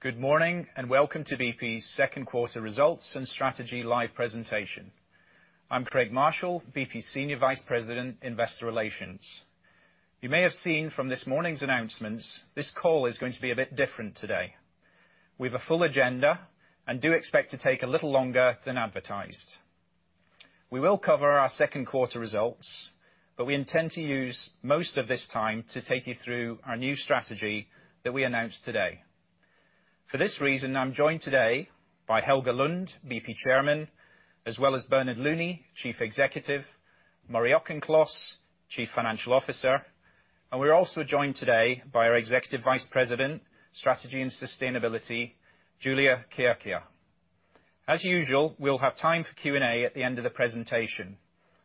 Good morning, and welcome to BP's second quarter results and strategy live presentation. I'm Craig Marshall, BP Senior Vice President, Investor Relations. You may have seen from this morning's announcements, this call is going to be a bit different today. We've a full agenda and do expect to take a little longer than advertised. We will cover our second quarter results, but we intend to use most of this time to take you through our new strategy that we announced today. For this reason, I'm joined today by Helge Lund, BP Chairman, as well as Bernard Looney, Chief Executive, Murray Auchincloss, Chief Financial Officer, and we're also joined today by our Executive Vice President, Strategy and Sustainability, Giulia Chierchia. As usual, we'll have time for Q&A at the end of the presentation,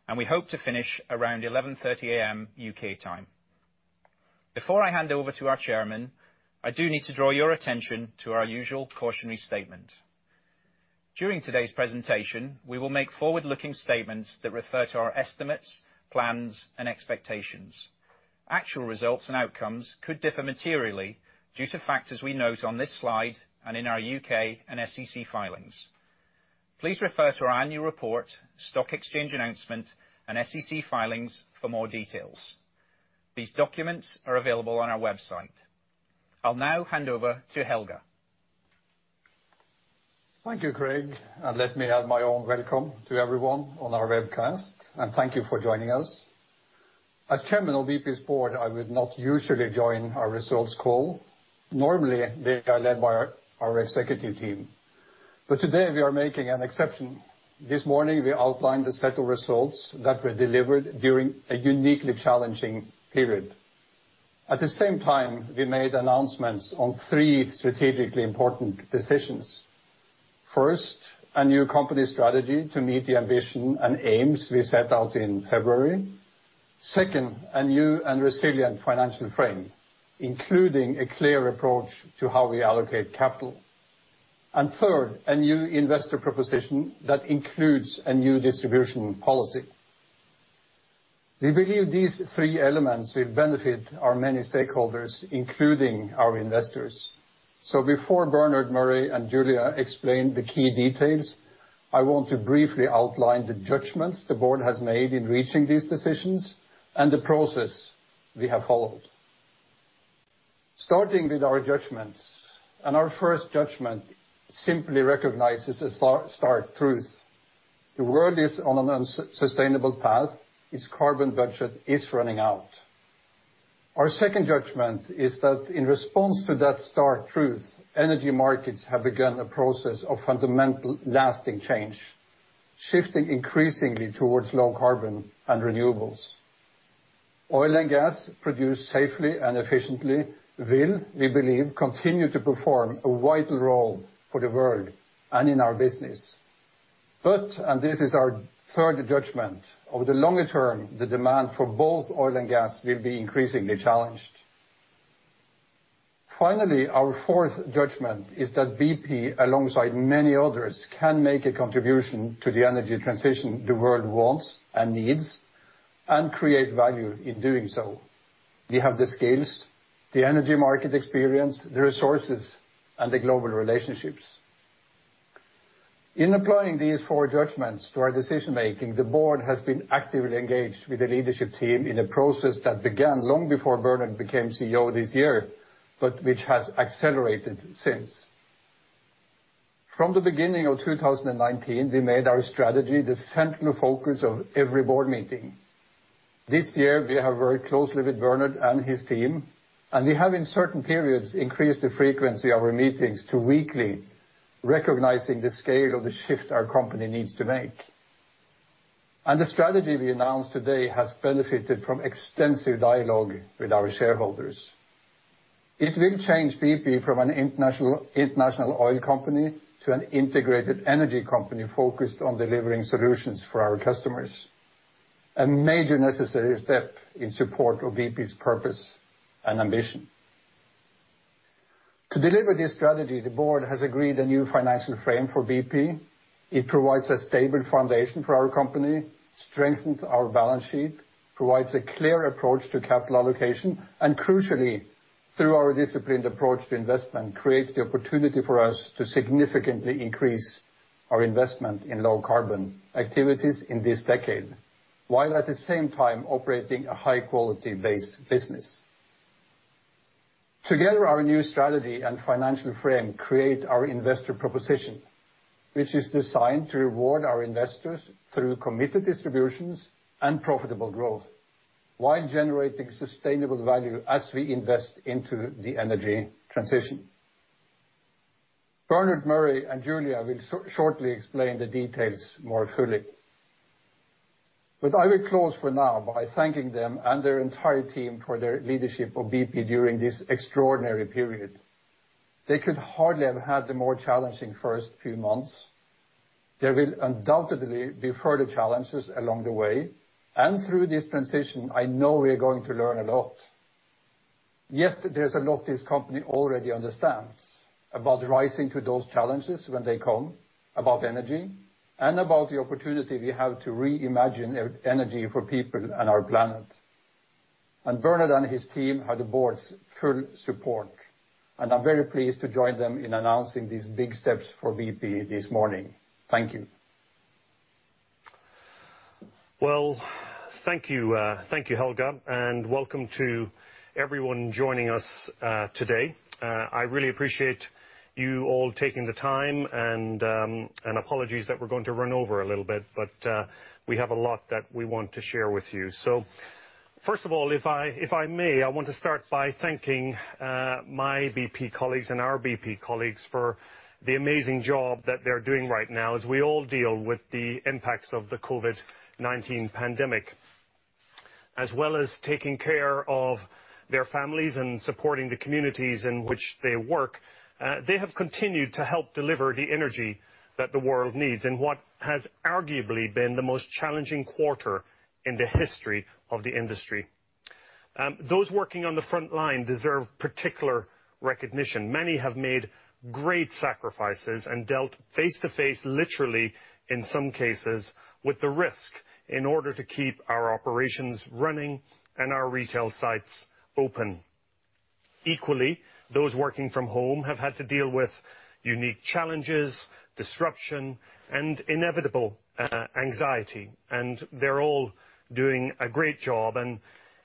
and we hope to finish around 11:30 A.M. U.K. time. Before I hand over to our chairman, I do need to draw your attention to our usual cautionary statement. During today's presentation, we will make forward-looking statements that refer to our estimates, plans and expectations. Actual results and outcomes could differ materially due to factors we note on this slide and in our U.K. and SEC filings. Please refer to our annual report, stock exchange announcement and SEC filings for more details. These documents are available on our website. I'll now hand over to Helge. Thank you, Craig, and let me add my own welcome to everyone on our webcast, and thank you for joining us. As Chairman of BP's board, I would not usually join our results call. Normally, they are led by our executive team. Today we are making an exception. This morning we outlined a set of results that were delivered during a uniquely challenging period. At the same time, we made announcements on three strategically important decisions. First, a new company strategy to meet the ambition and aims we set out in February. Second, a new and resilient financial frame, including a clear approach to how we allocate capital. Third, a new investor proposition that includes a new distribution policy. We believe these three elements will benefit our many stakeholders, including our investors. Before Bernard, Murray, and Giulia explain the key details, I want to briefly outline the judgments the board has made in reaching these decisions and the process we have followed. Starting with our judgments, our first judgment simply recognizes a stark truth. The world is on an unsustainable path, its carbon budget is running out. Our second judgment is that in response to that stark truth, energy markets have begun a process of fundamental, lasting change, shifting increasingly towards low carbon and renewables. Oil and gas produced safely and efficiently will, we believe, continue to perform a vital role for the world and in our business. This is our third judgment, over the longer term, the demand for both oil and gas will be increasingly challenged. Finally, our fourth judgment is that BP, alongside many others, can make a contribution to the energy transition the world wants and needs and create value in doing so. We have the skills, the energy market experience, the resources, and the global relationships. In applying these four judgments to our decision-making, the board has been actively engaged with the leadership team in a process that began long before Bernard became CEO this year, but which has accelerated since. From the beginning of 2019, we made our strategy the central focus of every board meeting. This year, we have worked closely with Bernard and his team, and we have in certain periods increased the frequency of our meetings to weekly, recognizing the scale of the shift our company needs to make. The strategy we announce today has benefited from extensive dialogue with our shareholders. It will change BP from an international oil company to an integrated energy company focused on delivering solutions for our customers, a major necessary step in support of BP's purpose and ambition. To deliver this strategy, the board has agreed a new financial frame for BP. It provides a stable foundation for our company, strengthens our balance sheet, provides a clear approach to capital allocation, crucially, through our disciplined approach to investment, creates the opportunity for us to significantly increase our investment in low carbon activities in this decade, while at the same time operating a high-quality base business. Together, our new strategy and financial frame create our investor proposition, which is designed to reward our investors through committed distributions and profitable growth while generating sustainable value as we invest into the energy transition. Bernard, Murray, and Giulia will shortly explain the details more fully. I will close for now by thanking them and their entire team for their leadership of BP during this extraordinary period. They could hardly have had the more challenging first few months. There will undoubtedly be further challenges along the way. Through this transition, I know we are going to learn a lot. Yet there's a lot this company already understands about rising to those challenges when they come, about energy, and about the opportunity we have to reimagine energy for people and our planet. Bernard and his team have the board's full support, and I'm very pleased to join them in announcing these big steps for BP this morning. Thank you. Well, thank you, Helge, and welcome to everyone joining us today. I really appreciate you all taking the time, and apologies that we're going to run over a little bit, but we have a lot that we want to share with you. First of all, if I may, I want to start by thanking my BP colleagues and our BP colleagues for the amazing job that they're doing right now as we all deal with the impacts of the COVID-19 pandemic. As well as taking care of their families and supporting the communities in which they work, they have continued to help deliver the energy that the world needs in what has arguably been the most challenging quarter in the history of the industry. Those working on the front line deserve particular recognition. Many have made great sacrifices and dealt face-to-face, literally in some cases, with the risk in order to keep our operations running and our retail sites open. Equally, those working from home have had to deal with unique challenges, disruption, and inevitable anxiety, and they're all doing a great job.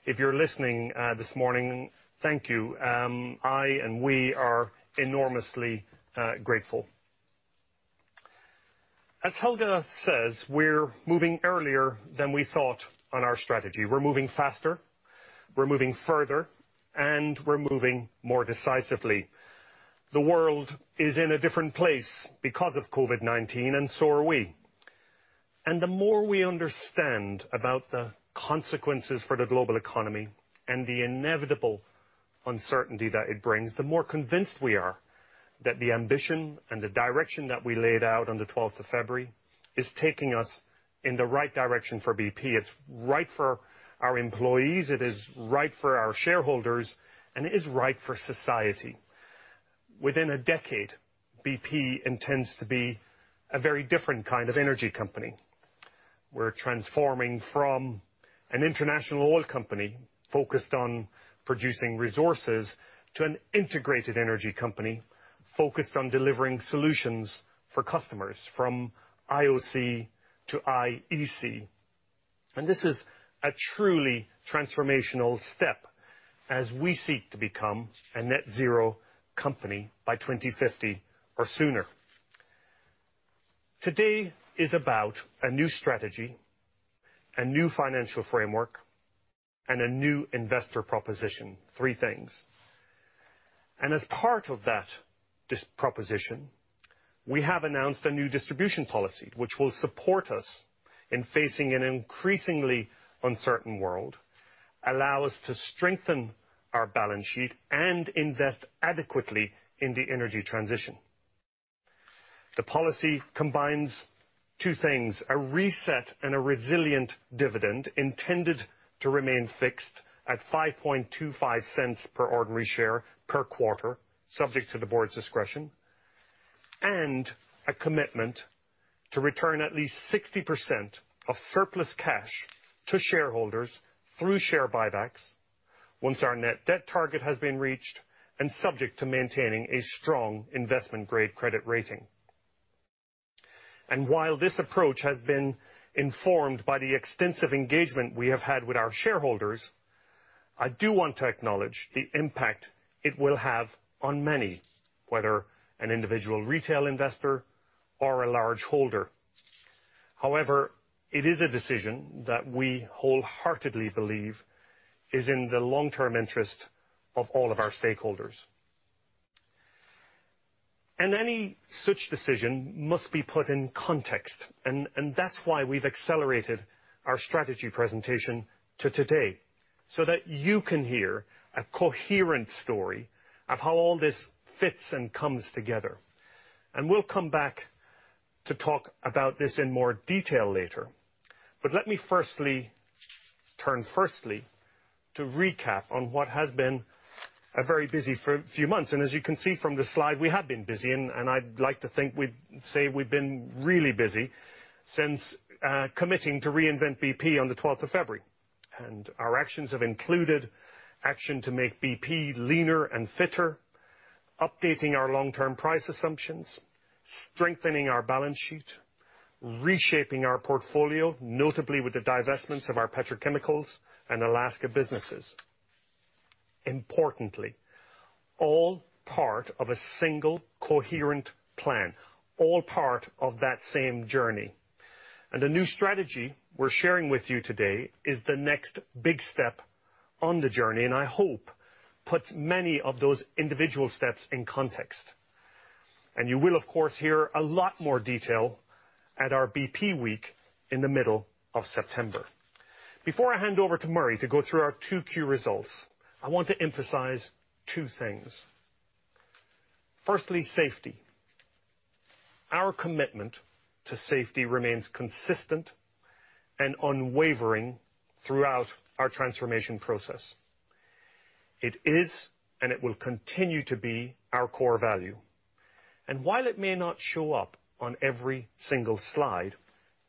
If you're listening this morning, thank you. I and we are enormously grateful. As Helge says, we're moving earlier than we thought on our strategy. We're moving faster, we're moving further, and we're moving more decisively. The world is in a different place because of COVID-19, and so are we. The more we understand about the consequences for the global economy and the inevitable uncertainty that it brings, the more convinced we are that the ambition and the direction that we laid out on the 12th of February is taking us in the right direction for BP. It's right for our employees, it is right for our shareholders, and it is right for society. Within a decade, BP intends to be a very different kind of energy company. We're transforming from an international oil company focused on producing resources to an integrated energy company focused on delivering solutions for customers, from IOC to IEC. This is a truly transformational step as we seek to become a net zero company by 2050 or sooner. Today is about a new strategy, a new financial framework, and a new investor proposition. Three things. As part of that proposition, we have announced a new distribution policy which will support us in facing an increasingly uncertain world, allow us to strengthen our balance sheet, and invest adequately in the energy transition. The policy combines two things, a reset and a resilient dividend intended to remain fixed at 0.0525 per ordinary share per quarter, subject to the board's discretion, and a commitment to return at least 60% of surplus cash to shareholders through share buybacks once our net debt target has been reached, and subject to maintaining a strong investment-grade credit rating. While this approach has been informed by the extensive engagement we have had with our shareholders, I do want to acknowledge the impact it will have on many, whether an individual retail investor or a large holder. However, it is a decision that we wholeheartedly believe is in the long-term interest of all of our stakeholders. Any such decision must be put in context, and that's why we've accelerated our strategy presentation to today, so that you can hear a coherent story of how all this fits and comes together. We'll come back to talk about this in more detail later. Let me turn firstly to recap on what has been a very busy few months. As you can see from the slide, we have been busy, and I'd like to think we'd say we've been really busy since committing to reinvent BP on the 12th of February. Our actions have included action to make BP leaner and fitter, updating our long-term price assumptions, strengthening our balance sheet, reshaping our portfolio, notably with the divestments of our petrochemicals and Alaska businesses. Importantly, all part of a single coherent plan, all part of that same journey. The new strategy we're sharing with you today is the next big step on the journey, and I hope puts many of those individual steps in context. You will, of course, hear a lot more detail at our BP week in the middle of September. Before I hand over to Murray to go through our 2Q results, I want to emphasize two things. Firstly, safety. Our commitment to safety remains consistent and unwavering throughout our transformation process. It is, and it will continue to be our core value. While it may not show up on every single slide,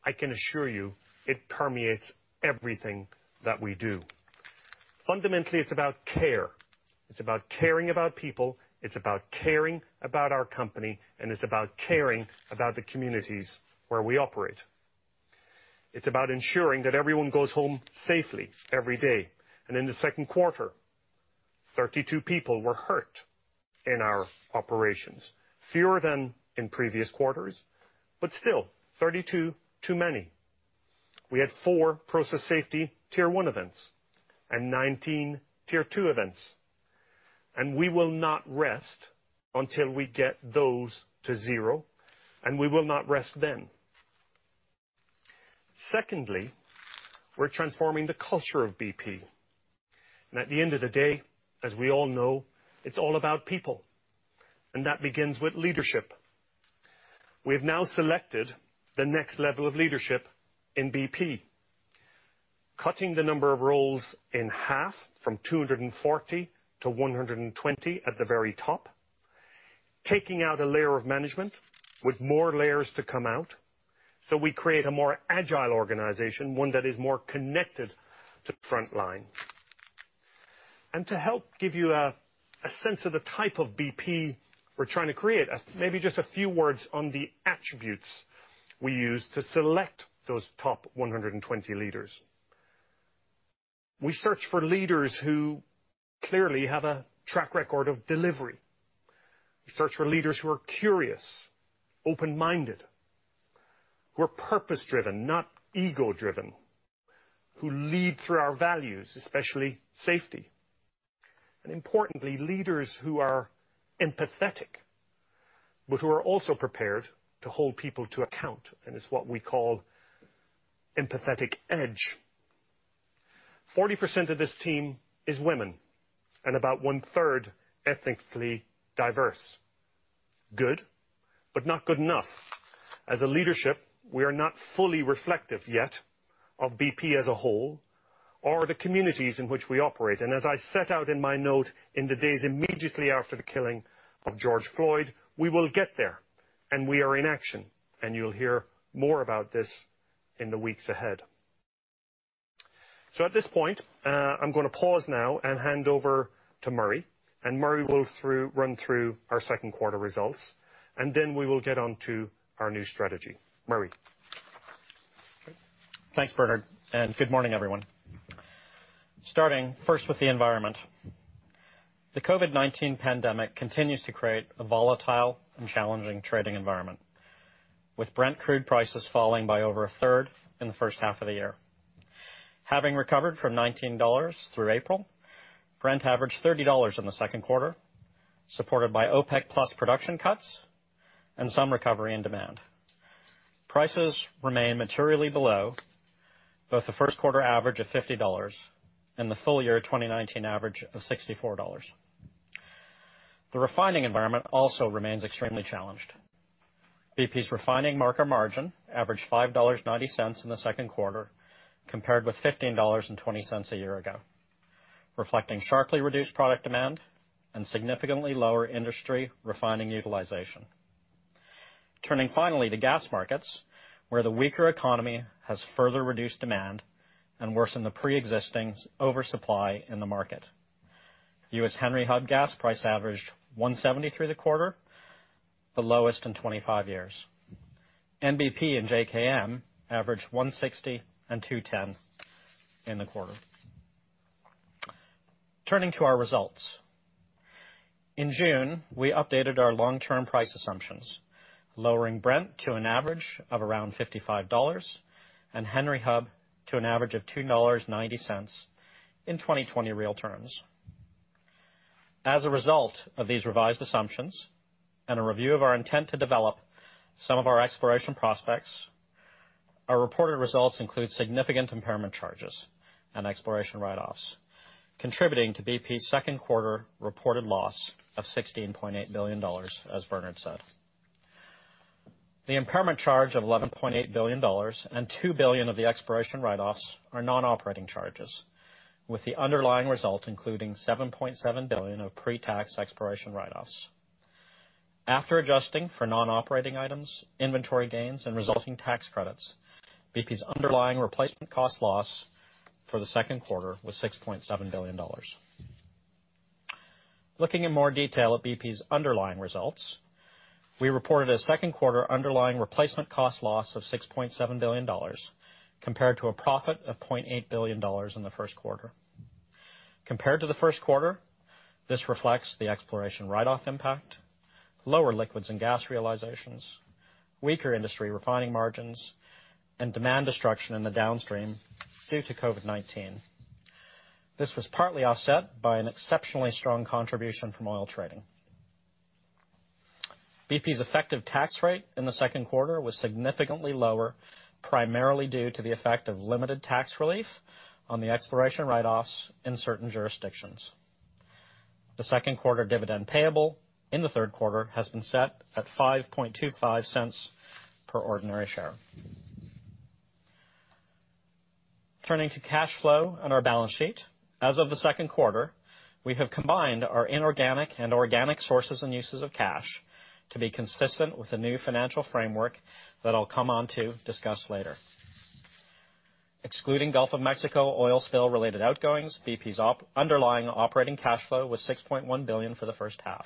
I can assure you it permeates everything that we do. Fundamentally, it's about care. It's about caring about people. It's about caring about our company. It's about caring about the communities where we operate. It's about ensuring that everyone goes home safely every day. In the second quarter, 32 people were hurt in our operations. Fewer than in previous quarters, but still 32 too many. We had four process safety Tier 1 events and 19 Tier 2 events. We will not rest until we get those to zero, and we will not rest then. Secondly, we're transforming the culture of BP. At the end of the day, as we all know, it's all about people, and that begins with leadership. We have now selected the next level of leadership in BP, cutting the number of roles in half from 240-120 at the very top, taking out a layer of management with more layers to come out, so we create a more Agile organization, one that is more connected to the front line. To help give you a sense of the type of BP we're trying to create, maybe just a few words on the attributes we use to select those top 120 leaders. We search for leaders who clearly have a track record of delivery. We search for leaders who are curious, open-minded, who are purpose-driven, not ego-driven, who lead through our values, especially safety, and importantly, leaders who are empathetic, but who are also prepared to hold people to account. It's what we call empathetic edge. 40% of this team is women, and about one-third ethnically diverse. Good, but not good enough. As a leadership, we are not fully reflective yet of BP as a whole or the communities in which we operate. As I set out in my note in the days immediately after the killing of George Floyd, we will get there, and we are in action, and you'll hear more about this in the weeks ahead. At this point, I'm going to pause now and hand over to Murray. Murray will run through our second quarter results, and then we will get onto our new strategy. Murray? Thanks, Bernard. Good morning, everyone. Starting first with the environment. The COVID-19 pandemic continues to create a volatile and challenging trading environment, with Brent crude prices falling by over a third in the first half of the year. Having recovered from GBP 19 through April, Brent averaged GBP 30 in the second quarter, supported by OPEC+ production cuts and some recovery in demand. Prices remain materially below both the first quarter average of GBP 50 and the full year 2019 average of GBP 64. The refining environment also remains extremely challenged. BP's refining marker margin averaged GBP 5.90 in the second quarter compared with GBP 15.20 a year ago, reflecting sharply reduced product demand and significantly lower industry refining utilization. Turning finally to gas markets, where the weaker economy has further reduced demand and worsened the preexisting oversupply in the market. U.S. Henry Hub gas price averaged $1.70 through the quarter, the lowest in 25 years. NBP and JKM averaged $1.60 and $2.10 in the quarter. Turning to our results. In June, we updated our long-term price assumptions, lowering Brent to an average of around $55 and Henry Hub to an average of $2.90 in 2020 real terms. As a result of these revised assumptions and a review of our intent to develop some of our exploration prospects, our reported results include significant impairment charges and exploration write-offs, contributing to BP's second quarter reported loss of GBP 16.8 billion, as Bernard said. The impairment charge of GBP 11.8 billion and 2 billion of the exploration write-offs are non-operating charges, with the underlying result including 7.7 billion of pre-tax exploration write-offs. After adjusting for non-operating items, inventory gains, and resulting tax credits, BP's underlying replacement cost loss for the second quarter was GBP 6.7 billion. Looking in more detail at BP's underlying results, we reported a second quarter underlying replacement cost loss of $6.7 billion, compared to a profit of $0.8 billion in the first quarter. Compared to the first quarter, this reflects the exploration write-off impact, lower liquids and gas realizations, weaker industry refining margins, and demand destruction in the downstream due to COVID-19. This was partly offset by an exceptionally strong contribution from oil trading. BP's effective tax rate in the second quarter was significantly lower, primarily due to the effect of limited tax relief on the exploration write-offs in certain jurisdictions. The second quarter dividend payable in the third quarter has been set at $0.0525 per ordinary share. Turning to cash flow and our balance sheet. As of the second quarter, we have combined our inorganic and organic sources and uses of cash to be consistent with the new financial framework that I'll come on to discuss later. Excluding Gulf of Mexico oil spill related outgoings, BP's underlying operating cash flow was $6.1 billion for the first half.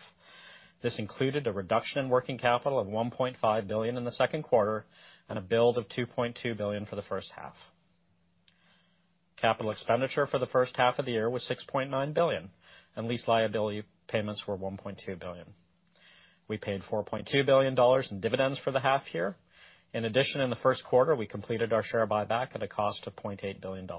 This included a reduction in working capital of $1.5 billion in the second quarter and a build of $2.2 billion for the first half. Capital expenditure for the first half of the year was $6.9 billion, and lease liability payments were $1.2 billion. We paid $4.2 billion in dividends for the half year. In addition, in the first quarter, we completed our share buyback at a cost of $0.8 billion.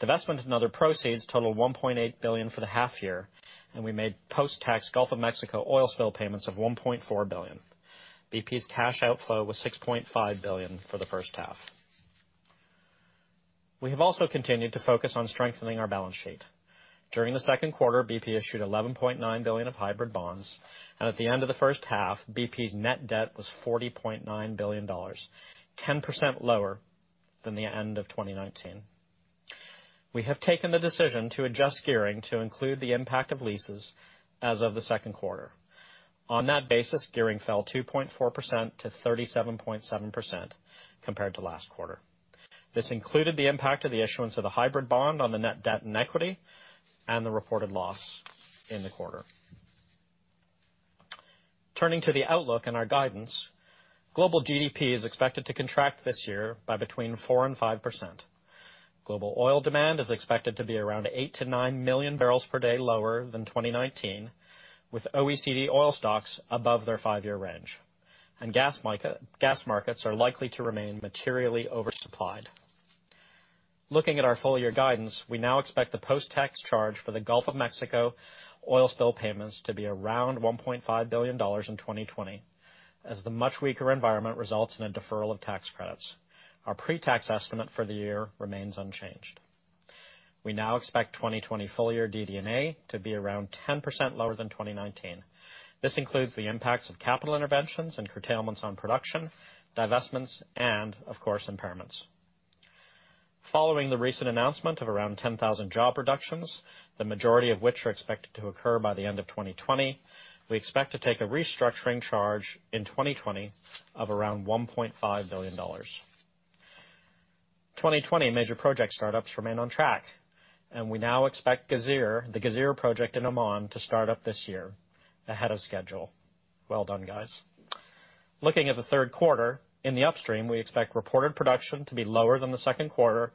Divestment and other proceeds totaled $1.8 billion for the half year, and we made post-tax Gulf of Mexico oil spill payments of $1.4 billion. BP's cash outflow was $6.5 billion for the first half. We have also continued to focus on strengthening our balance sheet. During the second quarter, BP issued $11.9 billion of hybrid bonds, and at the end of the first half, BP's net debt was $40.9 billion, 10% lower than the end of 2019. We have taken the decision to adjust gearing to include the impact of leases as of the second quarter. On that basis, gearing fell 2.4%-37.7% compared to last quarter. This included the impact of the issuance of the hybrid bond on the net debt and equity, and the reported loss in the quarter. Turning to the outlook and our guidance, global GDP is expected to contract this year by between 4% and 5%. Global oil demand is expected to be around 8 million-9 million bbl per day lower than 2019, with OECD oil stocks above their five-year range, and gas markets are likely to remain materially oversupplied. Looking at our full year guidance, we now expect the post-tax charge for the Gulf of Mexico oil spill payments to be around $1.5 billion in 2020, as the much weaker environment results in a deferral of tax credits. Our pre-tax estimate for the year remains unchanged. We now expect 2020 full-year DD&A to be around 10% lower than 2019. This includes the impacts of capital interventions and curtailments on production, divestments, and of course, impairments. Following the recent announcement of around 10,000 job reductions, the majority of which are expected to occur by the end of 2020, we expect to take a restructuring charge in 2020 of around $1.5 billion. 2020 major project startups remain on track, and we now expect the Ghazeer project in Oman to start up this year ahead of schedule. Well done, guys. Looking at the third quarter, in the upstream, we expect reported production to be lower than the second quarter,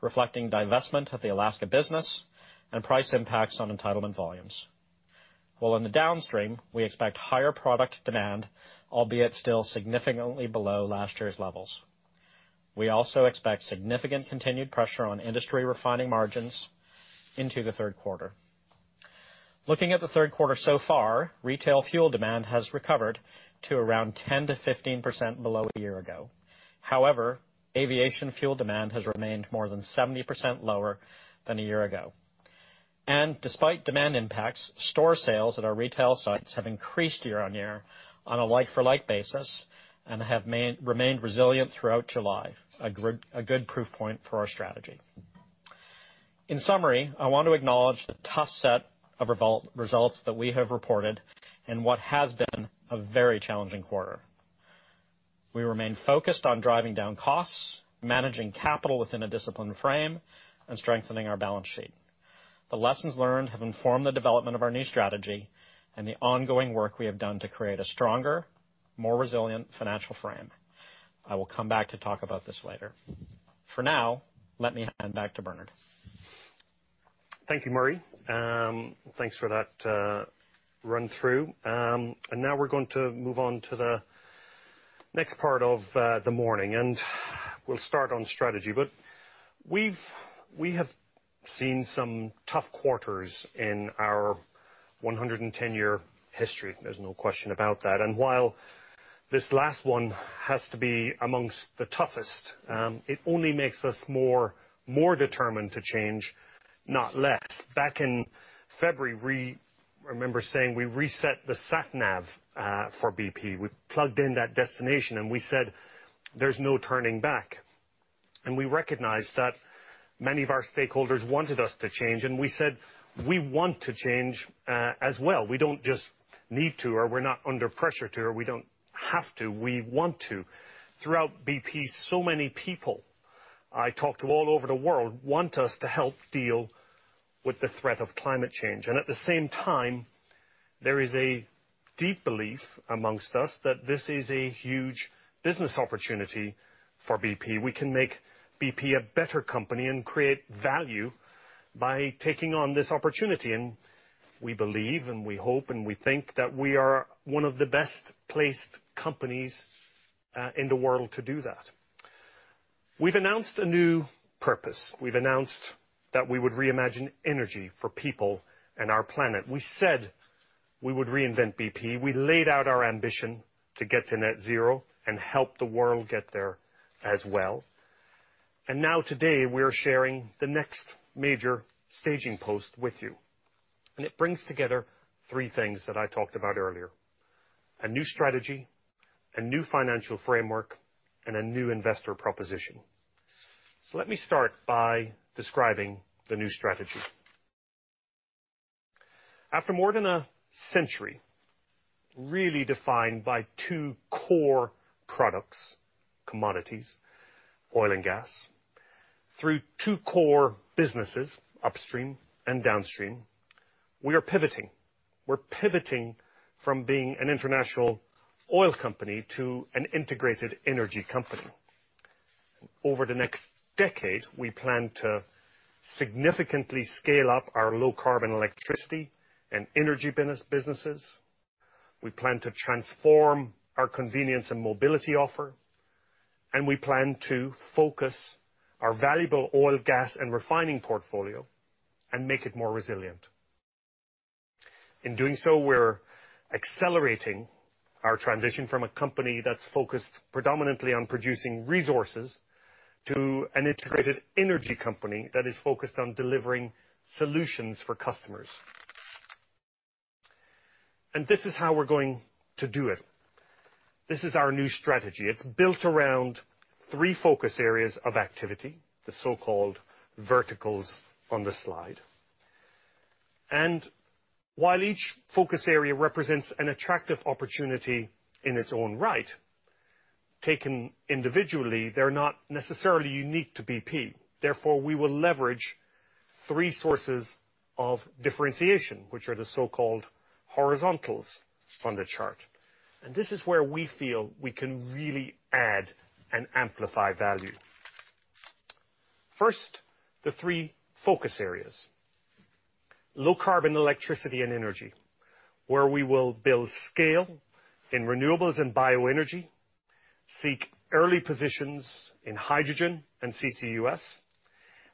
reflecting divestment of the Alaska business and price impacts on entitlement volumes. In the downstream, we expect higher product demand, albeit still significantly below last year's levels. We also expect significant continued pressure on industry refining margins into the third quarter. Looking at the third quarter so far, retail fuel demand has recovered to around 10%-15% below a year ago. Aviation fuel demand has remained more than 70% lower than a year ago. Despite demand impacts, store sales at our retail sites have increased year-on-year on a like-for-like basis and have remained resilient throughout July. A good proof point for our strategy. In summary, I want to acknowledge the tough set of results that we have reported and what has been a very challenging quarter. We remain focused on driving down costs, managing capital within a disciplined frame, and strengthening our balance sheet. The lessons learned have informed the development of our new strategy and the ongoing work we have done to create a stronger, more resilient financial frame. I will come back to talk about this later. For now, let me hand back to Bernard. Thank you, Murray. Thanks for that run-through. Now we are going to move on to the next part of the morning, and we will start on strategy. We have seen some tough quarters in our 110-year history. There is no question about that. While this last one has to be amongst the toughest, it only makes us more determined to change, not less. Back in February, I remember saying we reset the sat nav for BP. We plugged in that destination, and we said, "There is no turning back." We recognized that many of our stakeholders wanted us to change, and we said we want to change as well. We do not just need to, or we are not under pressure to, or we do not have to. We want to. Throughout BP, so many people I talk to all over the world want us to help deal with the threat of climate change. At the same time, there is a deep belief amongst us that this is a huge business opportunity for BP. We can make BP a better company and create value by taking on this opportunity. We believe and we hope, and we think that we are one of the best placed companies in the world to do that. We've announced a new purpose. We've announced that we would reimagine energy for people and our planet. We said we would reinvent BP. We laid out our ambition to get to Net Zero and help the world get there as well. Now today, we are sharing the next major staging post with you. It brings together three things that I talked about earlier. A new strategy, a new financial framework, and a new investor proposition. Let me start by describing the new strategy. After more than a century, really defined by two core products, commodities, oil and gas, through two core businesses, upstream and downstream, we are pivoting. We're pivoting from being an international oil company to an integrated energy company. Over the next decade, we plan to significantly scale up our low-carbon electricity and energy businesses. We plan to transform our convenience and mobility offer, and we plan to focus our valuable oil, gas, and refining portfolio and make it more resilient. In doing so, we're accelerating our transition from a company that's focused predominantly on producing resources to an integrated energy company that is focused on delivering solutions for customers. This is how we're going to do it. This is our new strategy. It is built around three focus areas of activity, the so-called verticals on the slide. While each focus area represents an attractive opportunity in its own right, taken individually, they are not necessarily unique to BP. Therefore, we will leverage three sources of differentiation, which are the so-called horizontals on the chart. This is where we feel we can really add and amplify value. First, the three focus areas. Low Carbon Electricity and Energy, where we will build scale in renewables and bioenergy, seek early positions in hydrogen and CCUS,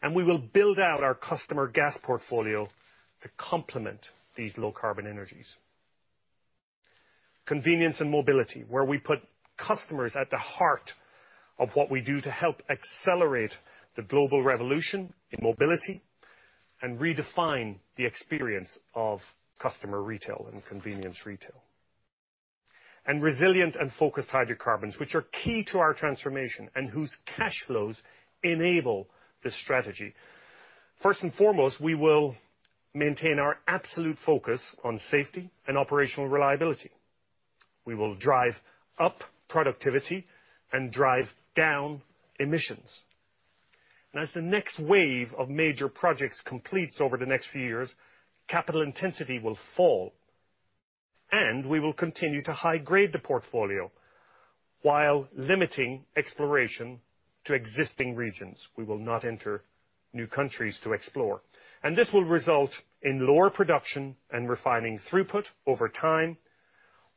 and we will build out our customer gas portfolio to complement these low carbon energies. Convenience and Mobility, where we put customers at the heart of what we do to help accelerate the global revolution in mobility and redefine the experience of customer retail and convenience retail. Resilient and focused hydrocarbons, which are key to our transformation and whose cash flows enable this strategy. First and foremost, we will maintain our absolute focus on safety and operational reliability. We will drive up productivity and drive down emissions. As the next wave of major projects completes over the next few years, capital intensity will fall, and we will continue to high grade the portfolio while limiting exploration to existing regions. We will not enter new countries to explore. This will result in lower production and refining throughput over time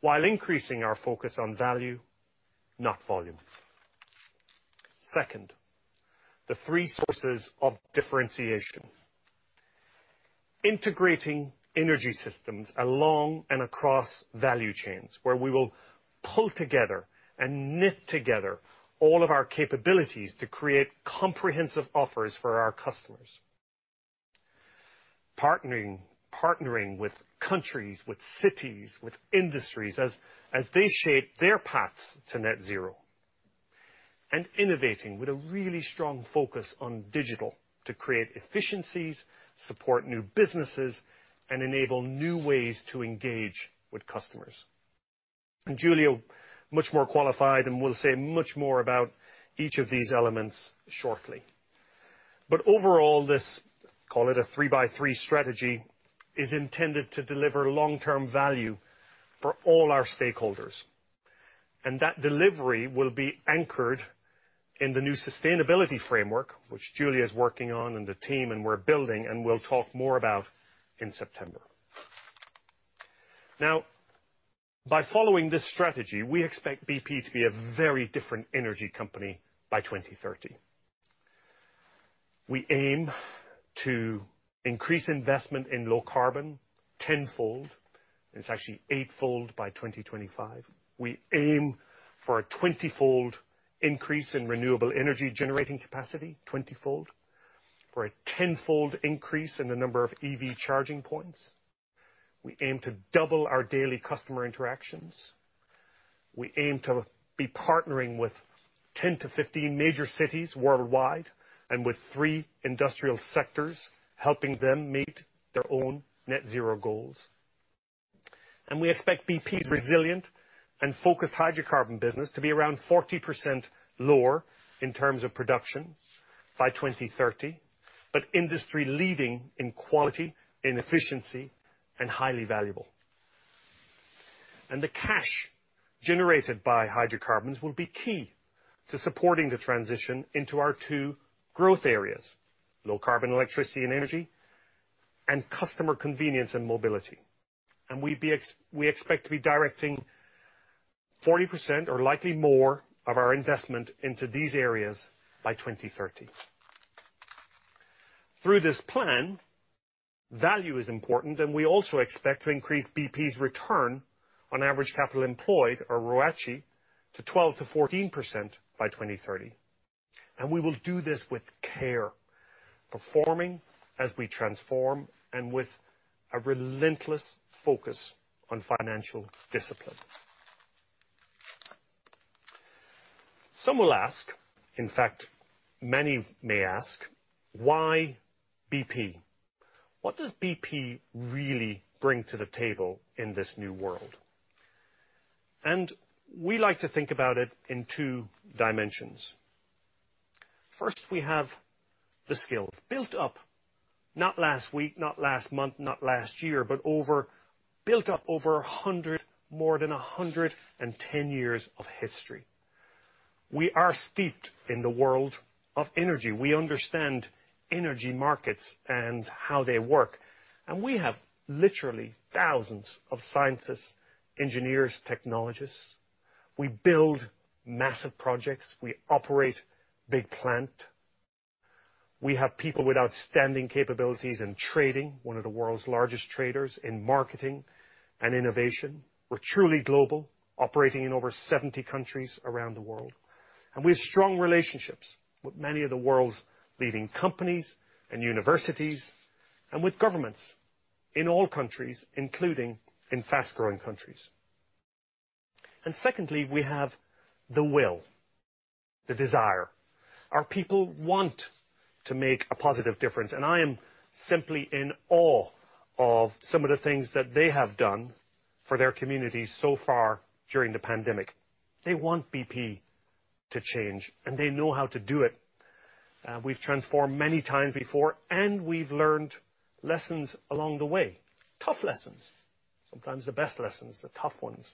while increasing our focus on value, not volume. Second, the three sources of differentiation. Integrating energy systems along and across value chains where we will pull together and knit together all of our capabilities to create comprehensive offers for our customers. Partnering with countries, with cities, with industries as they shape their paths to net zero. Innovating with a really strong focus on digital to create efficiencies, support new businesses, and enable new ways to engage with customers. Giulia, much more qualified and will say much more about each of these elements shortly. Overall, this, call it a three by three strategy, is intended to deliver long-term value for all our stakeholders. That delivery will be anchored in the new sustainability framework, which Giulia is working on and the team, and we're building and will talk more about in September. By following this strategy, we expect BP to be a very different energy company by 2030. We aim to increase investment in low carbon tenfold. It's actually eightfold by 2025. We aim for a twentyfold increase in renewable energy generating capacity, twentyfold. For a tenfold increase in the number of EV charging points. We aim to double our daily customer interactions. We aim to be partnering with 10-15 major cities worldwide and with three industrial sectors, helping them meet their own net zero goals. We expect BP's resilient and focused hydrocarbon business to be around 40% lower in terms of production by 2030, but industry leading in quality, in efficiency, and highly valuable. The cash generated by hydrocarbons will be key to supporting the transition into our two growth areas, low carbon electricity and energy, and customer convenience and mobility. We expect to be directing 40% or likely more of our investment into these areas by 2030. Through this plan, value is important, and we also expect to increase BP's return on average capital employed or ROACE to 12%-14% by 2030. We will do this with care, performing as we transform, and with a relentless focus on financial discipline. Some will ask, in fact, many may ask, why BP? What does BP really bring to the table in this new world? We like to think about it in two dimensions. First, we have the skills built up, not last week, not last month, not last year, but built up over more than 110 years of history. We are steeped in the world of energy. We understand energy markets and how they work, and we have literally thousands of scientists, engineers, technologists. We build massive projects. We operate big plant. We have people with outstanding capabilities in trading, one of the world's largest traders in marketing and innovation. We're truly global, operating in over 70 countries around the world, and we have strong relationships with many of the world's leading companies and universities, and with governments in all countries, including in fast-growing countries. Secondly, we have the will, the desire. Our people want to make a positive difference, and I am simply in awe of some of the things that they have done for their communities so far during the pandemic. They want BP to change, and they know how to do it. We've transformed many times before, and we've learned lessons along the way. Tough lessons. Sometimes the best lessons are the tough ones.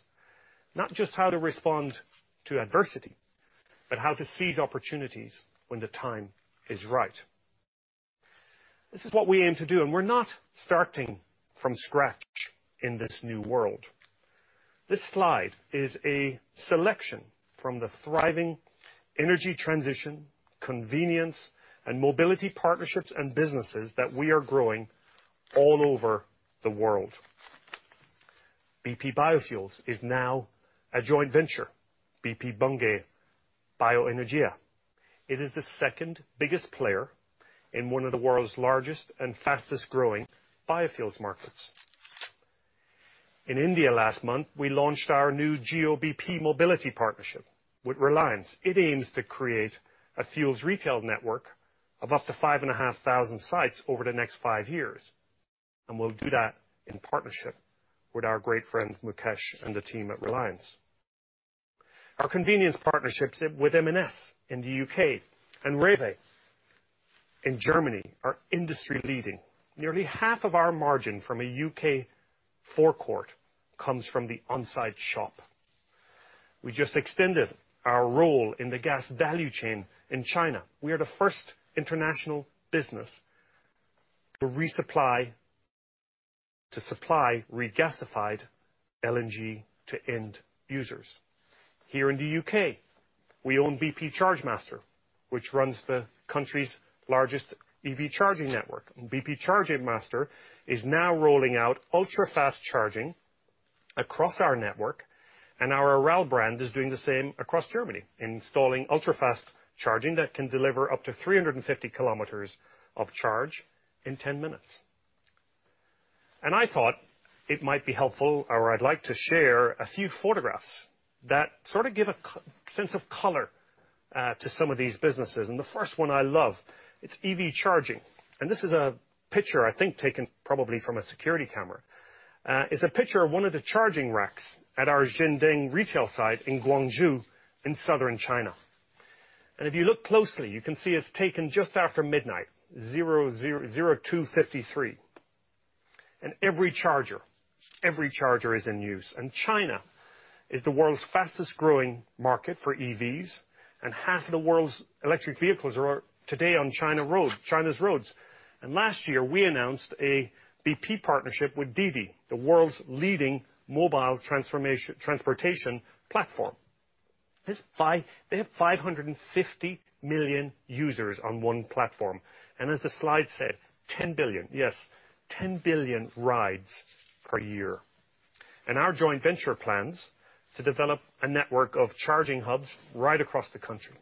Not just how to respond to adversity, but how to seize opportunities when the time is right. This is what we aim to do, and we're not starting from scratch in this new world. This slide is a selection from the thriving energy transition, convenience, and mobility partnerships and businesses that we are growing all over the world. BP Biofuels is now a joint venture, BP Bunge Bioenergia. It is the second-biggest player in one of the world's largest and fastest-growing biofuels markets. In India last month, we launched our new Jio-bp mobility partnership with Reliance. It aims to create a fuels retail network of up to 5,500 sites over the next five years, and we'll do that in partnership with our great friend Mukesh and the team at Reliance. Our convenience partnerships with M&S in the U.K. and REWE in Germany are industry leading. Nearly half of our margin from a U.K. forecourt comes from the onsite shop. We just extended our role in the gas value chain in China. We are the first international business to supply regasified LNG to end users. Here in the U.K., we own BP Chargemaster, which runs the country's largest EV charging network. BP Chargemaster is now rolling out ultra-fast charging across our network, and our Aral brand is doing the same across Germany, installing ultra-fast charging that can deliver up to 350 km of charge in 10 minutes. I thought it might be helpful, or I'd like to share a few photographs that sort of give a sense of color to some of these businesses. The first one I love, it's EV charging. This is a picture, I think, taken probably from a security camera. It's a picture of one of the charging racks at our Xinding retail site in Guangzhou in southern China. If you look closely, you can see it's taken just after midnight, 02:53. Every charger is in use. China is the world's fastest-growing market for EVs, and half of the world's electric vehicles are today on China's roads. Last year, we announced a BP partnership with Didi, the world's leading mobile transportation platform. They have 550 million users on one platform. As the slide said, 10 billion. Yes, 10 billion rides per year. Our joint venture plans to develop a network of charging hubs right across the country.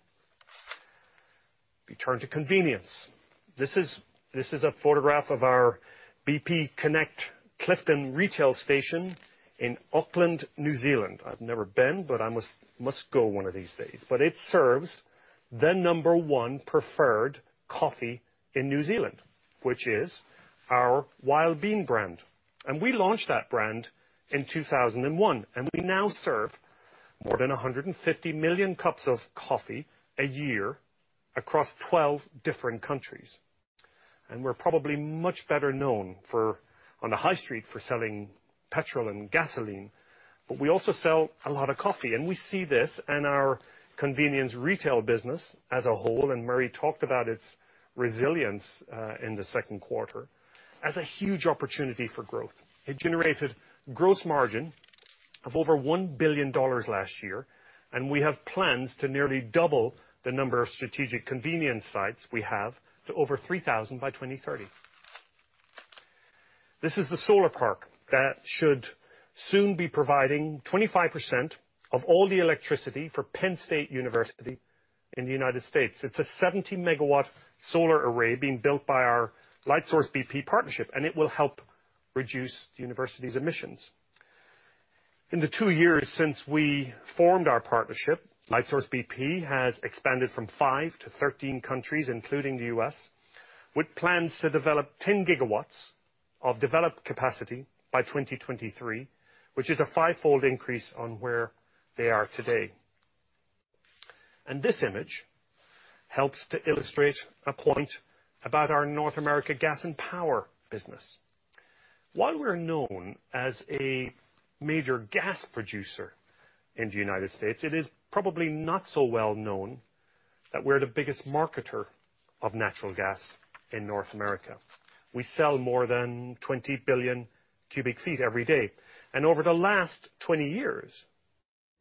If you turn to convenience, this is a photograph of our BP Connect Clifton retail station in Auckland, New Zealand. I've never been, but I must go one of these days. It serves the number one preferred coffee in New Zealand, which is our Wild Bean brand. We launched that brand in 2001, and we now serve more than 150 million cups of coffee a year across 12 different countries. We're probably much better known on the high street for selling petrol and gasoline, but we also sell a lot of coffee. We see this in our convenience retail business as a whole, Murray talked about its resilience in the second quarter as a huge opportunity for growth. It generated gross margin of over $1 billion last year, and we have plans to nearly double the number of strategic convenience sites we have to over 3,000 by 2030.This is the solar park that should soon be providing 25% of all the electricity for Penn State University in the U.S. It's a 70 MW solar array being built by our Lightsource BP partnership, and it will help reduce the university's emissions. In the two years since we formed our partnership, Lightsource BP has expanded from five to 13 countries, including the U.S., with plans to develop 10 GW of developed capacity by 2023, which is a five-fold increase on where they are today. This image helps to illustrate a point about our North America gas and power business. While we're known as a major gas producer in the United States, it is probably not so well known that we're the biggest marketer of natural gas in North America. We sell more than 20 billion cu ft every day. Over the last 20 years,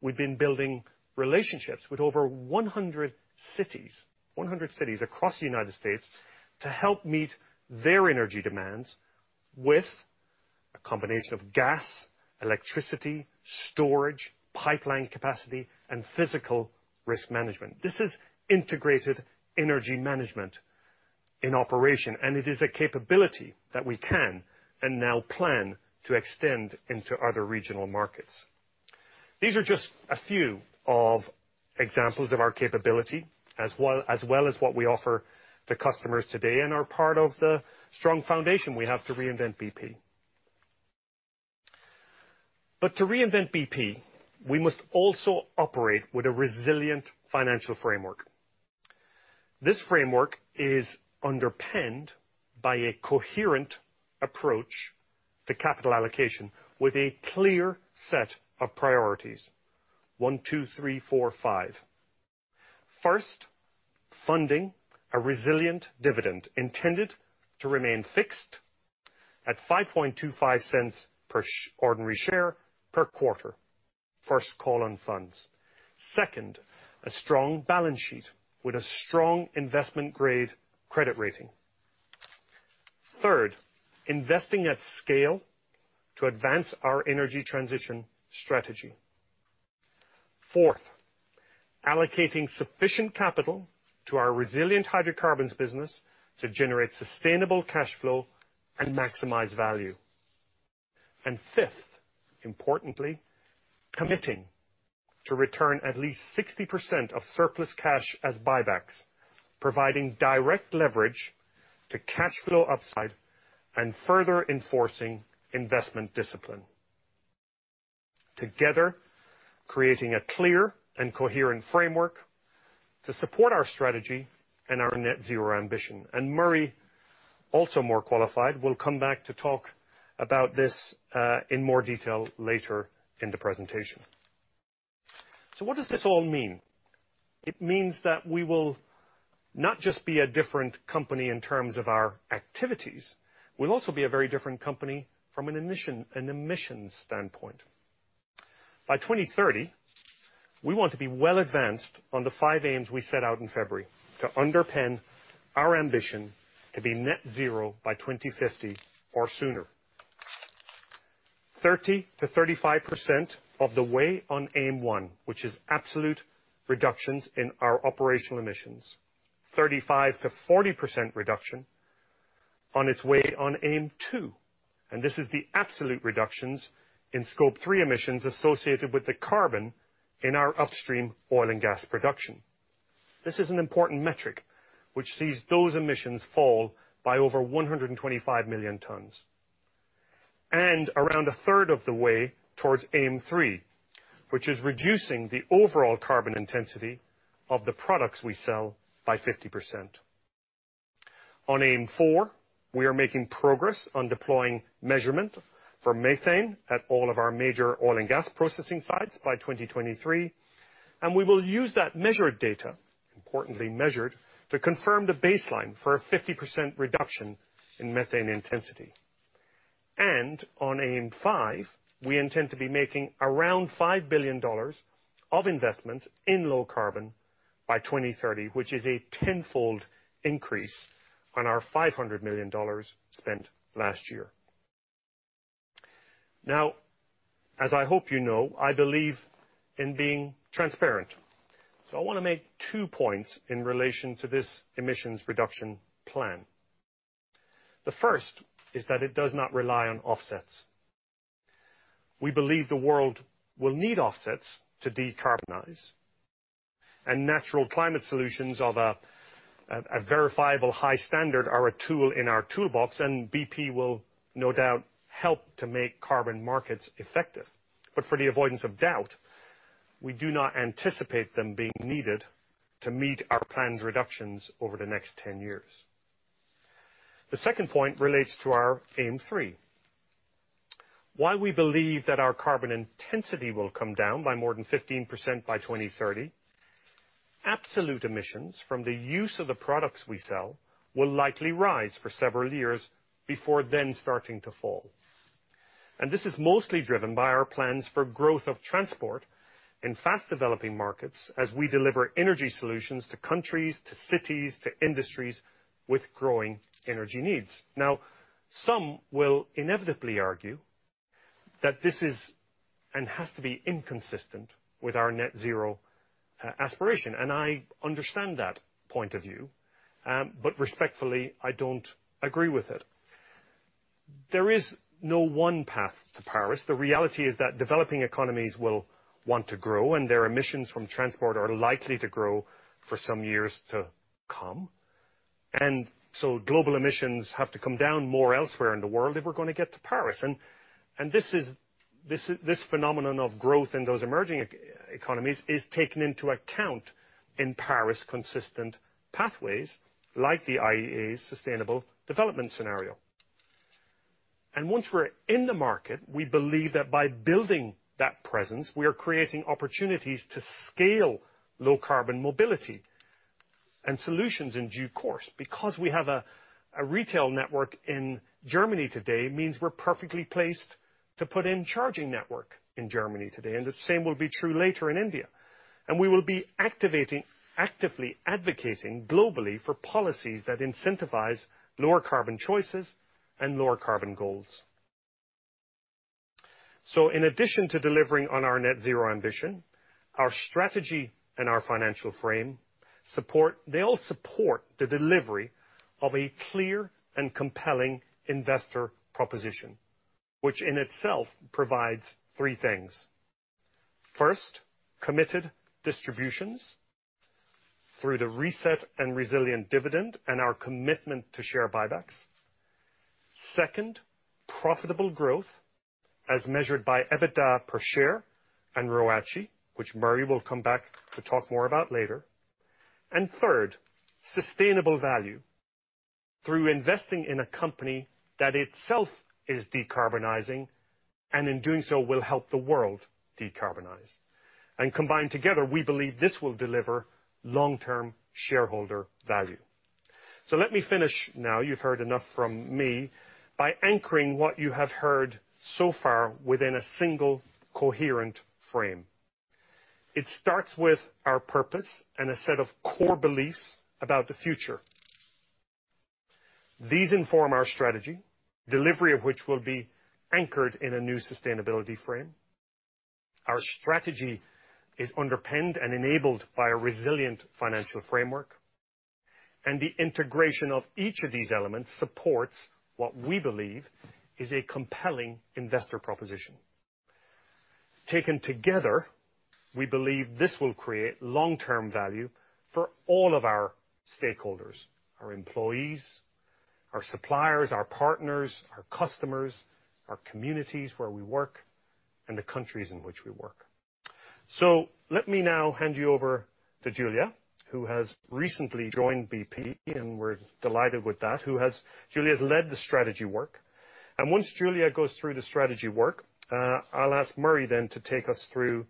we've been building relationships with over 100 cities across the United States to help meet their energy demands with a combination of gas, electricity, storage, pipeline capacity, and physical risk management. This is integrated energy management in operation, and it is a capability that we can and now plan to extend into other regional markets. These are just a few of examples of our capability, as well as what we offer to customers today and are part of the strong foundation we have to reinvent BP. To reinvent BP, we must also operate with a resilient financial framework. This framework is underpinned by a coherent approach to capital allocation with a clear set of priorities, one, two, three, four, five. First, funding a resilient dividend intended to remain fixed at $0.0525 per ordinary share per quarter. First call on funds. Second, a strong balance sheet with a strong investment-grade credit rating. Third, investing at scale to advance our energy transition strategy. Fourth, allocating sufficient capital to our resilient hydrocarbons business to generate sustainable cash flow and maximize value. Fifth, importantly, committing to return at least 60% of surplus cash as buybacks, providing direct leverage to cash flow upside and further enforcing investment discipline, together creating a clear and coherent framework to support our strategy and our net zero ambition. Murray, also more qualified, will come back to talk about this in more detail later in the presentation. What does this all mean? It means that we will not just be a different company in terms of our activities. We'll also be a very different company from an emissions standpoint. By 2030, we want to be well advanced on the five aims we set out in February to underpin our ambition to be net zero by 2050 or sooner. 30%-35% of the way on aim one, which is absolute reductions in our operational emissions. 35%-40% reduction on its way on aim two. This is the absolute reductions in Scope 3 emissions associated with the carbon in our upstream oil and gas production. This is an important metric which sees those emissions fall by over 125 million tons. Around a third of the way towards Aim 3, which is reducing the overall carbon intensity of the products we sell by 50%. On Aim 4, we are making progress on deploying measurement for methane at all of our major oil and gas processing sites by 2023, and we will use that measured data, importantly measured, to confirm the baseline for a 50% reduction in methane intensity. On Aim 5, we intend to be making around $5 billion of investments in low carbon by 2030, which is a tenfold increase on our $500 million spent last year. Now, as I hope you know, I believe in being transparent. I want to make two points in relation to this emissions reduction plan. The first is that it does not rely on offsets. We believe the world will need offsets to decarbonize. Natural climate solutions of a verifiable high standard are a tool in our toolbox, and BP will no doubt help to make carbon markets effective. For the avoidance of doubt, we do not anticipate them being needed to meet our planned reductions over the next 10 years. The second point relates to our Aim 3. While we believe that our carbon intensity will come down by more than 15% by 2030, absolute emissions from the use of the products we sell will likely rise for several years before then starting to fall. This is mostly driven by our plans for growth of transport in fast developing markets as we deliver energy solutions to countries, to cities, to industries with growing energy needs. Some will inevitably argue that this is and has to be inconsistent with our net zero aspiration. I understand that point of view, but respectfully, I don't agree with it. There is no one path to Paris. The reality is that developing economies will want to grow, and their emissions from transport are likely to grow for some years to come. Global emissions have to come down more elsewhere in the world if we're going to get to Paris. This phenomenon of growth in those emerging economies is taken into account in Paris-consistent pathways like the IEA Sustainable Development Scenario. Once we're in the market, we believe that by building that presence, we are creating opportunities to scale low-carbon mobility and solutions in due course. Because we have a retail network in Germany today means we're perfectly placed to put in charging network in Germany today, and the same will be true later in India. We will be actively advocating globally for policies that incentivize lower carbon choices and lower carbon goals. In addition to delivering on our net zero ambition, our strategy and our financial frame, they all support the delivery of a clear and compelling investor proposition, which in itself provides three things. First, committed distributions through the reset and resilient dividend and our commitment to share buybacks. Second, profitable growth as measured by EBITDA per share and ROACE, which Murray will come back to talk more about later. Third, sustainable value through investing in a company that itself is decarbonizing, and in doing so, will help the world decarbonize. Combined together, we believe this will deliver long-term shareholder value. Let me finish now, you've heard enough from me, by anchoring what you have heard so far within a single coherent frame. It starts with our purpose and a set of core beliefs about the future. These inform our strategy, delivery of which will be anchored in a new sustainability frame. Our strategy is underpinned and enabled by a resilient financial framework. The integration of each of these elements supports what we believe is a compelling investor proposition. Taken together, we believe this will create long-term value for all of our stakeholders, our employees, our suppliers, our partners, our customers, our communities where we work, and the countries in which we work. Let me now hand you over to Giulia, who has recently joined BP, and we're delighted with that, who has led the strategy work. Once Giulia goes through the strategy work, I'll ask Murray then to take us through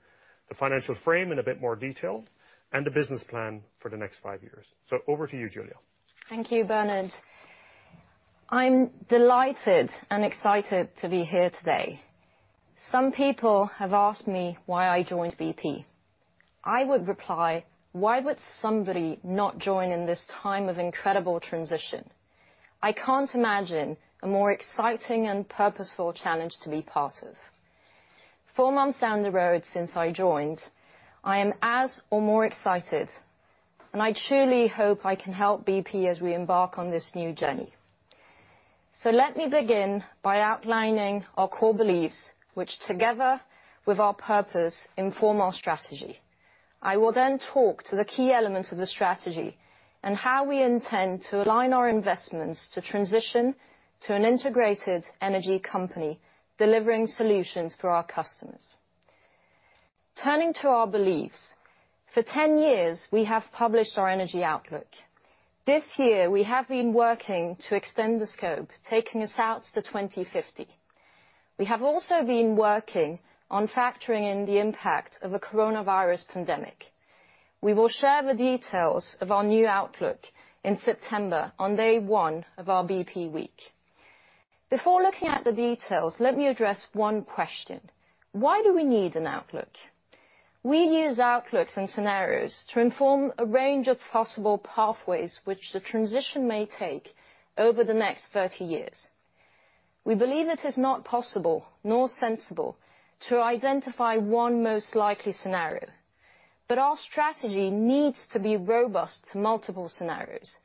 the financial frame in a bit more detail and the business plan for the next five years. Over to you, Giulia. Thank you, Bernard. I'm delighted and excited to be here today. Some people have asked me why I joined BP. I would reply, "Why would somebody not join in this time of incredible transition?" I can't imagine a more exciting and purposeful challenge to be part of. Four months down the road since I joined, I am as or more excited, and I truly hope I can help BP as we embark on this new journey. Let me begin by outlining our core beliefs, which together with our purpose, inform our strategy. I will talk to the key elements of the strategy and how we intend to align our investments to transition to an integrated energy company, delivering solutions for our customers. Turning to our beliefs, for 10 years, we have published our energy outlook. This year, we have been working to extend the scope, taking us out to 2050. We have also been working on factoring in the impact of a coronavirus pandemic. We will share the details of our new outlook in September on day one of our BP week. Before looking at the details, let me address one question. Why do we need an outlook? We use outlooks and scenarios to inform a range of possible pathways which the transition may take over the next 30 years. We believe it is not possible nor sensible to identify one most likely scenario. Our strategy needs to be robust to multiple scenarios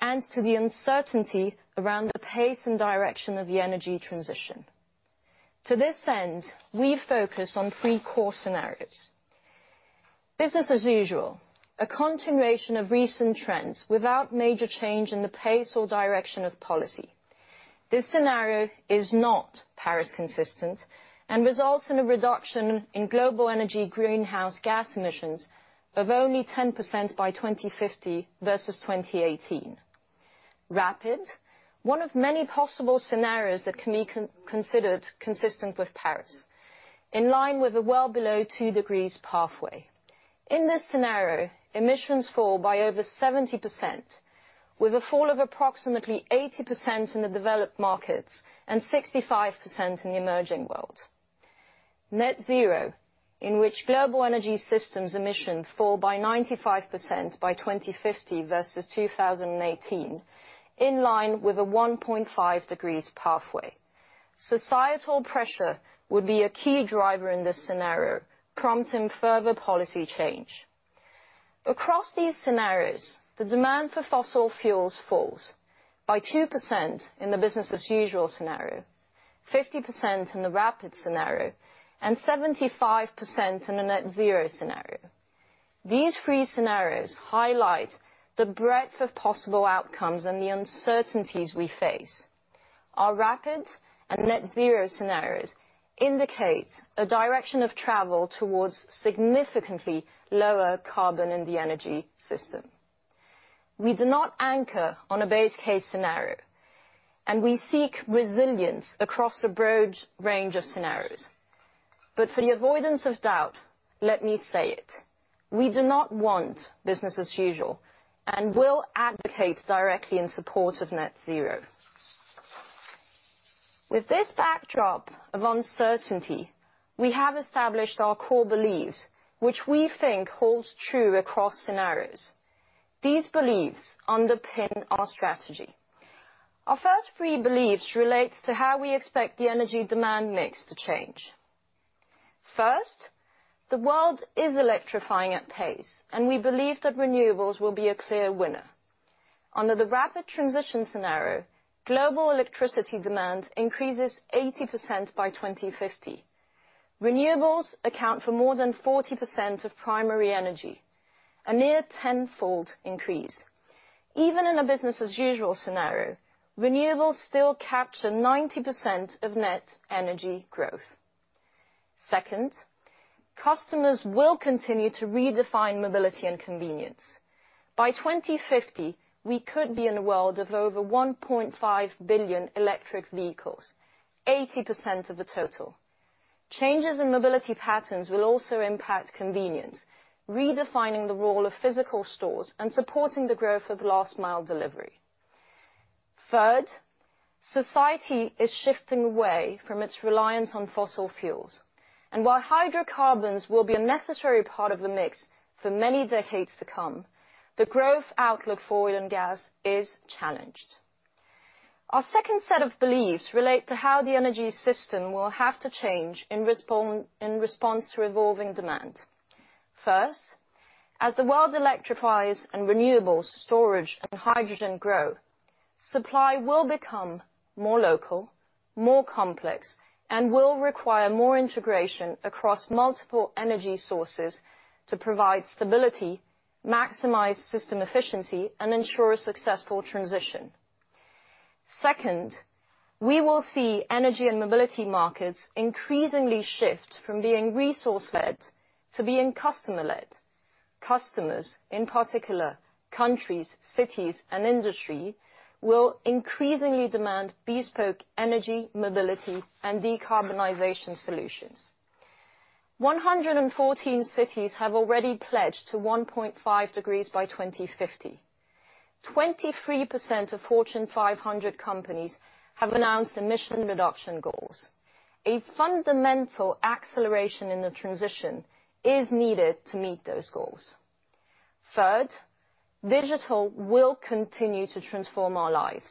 and to the uncertainty around the pace and direction of the energy transition. To this end, we focus on three core scenarios. Business as usual, a continuation of recent trends without major change in the pace or direction of policy. This scenario is not Paris-consistent and results in a reduction in global energy greenhouse gas emissions of only 10% by 2050 versus 2018. Rapid, one of many possible scenarios that can be considered consistent with Paris, in line with a well below two degrees pathway. In this scenario, emissions fall by over 70%, with a fall of approximately 80% in the developed markets and 65% in the emerging world. Net zero, in which global energy systems emission fall by 95% by 2050 versus 2018, in line with a 1.5 degrees pathway. Societal pressure would be a key driver in this scenario, prompting further policy change. Across these scenarios, the demand for fossil fuels falls by 2% in the business as usual scenario, 50% in the rapid scenario, and 75% in the net zero scenario. These three scenarios highlight the breadth of possible outcomes and the uncertainties we face. Our Rapid and Net Zero scenarios indicate a direction of travel towards significantly lower carbon in the energy system. We do not anchor on a base case scenario, and we seek resilience across a broad range of scenarios. For the avoidance of doubt, let me say it. We do not want business as usual and will advocate directly in support of Net Zero. With this backdrop of uncertainty, we have established our core beliefs, which we think holds true across scenarios. These beliefs underpin our strategy. Our first three beliefs relate to how we expect the energy demand mix to change. First, the world is electrifying at pace, and we believe that renewables will be a clear winner. Under the Rapid Transition scenario, global electricity demand increases 80% by 2050. Renewables account for more than 40% of primary energy, a near 10-fold increase. Even in a business as usual scenario, renewables still capture 90% of net energy growth. Second, customers will continue to redefine mobility and convenience. By 2050, we could be in a world of over 1.5 billion electric vehicles, 80% of the total. Changes in mobility patterns will also impact convenience, redefining the role of physical stores and supporting the growth of last mile delivery. Third, society is shifting away from its reliance on fossil fuels, and while hydrocarbons will be a necessary part of the mix for many decades to come, the growth outlook for oil and gas is challenged. Our second set of beliefs relate to how the energy system will have to change in response to evolving demand. First, as the world electrifies and renewables storage and hydrogen grow, supply will become more local, more complex, and will require more integration across multiple energy sources to provide stability, maximize system efficiency, and ensure a successful transition. Second, we will see energy and mobility markets increasingly shift from being resource-led to being customer-led. Customers, in particular countries, cities, and industry, will increasingly demand bespoke energy mobility and decarbonization solutions. 114 cities have already pledged to 1.5 degrees by 2050. 23% of Fortune 500 companies have announced emission reduction goals. A fundamental acceleration in the transition is needed to meet those goals. Third, digital will continue to transform our lives,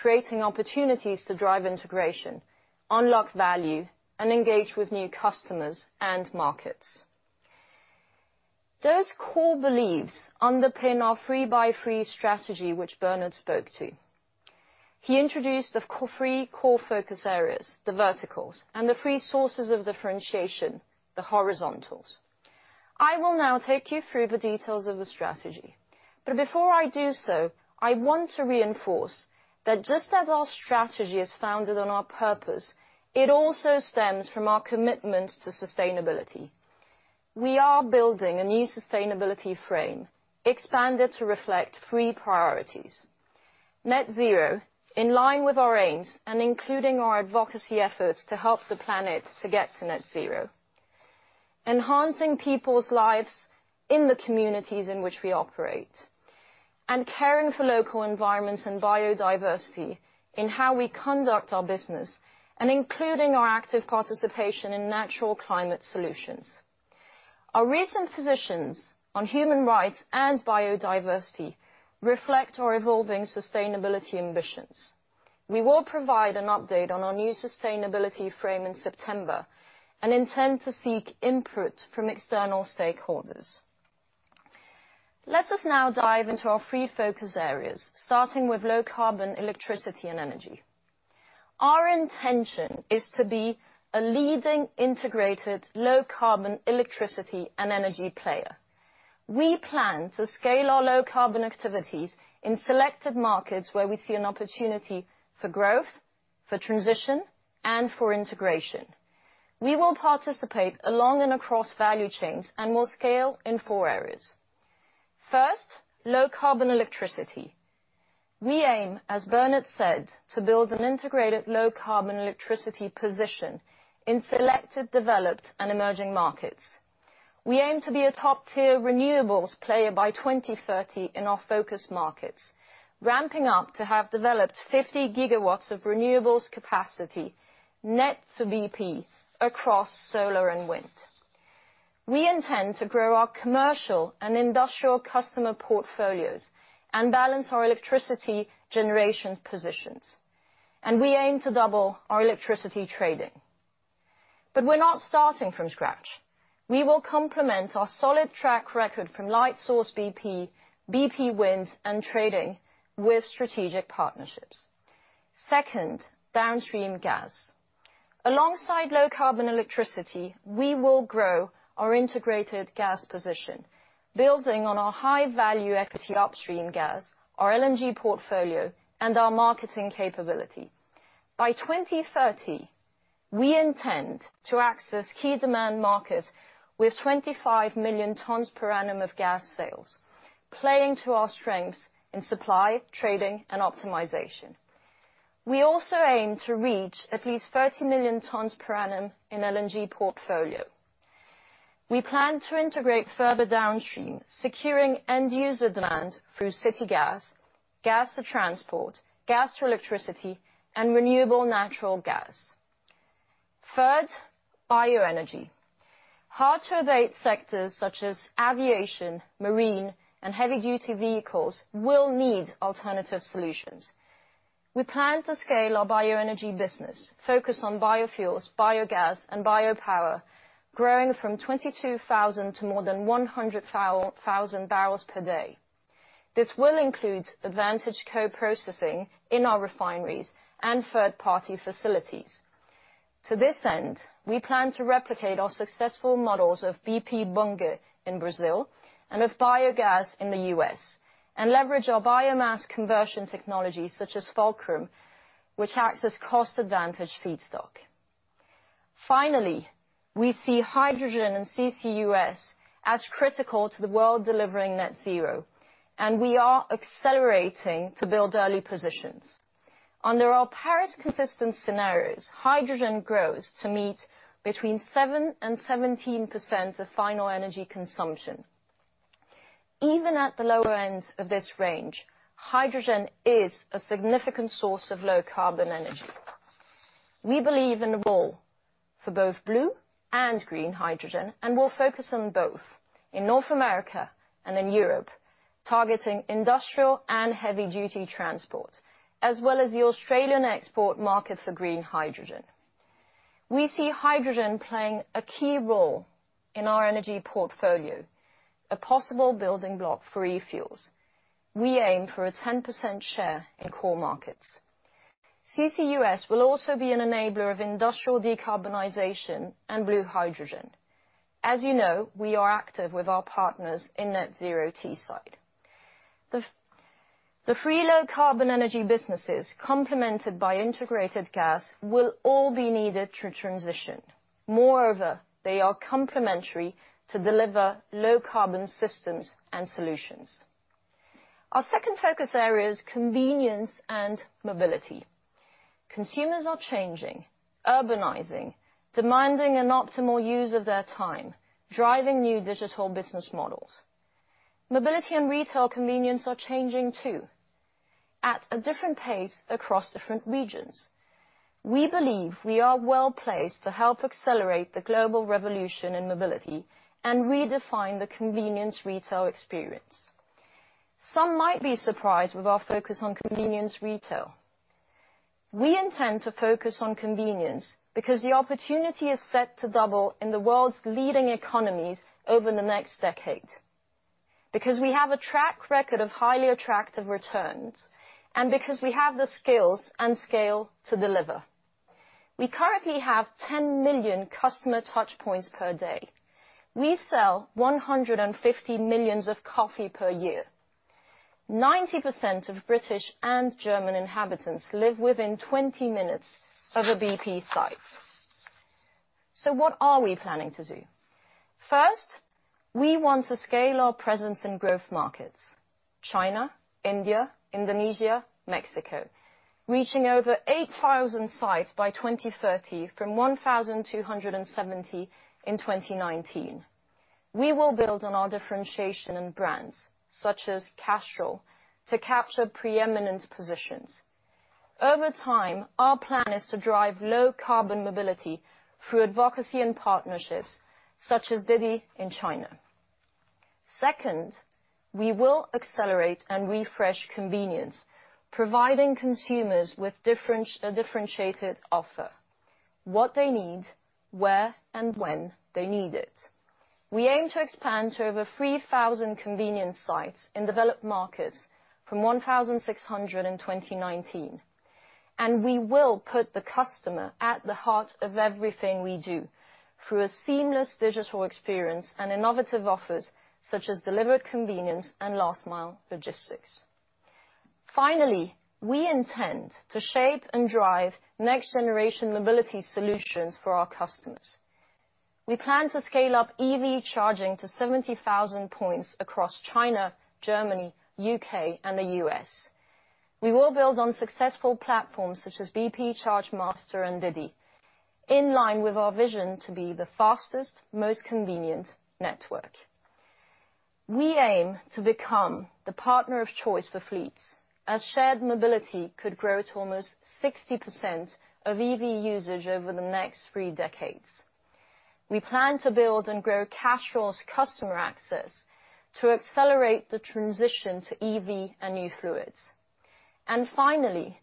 creating opportunities to drive integration, unlock value, and engage with new customers and markets. Those core beliefs underpin our three by three strategy, which Bernard spoke to. He introduced the three core focus areas, the verticals, and the three sources of differentiation, the horizontals. I will now take you through the details of the strategy. Before I do so, I want to reinforce that just as our strategy is founded on our purpose, it also stems from our commitment to sustainability. We are building a new sustainability frame, expanded to reflect three priorities. Net zero, in line with our aims and including our advocacy efforts to help the planet to get to net zero. Enhancing people's lives in the communities in which we operate, and caring for local environments and biodiversity in how we conduct our business, and including our active participation in natural climate solutions. Our recent positions on human rights and biodiversity reflect our evolving sustainability ambitions. We will provide an update on our new sustainability frame in September and intend to seek input from external stakeholders. Let us now dive into our three focus areas, starting with low-carbon electricity and energy. Our intention is to be a leading integrated low-carbon electricity and energy player. We plan to scale our low-carbon activities in selected markets where we see an opportunity for growth, for transition, and for integration. We will participate along and across value chains and will scale in four areas. First, low-carbon electricity. We aim, as Bernard said, to build an integrated low-carbon electricity position in selected, developed, and emerging markets. We aim to be a top-tier renewables player by 2030 in our focus markets, ramping up to have developed 50 GW of renewables capacity, net to BP, across solar and wind. We intend to grow our commercial and industrial customer portfolios and balance our electricity generation positions. We aim to double our electricity trading. We're not starting from scratch. We will complement our solid track record from Lightsource BP Wind, and trading with strategic partnerships. Second, downstream gas. Alongside low-carbon electricity, we will grow our integrated gas position, building on our high-value equity upstream gas, our LNG portfolio, and our marketing capability. By 2030, we intend to access key demand markets with 25 million tons per annum of gas sales, playing to our strengths in supply, trading, and optimization. We also aim to reach at least 30 million tons per annum in LNG portfolio. We plan to integrate further downstream, securing end-user demand through city gas to transport, gas to electricity, and renewable natural gas. Third, bioenergy. Hard-to-abate sectors such as aviation, marine, and heavy-duty vehicles will need alternative solutions. We plan to scale our bioenergy business focused on biofuels, biogas, and biopower, growing from 22,000 to more than 100,000 barrels per day. This will include advantaged co-processing in our refineries and third-party facilities. To this end, we plan to replicate our successful models of BP Bunge in Brazil and with Biogas in the U.S., and leverage our biomass conversion technologies such as Fulcrum, which acts as cost-advantaged feedstock. Finally, we see hydrogen and CCUS as critical to the world delivering net zero. We are accelerating to build early positions. Under our Paris-consistent scenarios, hydrogen grows to meet between 7% and 17% of final energy consumption. Even at the lower end of this range, hydrogen is a significant source of low-carbon energy. We believe in a role for both blue and green hydrogen and will focus on both in North America and in Europe, targeting industrial and heavy-duty transport, as well as the Australian export market for green hydrogen. We see hydrogen playing a key role in our energy portfolio, a possible building block for e-fuels. We aim for a 10% share in core markets. CCUS will also be an enabler of industrial decarbonization and blue hydrogen. As you know, we are active with our partners in Net Zero Teesside. The three low-carbon energy businesses, complemented by integrated gas, will all be needed to transition. They are complementary to deliver low-carbon systems and solutions. Our second focus area is convenience and mobility. Consumers are changing, urbanizing, demanding an optimal use of their time, driving new digital business models. Mobility and retail convenience are changing, too, at a different pace across different regions. We believe we are well-placed to help accelerate the global revolution in mobility and redefine the convenience retail experience. Some might be surprised with our focus on convenience retail. We intend to focus on convenience because the opportunity is set to double in the world's leading economies over the next decade. Because we have a track record of highly attractive returns, and because we have the skills and scale to deliver. We currently have 10 million customer touchpoints per day. We sell 150 million of coffee per year. 90% of British and German inhabitants live within 20 minutes of a BP site. What are we planning to do? First, we want to scale our presence in growth markets, China, India, Indonesia, Mexico, reaching over 8,000 sites by 2030 from 1,270 in 2019. We will build on our differentiation and brands, such as Castrol, to capture preeminent positions. Over time, our plan is to drive low-carbon mobility through advocacy and partnerships such as Didi in China. Second, we will accelerate and refresh convenience, providing consumers with a differentiated offer. What they need, where and when they need it. We aim to expand to over 3,000 convenience sites in developed markets from 1,600 in 2019 and we will put the customer at the heart of everything we do through a seamless digital experience and innovative offers such as delivered convenience and last-mile logistics. Finally, we intend to shape and drive next-generation mobility solutions for our customers. We plan to scale up EV charging to 70,000 points across China, Germany, U.K., and the U.S. We will build on successful platforms such as BP Chargemaster and Didi, in line with our vision to be the fastest, most convenient network. We aim to become the partner of choice for fleets, as shared mobility could grow to almost 60% of EV usage over the next three decades. We plan to build and grow Castrol's customer access to accelerate the transition to EV and new fluids. Finally,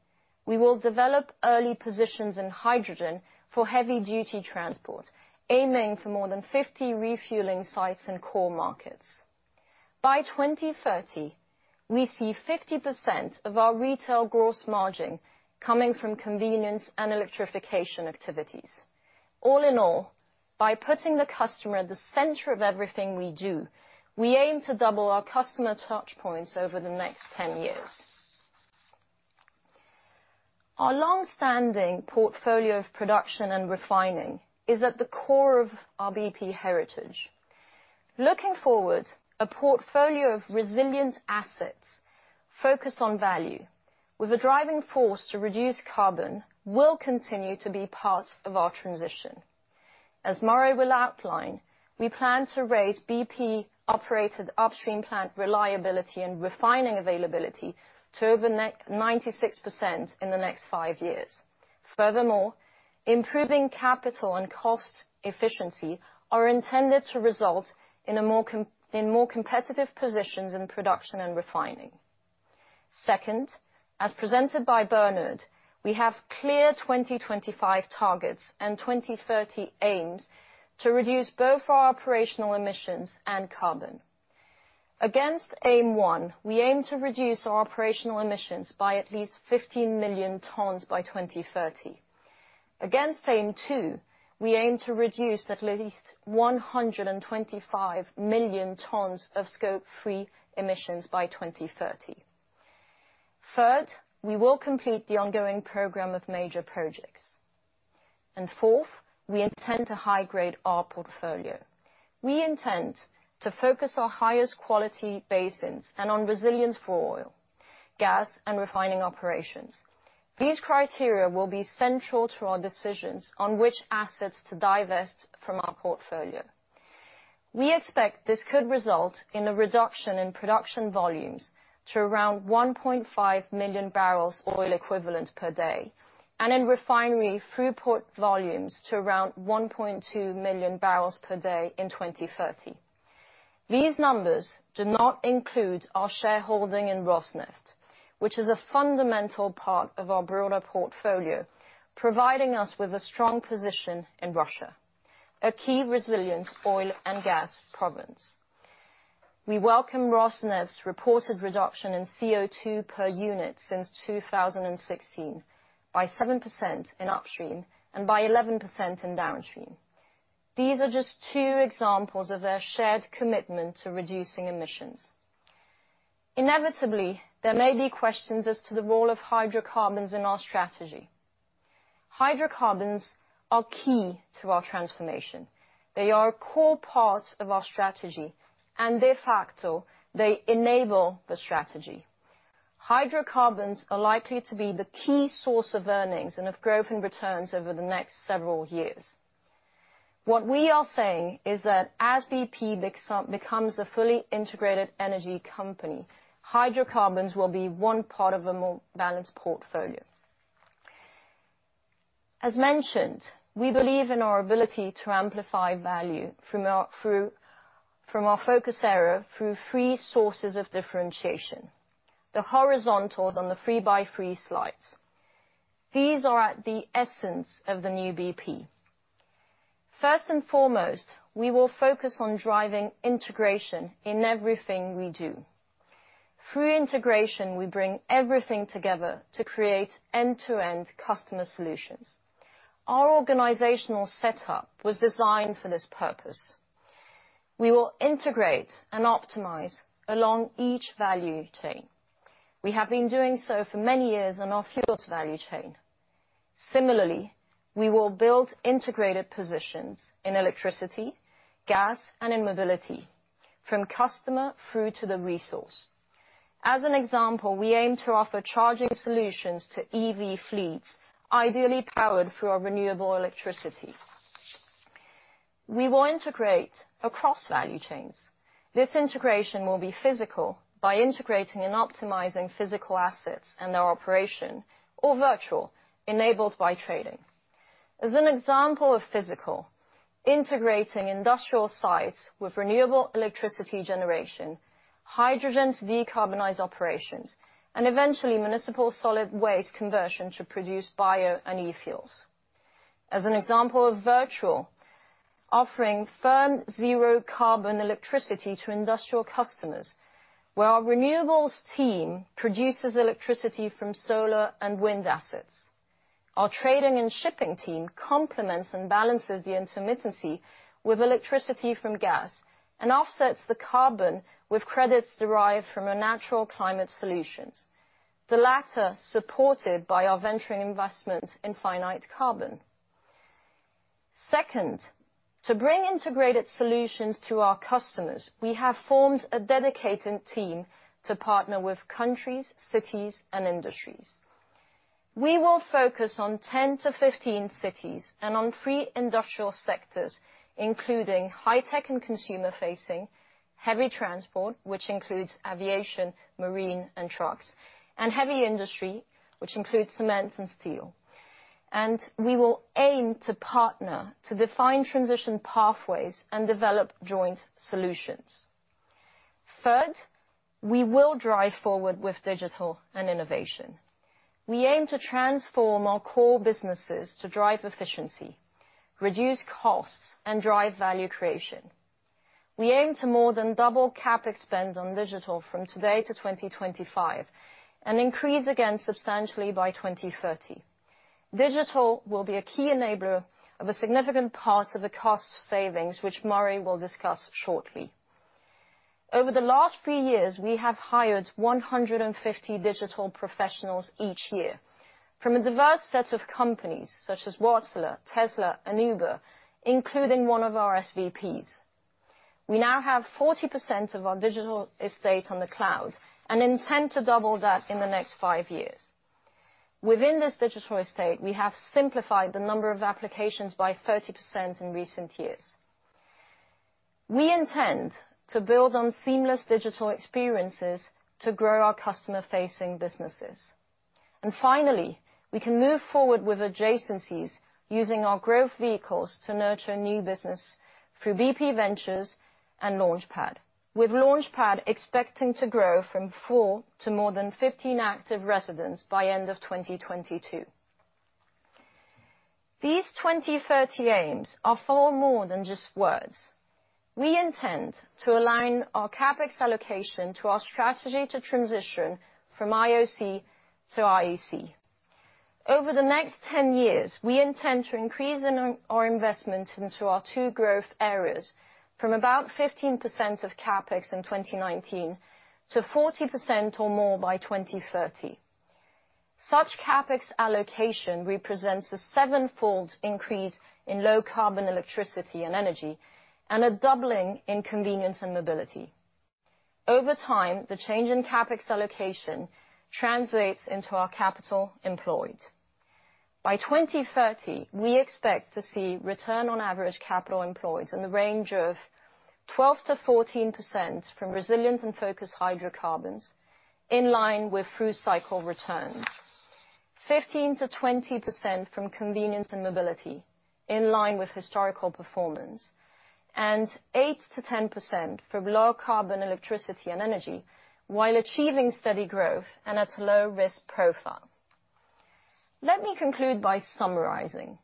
we will develop early positions in hydrogen for heavy-duty transport, aiming for more than 50 refueling sites in core markets. By 2030, we see 50% of our retail gross margin coming from convenience and electrification activities. All in all, by putting the customer at the center of everything we do, we aim to double our customer touch points over the next 10 years. Our long-standing portfolio of production and refining is at the core of our BP heritage. Looking forward, a portfolio of resilient assets focused on value with the driving force to reduce carbon will continue to be part of our transition. As Murray will outline, we plan to raise BP-operated upstream plant reliability and refining availability to over 96% in the next five years. Improving capital and cost efficiency are intended to result in more competitive positions in production and refining. As presented by Bernard, we have clear 2025 targets and 2030 aims to reduce both our operational emissions and carbon. Against aim 1, we aim to reduce our operational emissions by at least 15 million tons by 2030. Against aim 2, we aim to reduce at least 125 million tons of Scope 3 emissions by 2030. We will complete the ongoing program of major projects. Fourth, we intend to high-grade our portfolio. We intend to focus our highest quality basins and on resilience for oil, gas, and refining operations. These criteria will be central to our decisions on which assets to divest from our portfolio. We expect this could result in a reduction in production volumes to around 1.5 million barrels oil equivalent per day, and in refinery throughput volumes to around 1.2 million barrels per day in 2030. These numbers do not include our shareholding in Rosneft, which is a fundamental part of our broader portfolio, providing us with a strong position in Russia, a key resilient oil and gas province. We welcome Rosneft's reported reduction in CO2 per unit since 2016, by 7% in upstream and by 11% in downstream. These are just two examples of their shared commitment to reducing emissions. Inevitably, there may be questions as to the role of hydrocarbons in our strategy. Hydrocarbons are key to our transformation. They are a core part of our strategy, and de facto, they enable the strategy. Hydrocarbons are likely to be the key source of earnings and of growth in returns over the next several years. What we are saying is that as BP becomes a fully integrated energy company, hydrocarbons will be one part of a more balanced portfolio. As mentioned, we believe in our ability to amplify value from our focus area through three sources of differentiation, the horizontals on the three-by-three slides. These are at the essence of the new BP. First and foremost, we will focus on driving integration in everything we do. Through integration, we bring everything together to create end-to-end customer solutions. Our organizational setup was designed for this purpose. We will integrate and optimize along each value chain. We have been doing so for many years on our fuels value chain. Similarly, we will build integrated positions in electricity, gas, and in mobility from customer through to the resource. As an example, we aim to offer charging solutions to EV fleets, ideally powered through our renewable electricity. We will integrate across value chains. This integration will be physical by integrating and optimizing physical assets and their operation, or virtual, enabled by trading. As an example of physical, integrating industrial sites with renewable electricity generation, hydrogen to decarbonize operations, and eventually municipal solid waste conversion to produce bio and e-fuels. As an example of virtual, offering firm zero carbon electricity to industrial customers, where our renewables team produces electricity from solar and wind assets. Our trading and shipping team complements and balances the intermittency with electricity from gas, and offsets the carbon with credits derived from our natural climate solutions. The latter, supported by our venturing investment in Finite Carbon. To bring integrated solutions to our customers, we have formed a dedicated team to partner with countries, cities, and industries. We will focus on 10-15 cities and on three industrial sectors, including high-tech and consumer-facing, heavy transport, which includes aviation, marine, and trucks, and heavy industry, which includes cement and steel. We will aim to partner to define transition pathways and develop joint solutions. We will drive forward with digital and innovation. We aim to transform our core businesses to drive efficiency, reduce costs, and drive value creation. We aim to more than double CapEx spend on digital from today to 2025, and increase again substantially by 2030. Digital will be a key enabler of a significant part of the cost savings, which Murray will discuss shortly. Over the last few years, we have hired 150 digital professionals each year from a diverse set of companies such as Wärtsilä, Tesla, and Uber, including one of our SVPs. We now have 40% of our digital estate on the cloud and intend to double that in the next five years. Within this digital estate, we have simplified the number of applications by 30% in recent years. We intend to build on seamless digital experiences to grow our customer-facing businesses. Finally, we can move forward with adjacencies using our growth vehicles to nurture new business through BP Ventures and Launchpad, with Launchpad expecting to grow from four to more than 15 active residents by end of 2022. These 2030 aims are far more than just words. We intend to align our CapEx allocation to our strategy to transition from IOC to IEC. Over the next 10 years, we intend to increase our investment into our two growth areas from about 15% of CapEx in 2019 to 40% or more by 2030. Such CapEx allocation represents a sevenfold increase in low-carbon electricity and energy, and a doubling in convenience and mobility. Over time, the change in CapEx allocation translates into our capital employed. By 2030, we expect to see return on average capital employed in the range of 12%-14% from resilient and focused hydrocarbons, in line with through cycle returns, 15%-20% from convenience and mobility, in line with historical performance, and 8%-10% from low carbon electricity and energy, while achieving steady growth and at a low risk profile. Let me conclude by summarizing.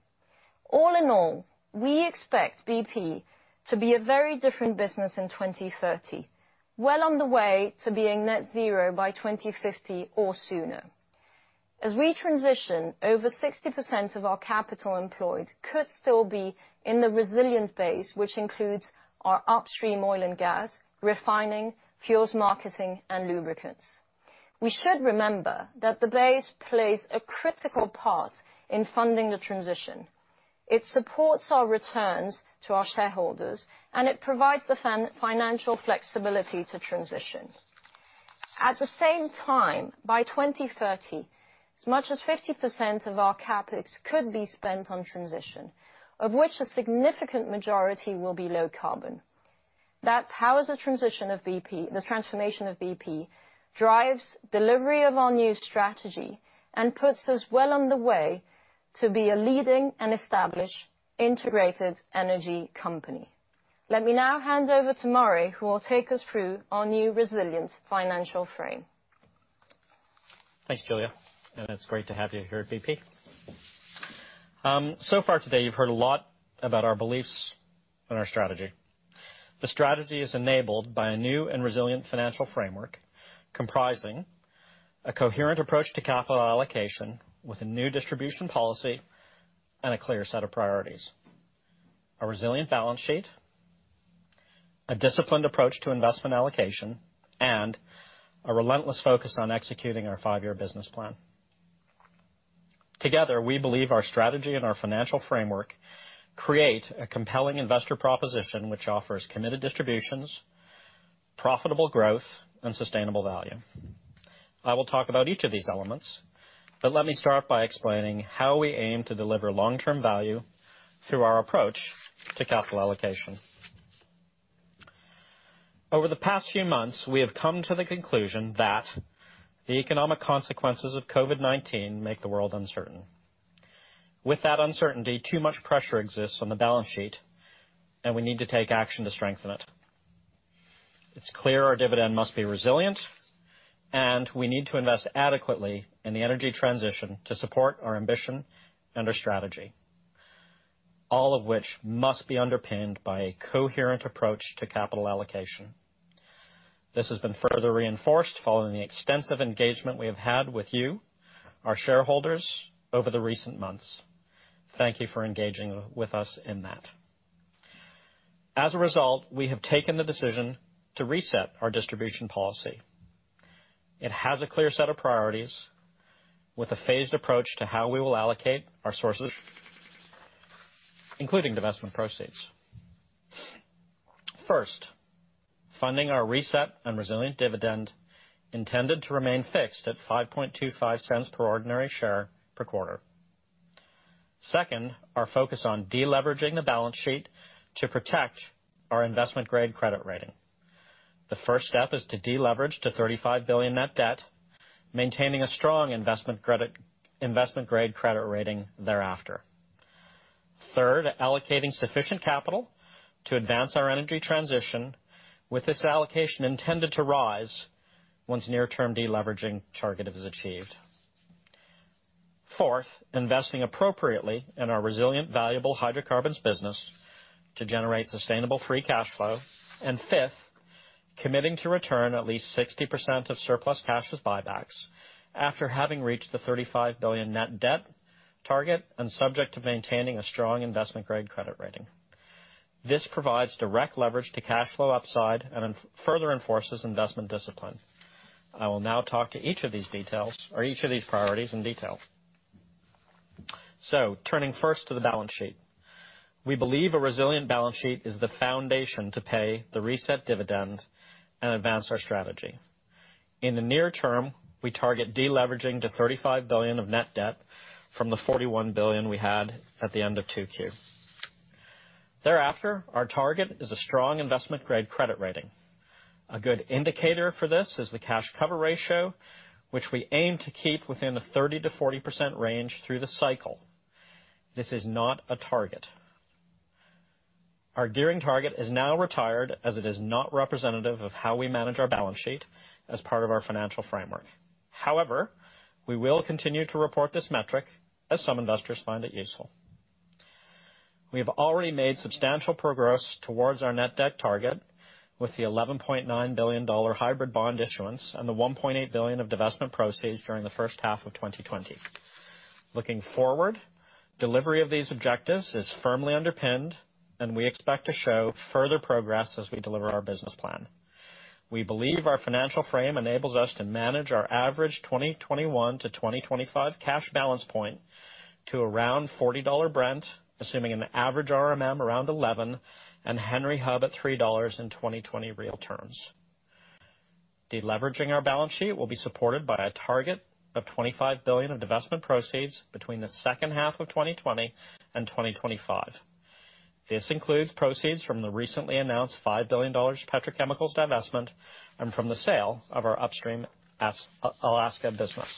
All in all, we expect BP to be a very different business in 2030, well on the way to being net zero by 2050 or sooner. As we transition, over 60% of our capital employed could still be in the resilient base, which includes our upstream oil and gas, refining, fuels marketing, and lubricants. We should remember that the base plays a critical part in funding the transition. It supports our returns to our shareholders. It provides the financial flexibility to transition. At the same time, by 2030, as much as 50% of our CapEx could be spent on transition, of which a significant majority will be low carbon. That powers the transformation of BP, drives delivery of our new strategy, puts us well on the way to be a leading and established integrated energy company. Let me now hand over to Murray, who will take us through our new resilient financial frame. Thanks, Giulia, and it's great to have you here at BP. So far today, you've heard a lot about our beliefs and our strategy. The strategy is enabled by a new and resilient financial framework comprising a coherent approach to capital allocation with a new distribution policy and a clear set of priorities, a resilient balance sheet, a disciplined approach to investment allocation, and a relentless focus on executing our five-year business plan. Together, we believe our strategy and our financial framework create a compelling investor proposition which offers committed distributions, profitable growth, and sustainable value. I will talk about each of these elements, but let me start by explaining how we aim to deliver long-term value through our approach to capital allocation. Over the past few months, we have come to the conclusion that the economic consequences of COVID-19 make the world uncertain. With that uncertainty, too much pressure exists on the balance sheet, and we need to take action to strengthen it. It's clear our dividend must be resilient, and we need to invest adequately in the energy transition to support our ambition and our strategy. All of which must be underpinned by a coherent approach to capital allocation. This has been further reinforced following the extensive engagement we have had with you, our shareholders, over the recent months. Thank you for engaging with us in that. As a result, we have taken the decision to reset our distribution policy. It has a clear set of priorities with a phased approach to how we will allocate our sources, including divestment proceeds. First, funding our reset and resilient dividend, intended to remain fixed at $0.0525 per ordinary share per quarter. Second, our focus on de-leveraging the balance sheet to protect our investment-grade credit rating. The first step is to de-leverage to $35 billion net debt, maintaining a strong investment-grade credit rating thereafter. Third, allocating sufficient capital to advance our energy transition with this allocation intended to rise once near-term de-leveraging target is achieved. Fourth, investing appropriately in our resilient, valuable hydrocarbons business to generate sustainable free cash flow. Fifth, committing to return at least 60% of surplus cash as buybacks after having reached the $35 billion net debt target and subject to maintaining a strong investment-grade credit rating. This provides direct leverage to cash flow upside and further enforces investment discipline. I will now talk to each of these priorities in detail. Turning first to the balance sheet. We believe a resilient balance sheet is the foundation to pay the reset dividend and advance our strategy. In the near term, we target de-leveraging to $35 billion of net debt from the $41 billion we had at the end of 2Q. Thereafter, our target is a strong investment-grade credit rating. A good indicator for this is the cash cover ratio, which we aim to keep within the 30%-40% range through the cycle. This is not a target. Our gearing target is now retired as it is not representative of how we manage our balance sheet as part of our financial framework. However, we will continue to report this metric as some investors find it useful. We have already made substantial progress towards our net debt target with the $11.9 billion hybrid bond issuance and the $1.8 billion of divestment proceeds during the first half of 2020. Looking forward, delivery of these objectives is firmly underpinned, and we expect to show further progress as we deliver our business plan. We believe our financial frame enables us to manage our average 2021 to 2025 cash balance point to around $40 Brent, assuming an average RMM around 11 and Henry Hub at $3 in 2020 real terms. De-leveraging our balance sheet will be supported by a target of $25 billion of divestment proceeds between the second half of 2020 and 2025. This includes proceeds from the recently announced $5 billion petrochemicals divestment and from the sale of our upstream Alaska business.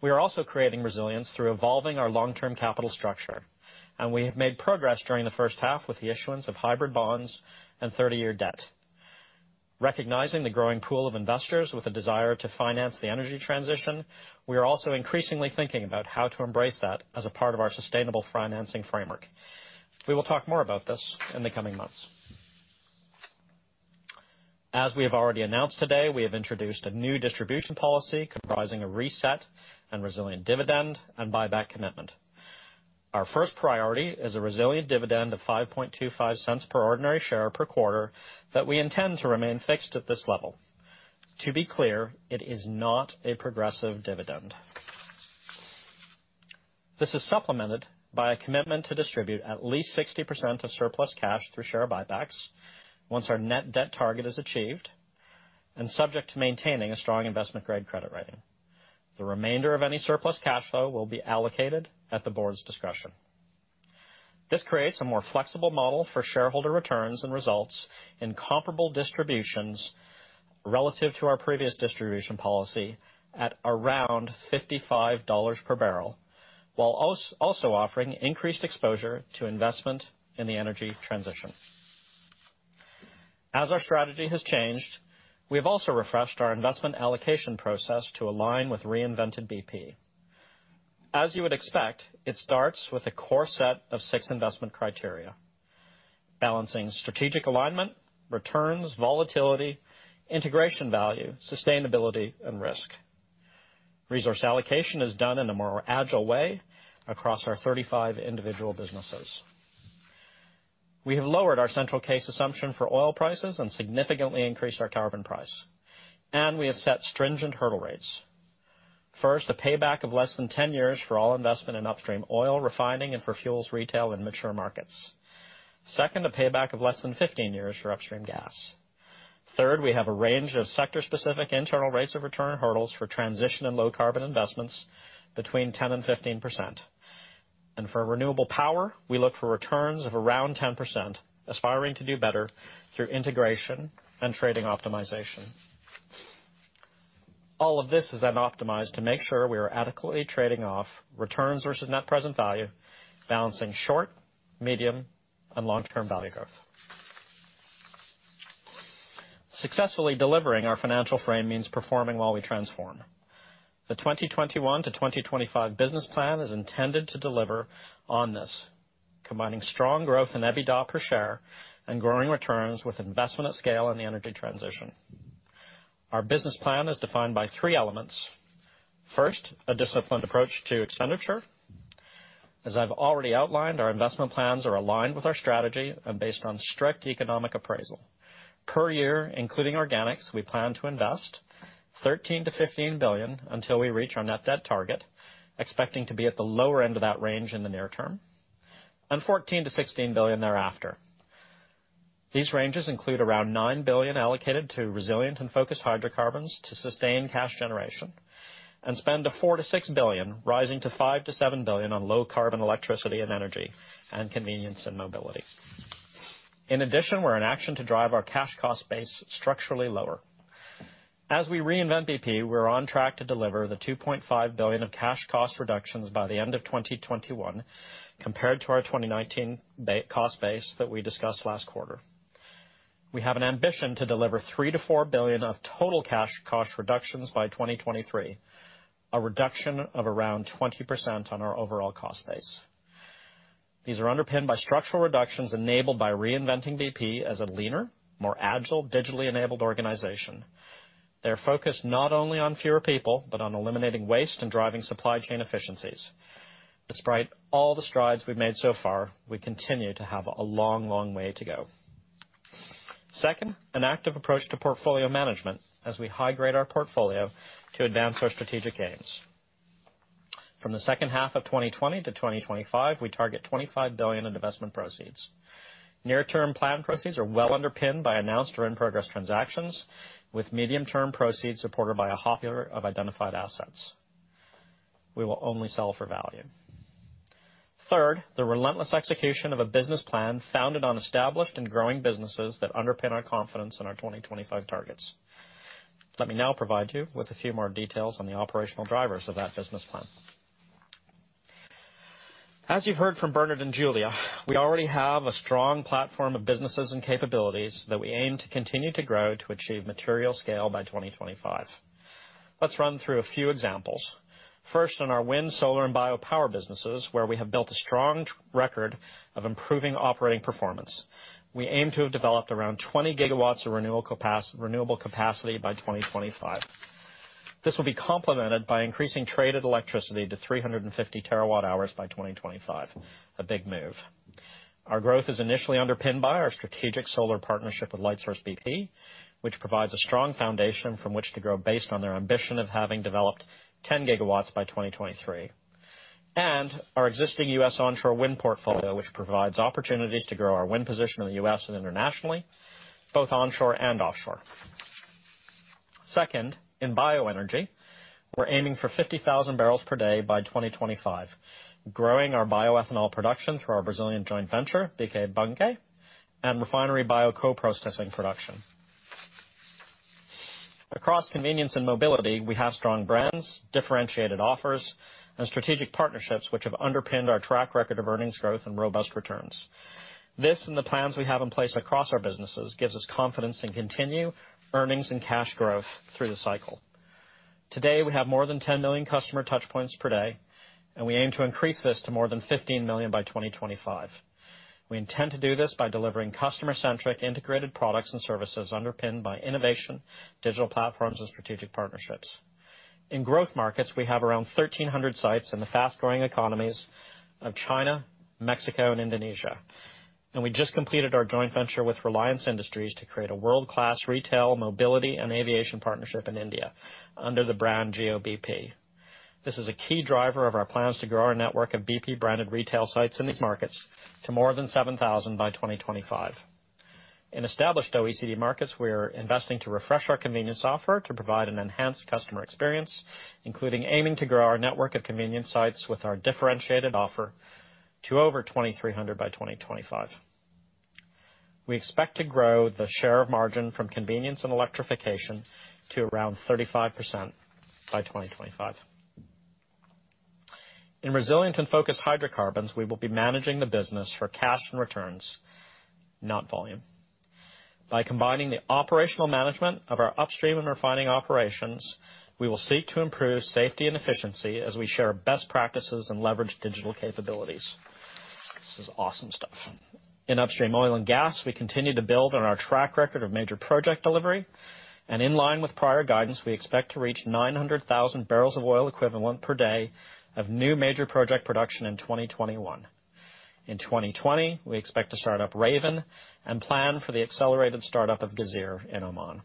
We are also creating resilience through evolving our long-term capital structure, and we have made progress during the first half with the issuance of hybrid bonds and 30-year debt. Recognizing the growing pool of investors with a desire to finance the energy transition, we are also increasingly thinking about how to embrace that as a part of our sustainable financing framework. We will talk more about this in the coming months. As we have already announced today, we have introduced a new distribution policy comprising a reset and resilient dividend and buyback commitment. Our first priority is a resilient dividend of 5.25 cents per ordinary share per quarter that we intend to remain fixed at this level. To be clear, it is not a progressive dividend. This is supplemented by a commitment to distribute at least 60% of surplus cash through share buybacks once our net debt target is achieved, and subject to maintaining a strong investment-grade credit rating. The remainder of any surplus cash flow will be allocated at the board's discretion. This creates a more flexible model for shareholder returns and results in comparable distributions relative to our previous distribution policy at around $55 per barrel. While also offering increased exposure to investment in the energy transition. As our strategy has changed, we have also refreshed our investment allocation process to align with reinvented BP. As you would expect, it starts with a core set of six investment criteria: balancing strategic alignment, returns, volatility, integration value, sustainability, and risk. Resource allocation is done in a more Agile way across our 35 individual businesses. We have lowered our central case assumption for oil prices and significantly increased our carbon price. We have set stringent hurdle rates. First, a payback of less than 10 years for all investment in upstream oil refining and for fuels retail in mature markets. Second, a payback of less than 15 years for upstream gas. Third, we have a range of sector-specific internal rates of return hurdles for transition and low carbon investments between 10% and 15%. For renewable power, we look for returns of around 10%, aspiring to do better through integration and trading optimization. All of this is then optimized to make sure we are adequately trading off returns versus net present value, balancing short, medium, and long-term value growth. Successfully delivering our financial frame means performing while we transform. The 2021-2025 business plan is intended to deliver on this, combining strong growth in EBITDA per share and growing returns with investment at scale in the energy transition. Our business plan is defined by three elements. First, a disciplined approach to expenditure. As I've already outlined, our investment plans are aligned with our strategy and based on strict economic appraisal. Per year, including organics, we plan to invest $13 billion-$15 billion until we reach our net debt target, expecting to be at the lower end of that range in the near term, and $14 billion-$16 billion thereafter. These ranges include around $9 billion allocated to resilient and focused hydrocarbons to sustain cash generation, and spend of $4 billion-$6 billion, rising to $5 billion-$7 billion on low carbon electricity and energy, and convenience and mobility. In addition, we're in action to drive our cash cost base structurally lower. As we reinvent BP, we're on track to deliver the $2.5 billion of cash cost reductions by the end of 2021 compared to our 2019 cost base that we discussed last quarter. We have an ambition to deliver $3 billion-$4 billion of total cash cost reductions by 2023, a reduction of around 20% on our overall cost base. These are underpinned by structural reductions enabled by reinventing BP as a leaner, more agile, digitally enabled organization. They're focused not only on fewer people, but on eliminating waste and driving supply chain efficiencies. Despite all the strides we've made so far, we continue to have a long way to go. Second, an active approach to portfolio management as we high-grade our portfolio to advance our strategic aims. From the second half of 2020 to 2025, we target $25 billion in investment proceeds. Near-term planned proceeds are well underpinned by announced or in-progress transactions, with medium-term proceeds supported by a portfolio of identified assets. We will only sell for value. Third, the relentless execution of a business plan founded on established and growing businesses that underpin our confidence in our 2025 targets. Let me now provide you with a few more details on the operational drivers of that business plan. As you heard from Bernard and Giulia, we already have a strong platform of businesses and capabilities that we aim to continue to grow to achieve material scale by 2025. Let's run through a few examples. First, on our wind, solar, and biopower businesses, where we have built a strong record of improving operating performance. We aim to have developed around 20 gigawatts of renewable capacity by 2025. This will be complemented by increasing traded electricity to 350 terawatt-hours by 2025. A big move. Our growth is initially underpinned by our strategic solar partnership with Lightsource BP, which provides a strong foundation from which to grow based on their ambition of having developed 10 gigawatts by 2023. Our existing U.S. onshore wind portfolio, which provides opportunities to grow our wind position in the U.S. and internationally, both onshore and offshore. Second, in bioenergy, we're aiming for 50,000 bbl per day by 2025, growing our bioethanol production through our Brazilian joint venture, BP Bunge, and refinery bioprocessing production. Across convenience and mobility, we have strong brands, differentiated offers, and strategic partnerships which have underpinned our track record of earnings growth and robust returns. This and the plans we have in place across our businesses gives us confidence in continued earnings and cash growth through the cycle. Today, we have more than 10 million customer touch points per day, and we aim to increase this to more than 15 million by 2025. We intend to do this by delivering customer-centric integrated products and services underpinned by innovation, digital platforms, and strategic partnerships. In growth markets, we have around 1,300 sites in the fast-growing economies of China, Mexico, and Indonesia. We just completed our joint venture with Reliance Industries to create a world-class retail, mobility, and aviation partnership in India under the brand Jio-bp. This is a key driver of our plans to grow our network of BP-branded retail sites in these markets to more than 7,000 by 2025. In established OECD markets, we're investing to refresh our convenience offer to provide an enhanced customer experience, including aiming to grow our network of convenience sites with our differentiated offer to over 2,300 by 2025. We expect to grow the share of margin from convenience and electrification to around 35% by 2025. In resilient and focused hydrocarbons, we will be managing the business for cash and returns, not volume. By combining the operational management of our upstream and refining operations, we will seek to improve safety and efficiency as we share best practices and leverage digital capabilities. This is awesome stuff. In upstream oil and gas, we continue to build on our track record of major project delivery. In line with prior guidance, we expect to reach 900,000 barrels of oil equivalent per day of new major project production in 2021. In 2020, we expect to start up Raven and plan for the accelerated start-up of Ghazeer in Oman.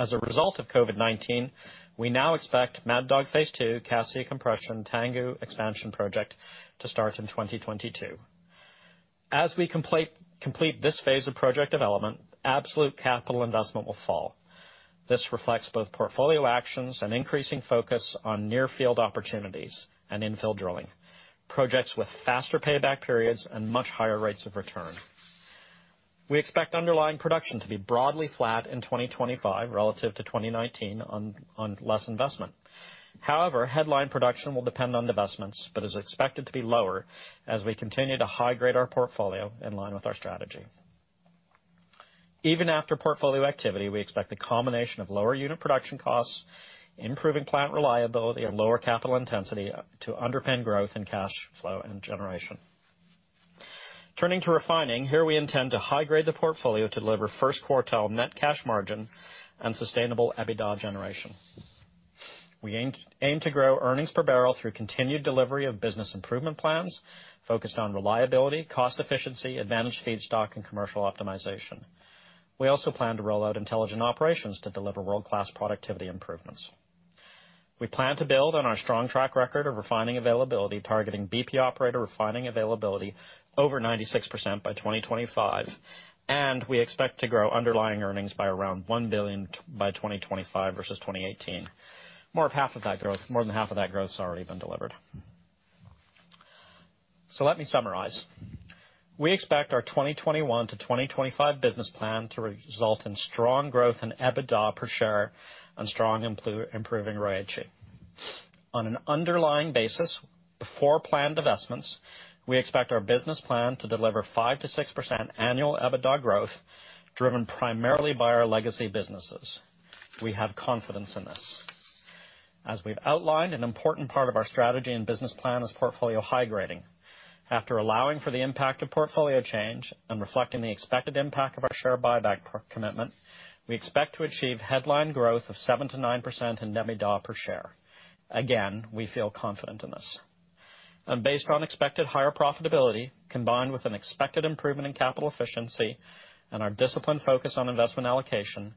As a result of COVID-19, we now expect Mad Dog phase II, Cassia Compression, Tangguh Expansion Project to start in 2022. As we complete this phase of project development, absolute capital investment will fall. This reflects both portfolio actions and increasing focus on near-field opportunities and infill drilling, projects with faster payback periods and much higher rates of return. We expect underlying production to be broadly flat in 2025 relative to 2019 on less investment. However, headline production will depend on divestments, but is expected to be lower as we continue to high-grade our portfolio in line with our strategy. Even after portfolio activity, we expect the combination of lower unit production costs, improving plant reliability, and lower capital intensity to underpin growth in cash flow and generation. Turning to refining, here we intend to high-grade the portfolio to deliver first quartile net cash margin and sustainable EBITDA generation. We aim to grow earnings per barrel through continued delivery of business improvement plans focused on reliability, cost efficiency, advanced feedstock, and commercial optimization. We also plan to roll out intelligent operations to deliver world-class productivity improvements. We plan to build on our strong track record of refining availability, targeting BP operator refining availability over 96% by 2025, and we expect to grow underlying earnings by around $1 billion by 2025 versus 2018. More than half of that growth has already been delivered. Let me summarize. We expect our 2021 to 2025 business plan to result in strong growth in EBITDA per share and strong improving ROACE. On an underlying basis, before planned divestments, we expect our business plan to deliver 5%-6% annual EBITDA growth, driven primarily by our legacy businesses. We have confidence in this. As we've outlined, an important part of our strategy and business plan is portfolio high-grading. After allowing for the impact of portfolio change and reflecting the expected impact of our share buyback commitment, we expect to achieve headline growth of 7%-9% in net EBITDA per share. Again, we feel confident in this. Based on expected higher profitability, combined with an expected improvement in capital efficiency and our disciplined focus on investment allocation,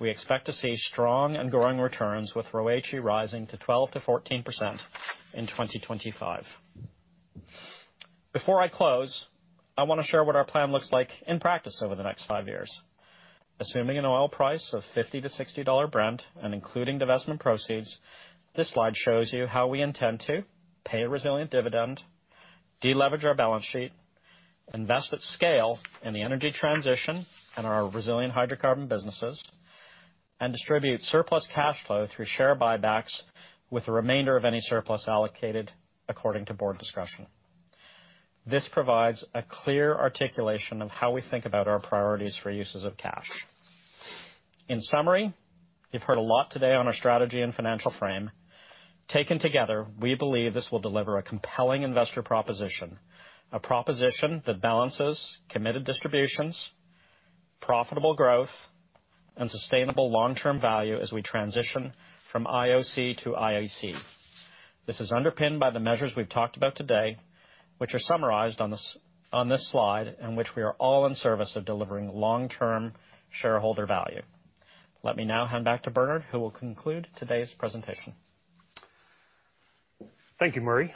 we expect to see strong and growing returns with ROACE rising to 12%-14% in 2025. Before I close, I want to share what our plan looks like in practice over the next five years. Assuming an oil price of $50-$60 Brent and including divestment proceeds, this slide shows you how we intend to pay a resilient dividend, deleverage our balance sheet, invest at scale in the energy transition and our resilient hydrocarbon businesses, and distribute surplus cash flow through share buybacks with the remainder of any surplus allocated according to board discretion. This provides a clear articulation of how we think about our priorities for uses of cash. In summary, you've heard a lot today on our strategy and financial frame. Taken together, we believe this will deliver a compelling investor proposition. A proposition that balances committed distributions, profitable growth, and sustainable long-term value as we transition from IOC to IEC. This is underpinned by the measures we've talked about today, which are summarized on this slide, and which we are all in service of delivering long-term shareholder value. Let me now hand back to Bernard, who will conclude today's presentation. Thank you, Murray.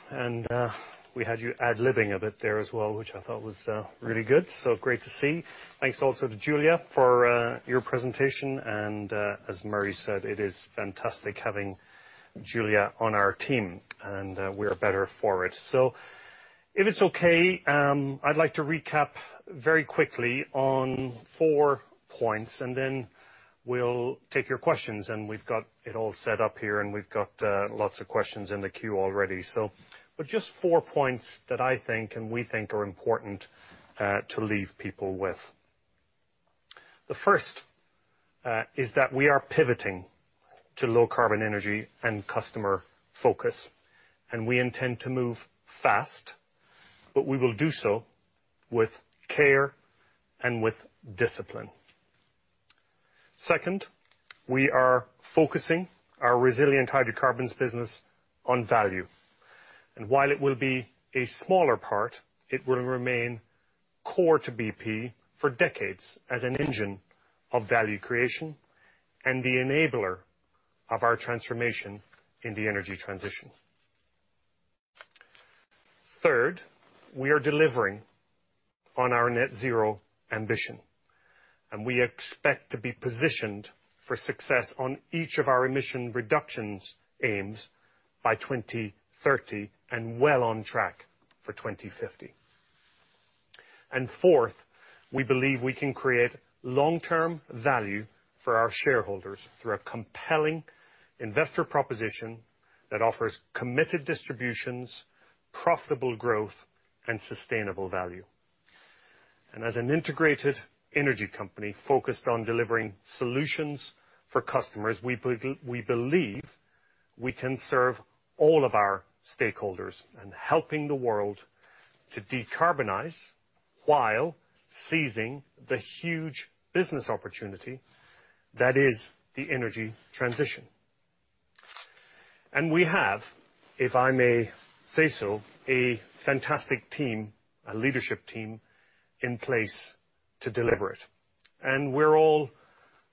We had you ad-libbing a bit there as well, which I thought was really good. Great to see. Thanks also to Giulia for your presentation. As Murray said, it is fantastic having Giulia on our team, and we are better for it. If it's okay, I'd like to recap very quickly on four points, and then we'll take your questions. We've got it all set up here, and we've got lots of questions in the queue already. Just four points that I think and we think are important to leave people with. The first is that we are pivoting to low-carbon energy and customer focus, and we intend to move fast, but we will do so with care and with discipline. Second, we are focusing our resilient hydrocarbons business on value. While it will be a smaller part, it will remain core to BP for decades as an engine of value creation and the enabler of our transformation in the energy transition. Third, we are delivering on our net zero ambition, and we expect to be positioned for success on each of our emission reductions aims by 2030 and well on track for 2050. Fourth, we believe we can create long-term value for our shareholders through a compelling investor proposition that offers committed distributions, profitable growth, and sustainable value. As an integrated energy company focused on delivering solutions for customers, we believe we can serve all of our stakeholders in helping the world to decarbonize while seizing the huge business opportunity that is the energy transition. We have, if I may say so, a fantastic team, a leadership team in place to deliver it. We're all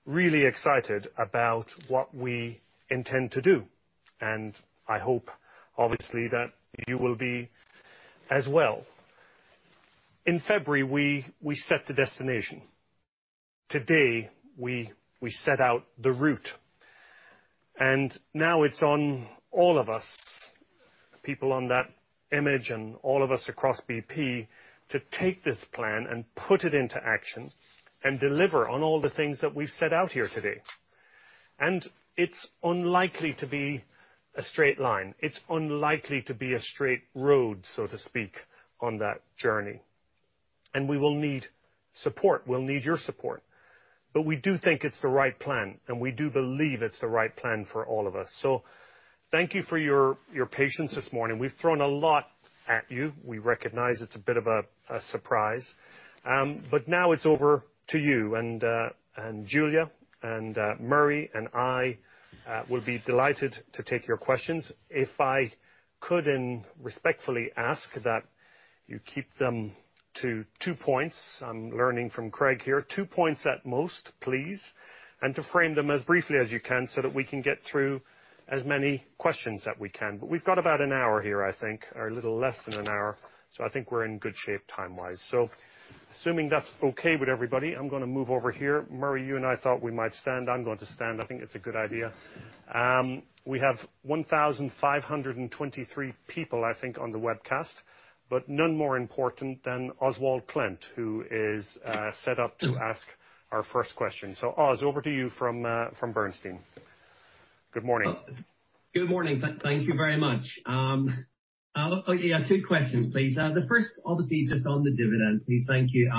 really excited about what we intend to do. I hope, obviously, that you will be as well. In February, we set the destination. Today, we set out the route, and now it's on all of us, the people on that image and all of us across BP, to take this plan and put it into action and deliver on all the things that we've set out here today. It's unlikely to be a straight line. It's unlikely to be a straight road, so to speak, on that journey. We will need support. We'll need your support. We do think it's the right plan, and we do believe it's the right plan for all of us. Thank you for your patience this morning. We've thrown a lot at you. We recognize it's a bit of a surprise. Now it's over to you and Giulia, and Murray and I will be delighted to take your questions. If I could respectfully ask that you keep them to two points. I'm learning from Craig here. Two points at most, please, and to frame them as briefly as you can so that we can get through as many questions that we can. We've got about an hour here, I think, or a little less than an hour, so I think we're in good shape time-wise. Assuming that's okay with everybody, I'm going to move over here. Murray, you and I thought we might stand. I'm going to stand. I think it's a good idea. We have 1,523 people, I think, on the webcast, but none more important than Oswald Clint, who is set up to ask our first question. Oz, over to you from Bernstein. Good morning. Good morning. Thank you very much. Two questions, please. The first, obviously, just on the dividend, please. Thank you.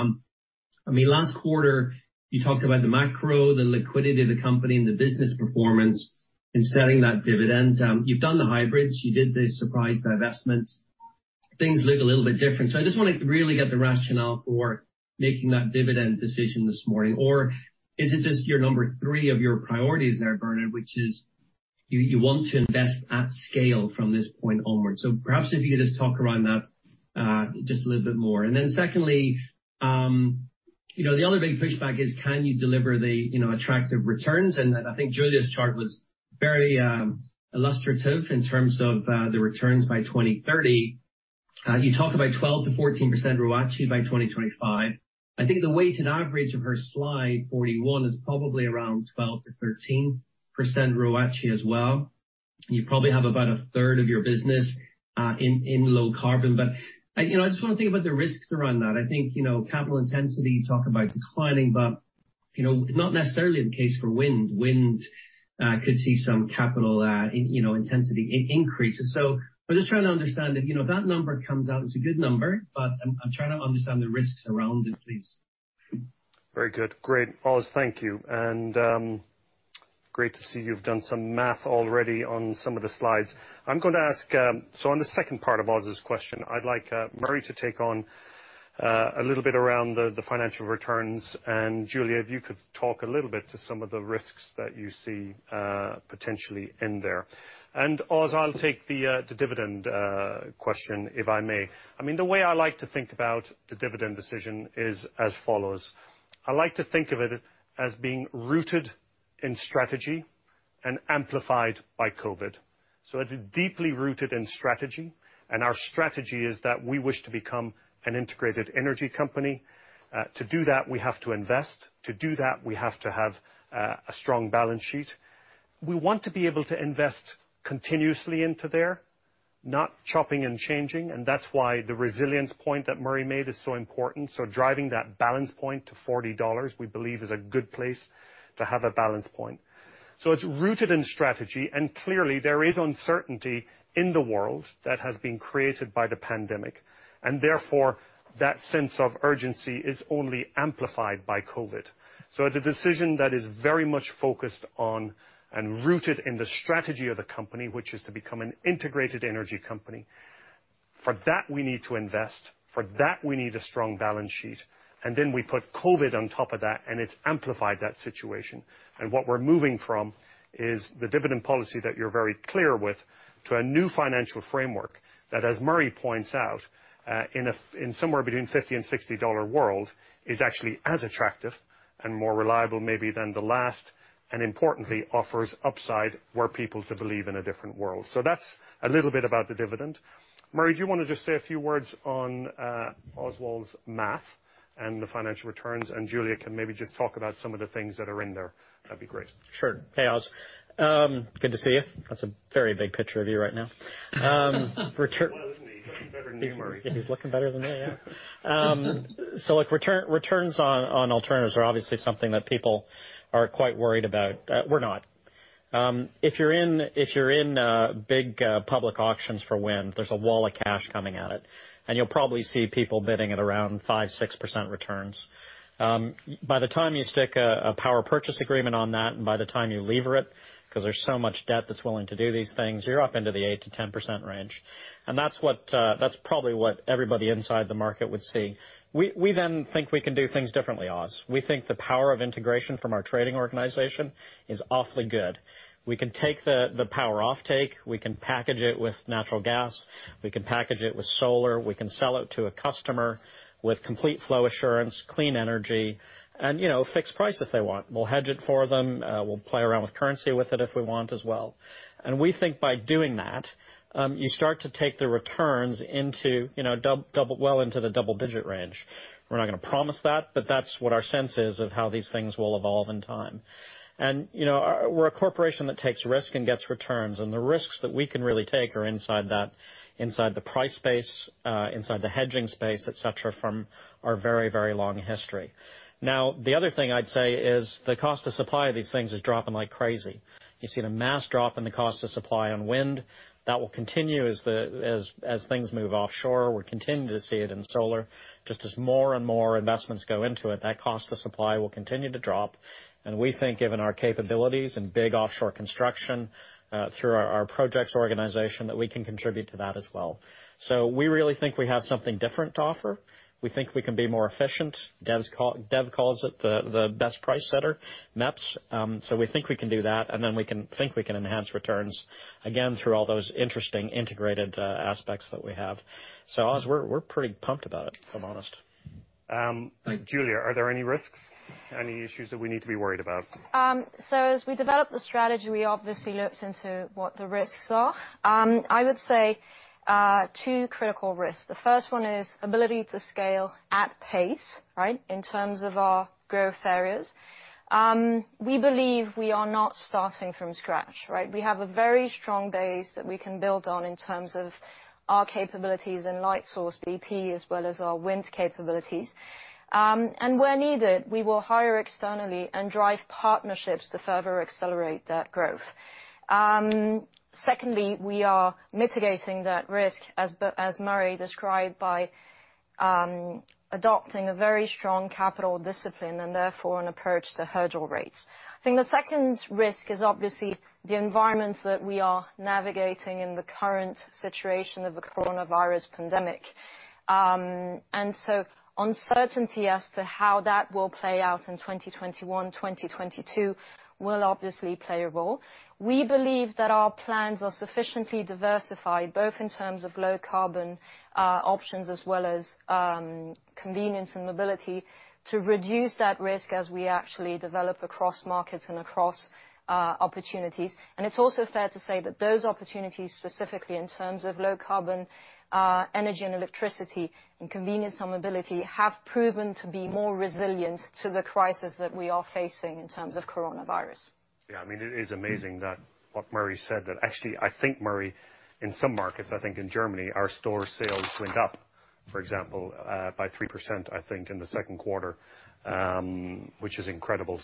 Last quarter, you talked about the macro, the liquidity of the company and the business performance in setting that dividend. You've done the hybrids, you did the surprise divestments. Things look a little bit different. I just want to really get the rationale for making that dividend decision this morning. Is it just your number three of your priorities there, Bernard, which is you want to invest at scale from this point onwards. Perhaps if you could just talk around that just a little bit more. Secondly, the other big pushback is can you deliver the attractive returns? I think Giulia's chart was very illustrative in terms of the returns by 2030. You talk about 12%-14% ROACE by 2025. I think the weighted average of her slide 41 is probably around 12%-13% ROACE as well. You probably have about a third of your business in low carbon. I just want to think about the risks around that. I think, capital intensity, you talk about declining, but not necessarily the case for wind. Wind could see some capital intensity increases. I'm just trying to understand if that number comes out as a good number, but I'm trying to understand the risks around it, please. Very good. Great, Oz, thank you. Great to see you've done some math already on some of the slides. I'm going to ask, on the second part of Oz's question, I'd like Murray to take on a little bit around the financial returns. Giulia, if you could talk a little bit to some of the risks that you see potentially in there. Oz, I'll take the dividend question, if I may. The way I like to think about the dividend decision is as follows. I like to think of it as being rooted in strategy and amplified by COVID. It's deeply rooted in strategy, and our strategy is that we wish to become an integrated energy company. To do that, we have to invest. To do that, we have to have a strong balance sheet. We want to be able to invest continuously into there, not chopping and changing, and that's why the resilience point that Murray made is so important. Driving that balance point to $40, we believe is a good place to have a balance point. It's rooted in strategy, and clearly there is uncertainty in the world that has been created by the pandemic, and therefore, that sense of urgency is only amplified by COVID. It's a decision that is very much focused on and rooted in the strategy of the company, which is to become an integrated energy company. For that, we need to invest. For that, we need a strong balance sheet. Then we put COVID on top of that, and it's amplified that situation. What we're moving from is the dividend policy that you're very clear with to a new financial framework that, as Murray points out, in somewhere between $50 and $60 world is actually as attractive and more reliable, maybe than the last, and importantly, offers upside were people to believe in a different world. That's a little bit about the dividend. Murray, do you want to just say a few words on Oswald's math and the financial returns, and Giulia can maybe just talk about some of the things that are in there? That'd be great. Sure. Hey, Oz. Good to see you. That's a very big picture of you right now. Well, isn't he? He's looking better than you, Murray. He's looking better than me, yeah. Look, returns on alternatives are obviously something that people are quite worried about. We're not. If you're in big public auctions for wind, there's a wall of cash coming at it, and you'll probably see people bidding at around 5%-6% returns. By the time you stick a power purchase agreement on that, and by the time you lever it, because there's so much debt that's willing to do these things, you're up into the 8%-10% range. That's probably what everybody inside the market would see. We then think we can do things differently, Oz. We think the power of integration from our trading organization is awfully good. We can take the power offtake, we can package it with natural gas, we can package it with solar, we can sell it to a customer with complete flow assurance, clean energy, and fixed price if they want. We'll hedge it for them, we'll play around with currency with it if we want as well. We think by doing that, you start to take the returns well into the double-digit range. We're not going to promise that, but that's what our sense is of how these things will evolve in time. We're a corporation that takes risks and gets returns, and the risks that we can really take are inside the price space, inside the hedging space, et cetera, from our very, very long history. The other thing I'd say is the cost to supply these things is dropping like crazy. You've seen a mass drop in the cost to supply on wind. That will continue as things move offshore. We're continuing to see it in solar. Just as more and more investments go into it, that cost to supply will continue to drop. We think given our capabilities in big offshore construction through our projects organization, that we can contribute to that as well. We really think we have something different to offer. We think we can be more efficient. Dev calls it the best price setter, MEPS. We think we can do that, and then we think we can enhance returns, again, through all those interesting integrated aspects that we have. Oz, we're pretty pumped about it, if I'm honest. Giulia, are there any risks, any issues that we need to be worried about? As we developed the strategy, we obviously looked into what the risks are. I would say two critical risks. The first one is ability to scale at pace, right? In terms of our growth areas. We believe we are not starting from scratch, right? We have a very strong base that we can build on in terms of our capabilities in Lightsource BP, as well as our wind capabilities. Where needed, we will hire externally and drive partnerships to further accelerate that growth. Secondly, we are mitigating that risk, as Murray described, by adopting a very strong capital discipline, and therefore an approach to hurdle rates. I think the second risk is obviously the environment that we are navigating in the current situation of the coronavirus pandemic. Uncertainty as to how that will play out in 2021, 2022 will obviously play a role. We believe that our plans are sufficiently diversified, both in terms of low-carbon options as well as convenience and mobility to reduce that risk as we actually develop across markets and across opportunities. It's also fair to say that those opportunities, specifically in terms of low-carbon energy and electricity and convenience and mobility, have proven to be more resilient to the crisis that we are facing in terms of coronavirus. Yeah. It is amazing what Murray said. Actually, I think Murray, in some markets, I think in Germany, our store sales went up, for example, by 3%, I think, in the second quarter, which is incredible.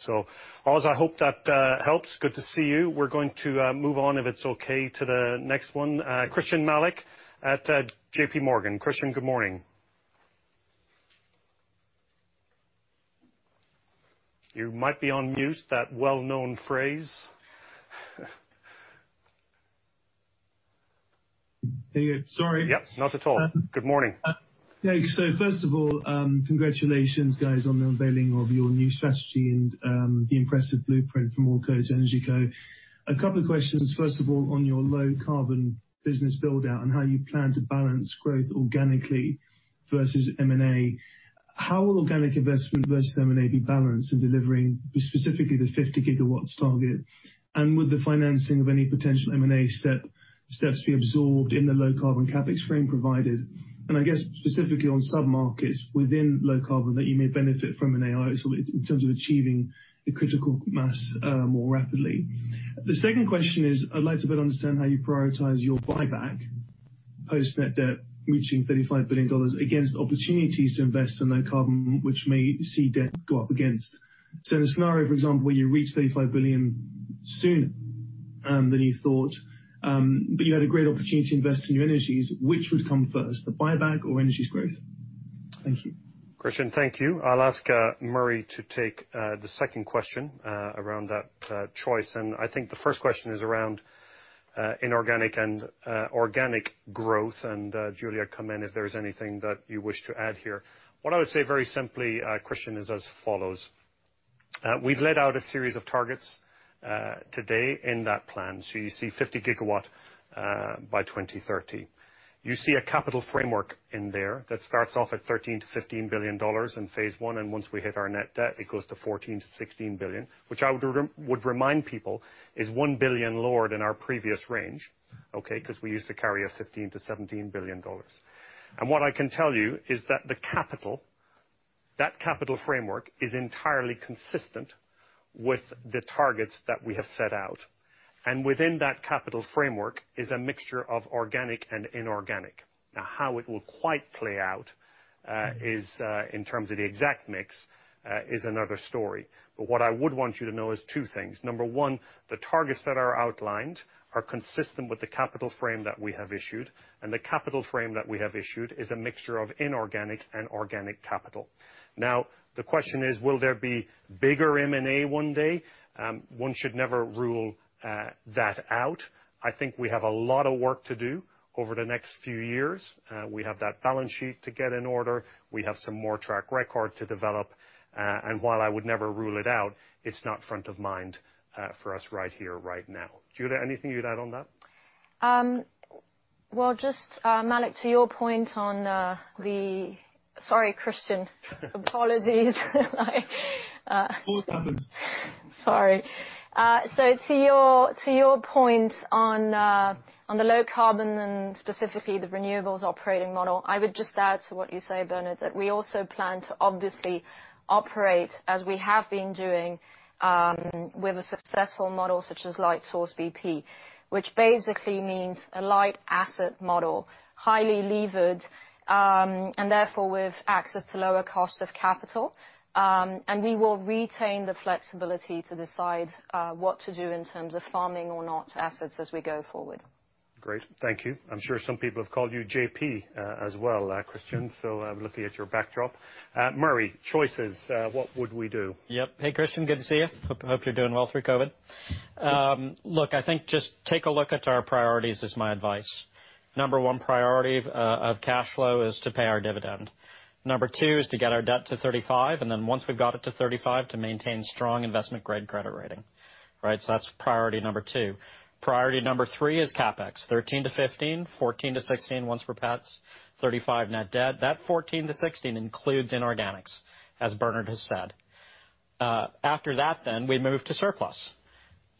Oz, I hope that helps. Good to see you. We're going to move on, if it's okay, to the next one. Christyan Malek at JPMorgan. Christyan, good morning. You might be on mute. That well-known phrase. There you go. Sorry. Yep. Not at all. Good morning. First of all, congratulations, guys, on the unveiling of your new strategy and the impressive blueprint from OilCo to EnergyCo. A couple of questions. First of all, on your low-carbon business build-out and how you plan to balance growth organically versus M&A. How will organic investment versus M&A be balanced in delivering specifically the 50 gigawatts target? Would the financing of any potential M&A steps be absorbed in the low-carbon CapEx frame provided? I guess specifically on sub-markets within low carbon that you may benefit from an AI in terms of achieving the critical mass more rapidly. The second question is, I'd like to better understand how you prioritize your buyback post net debt reaching $35 billion against opportunities to invest in low carbon, which may see debt go up against. In a scenario, for example, where you reach 35 billion sooner than you thought, but you had a great opportunity to invest in new energies, which would come first, the buyback or energies growth? Thank you. Christyan, thank you. I'll ask Murray to take the second question around that choice. I think the first question is around inorganic and organic growth. Giulia, come in if there is anything that you wish to add here. What I would say very simply, Christyan, is as follows. We've laid out a series of targets today in that plan. You see 50 GW by 2030. You see a capital framework in there that starts off at $13 billion-$15 billion in phase I, and once we hit our net debt, it goes to $14 billion-$16 billion, which I would remind people is $1 billion lower than our previous range, okay? Because we used to carry a $15 billion-$17 billion. What I can tell you is that the capital, that capital framework is entirely consistent with the targets that we have set out. Within that capital framework is a mixture of organic and inorganic. How it will quite play out in terms of the exact mix is another story. What I would want you to know is two things. Number one, the targets that are outlined are consistent with the capital frame that we have issued, and the capital frame that we have issued is a mixture of inorganic and organic capital. The question is, will there be bigger M&A one day? One should never rule that out. I think we have a lot of work to do over the next few years. We have that balance sheet to get in order. We have some more track record to develop. While I would never rule it out, it's not front of mind for us right here, right now. Giulia, anything you'd add on that? Well, just, Malek, to your point on the. Sorry, Christyan. Apologies. It happens. Sorry. To your point on the low carbon and specifically the renewables operating model, I would just add to what you say, Bernard, that we also plan to obviously operate as we have been doing, with a successful model such as Lightsource BP, which basically means a light asset model, highly levered, and therefore with access to lower cost of capital, and we will retain the flexibility to decide what to do in terms of farming or not to assets as we go forward. Great. Thank you. I'm sure some people have called you JP as well, Christyan. I'm looking at your backdrop. Murray, choices. What would we do? Yep. Hey, Christyan. Good to see you. Hope you're doing well through COVID-19. I think just take a look at our priorities is my advice. Number one priority of cash flow is to pay our dividend. Number two is to get our debt to 35, and then once we've got it to 35, to maintain strong investment-grade credit rating, right? That's priority number two. Priority number three is CapEx, 13-15, 14-16 once we're past 35 net debt. That 14-16 includes inorganics, as Bernard has said. After that, we move to surplus.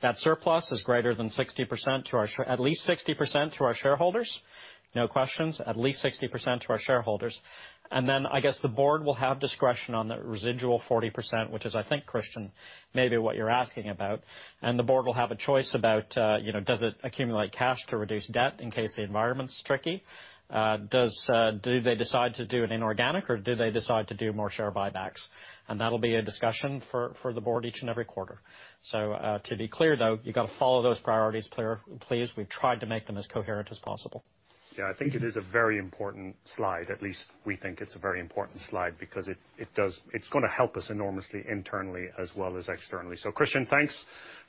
That surplus is greater than 60%, at least 60% to our shareholders. No questions. At least 60% to our shareholders. I guess the board will have discretion on the residual 40%, which is, I think, Christyan, maybe what you're asking about. The board will have a choice about, does it accumulate cash to reduce debt in case the environment's tricky? Do they decide to do an inorganic or do they decide to do more share buybacks? That'll be a discussion for the board each and every quarter. To be clear, though, you've got to follow those priorities clear, please. We've tried to make them as coherent as possible. Yeah, I think it is a very important slide. At least we think it's a very important slide because it's going to help us enormously, internally as well as externally. Christyan, thanks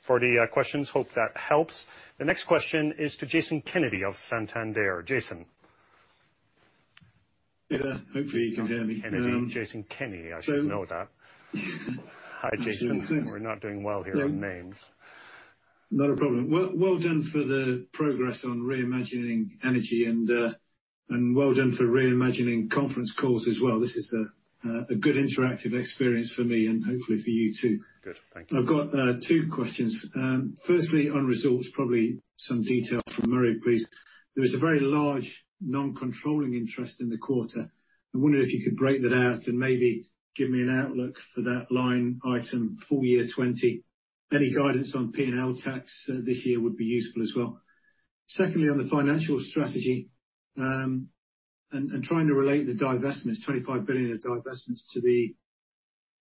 for the questions. Hope that helps. The next question is to Jason Kenney of Santander. Jason. Yeah. Hopefully you can hear me. Jason Kenney. Jason Kenney. I should know that. Hi, Jason. We're not doing well here on names. Not a problem. Well done for the progress on reimagining energy and well done for reimagining conference calls as well. This is a good interactive experience for me and hopefully for you too. Good. Thank you. I've got two questions. Firstly, on results, probably some detail from Murray, please. There was a very large non-controlling interest in the quarter. I wonder if you could break that out and maybe give me an outlook for that line item full year 2020. Any guidance on P&L tax this year would be useful as well. Secondly, on the financial strategy, trying to relate the divestments, 25 billion of divestments to the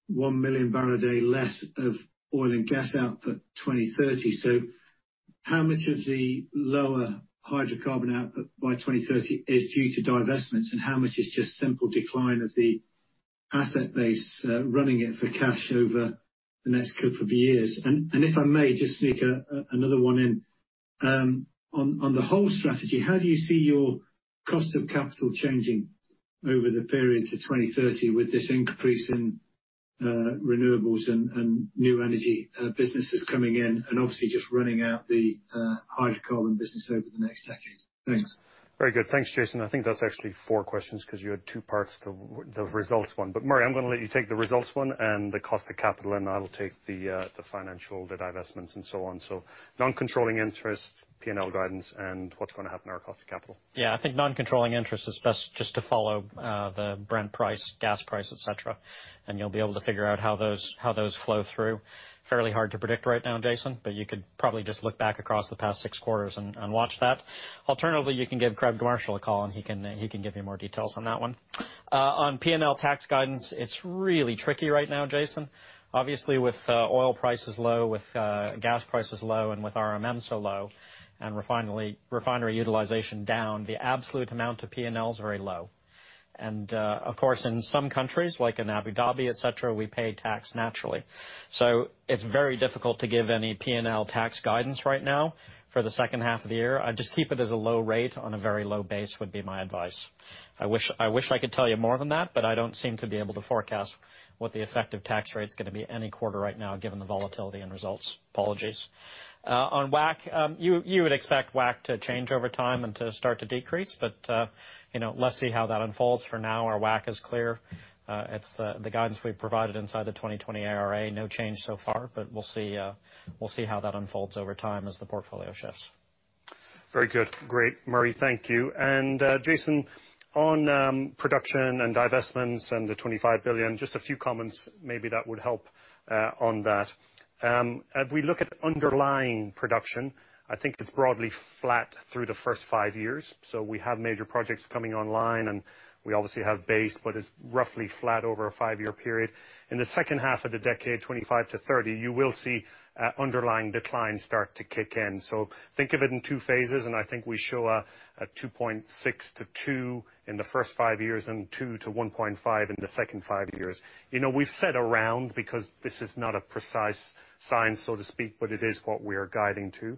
1 million bbl a day less of oil and gas output 2030. How much of the lower hydrocarbon output by 2030 is due to divestments, and how much is just simple decline of the asset base, running it for cash over the next couple of years? If I may just sneak another one in. On the whole strategy, how do you see your cost of capital changing over the period to 2030 with this increase in renewables and new energy businesses coming in and obviously just running out the hydrocarbon business over the next decade? Thanks. Very good. Thanks, Jason. I think that's actually four questions because you had two parts to the results one. Murray, I'm going to let you take the results one and the cost of capital, and I will take the financial, the divestments and so on. Non-controlling interest, P&L guidance and what's going to happen to our cost of capital. I think non-controlling interest is best just to follow the Brent price, gas price, etc, and you'll be able to figure out how those flow through. Fairly hard to predict right now, Jason, but you could probably just look back across the past six quarters and watch that. Alternatively, you can give Craig Marshall a call and he can give you more details on that one. On P&L tax guidance, it's really tricky right now, Jason. Obviously, with oil prices low, with gas prices low and with RMM so low and refinery utilization down, the absolute amount of P&L is very low. Of course, in some countries, like in Abu Dhabi, etc, we pay tax naturally. It's very difficult to give any P&L tax guidance right now for the second half of the year. I'd just keep it as a low rate on a very low base, would be my advice. I wish I could tell you more than that. I don't seem to be able to forecast what the effective tax rate's going to be any quarter right now, given the volatility and results. Apologies. On WACC, you would expect WACC to change over time and to start to decrease. Let's see how that unfolds. For now, our WACC is clear. It's the guidance we've provided inside the 2020 ARA. No change so far. We'll see how that unfolds over time as the portfolio shifts. Very good. Great, Murray. Thank you. Jason, on production and divestments and the 25 billion, just a few comments maybe that would help on that. If we look at underlying production, I think it's broadly flat through the first five years. We have major projects coming online, and we obviously have base, but it's roughly flat over a five-year period. In the second half of the decade, 2025-2030, you will see underlying declines start to kick in. Think of it in two phases, and I think we show a 2.6-2.0 in the first five years and 2.0-1.5 in the second five years. We've said around because this is not a precise science, so to speak, but it is what we are guiding to.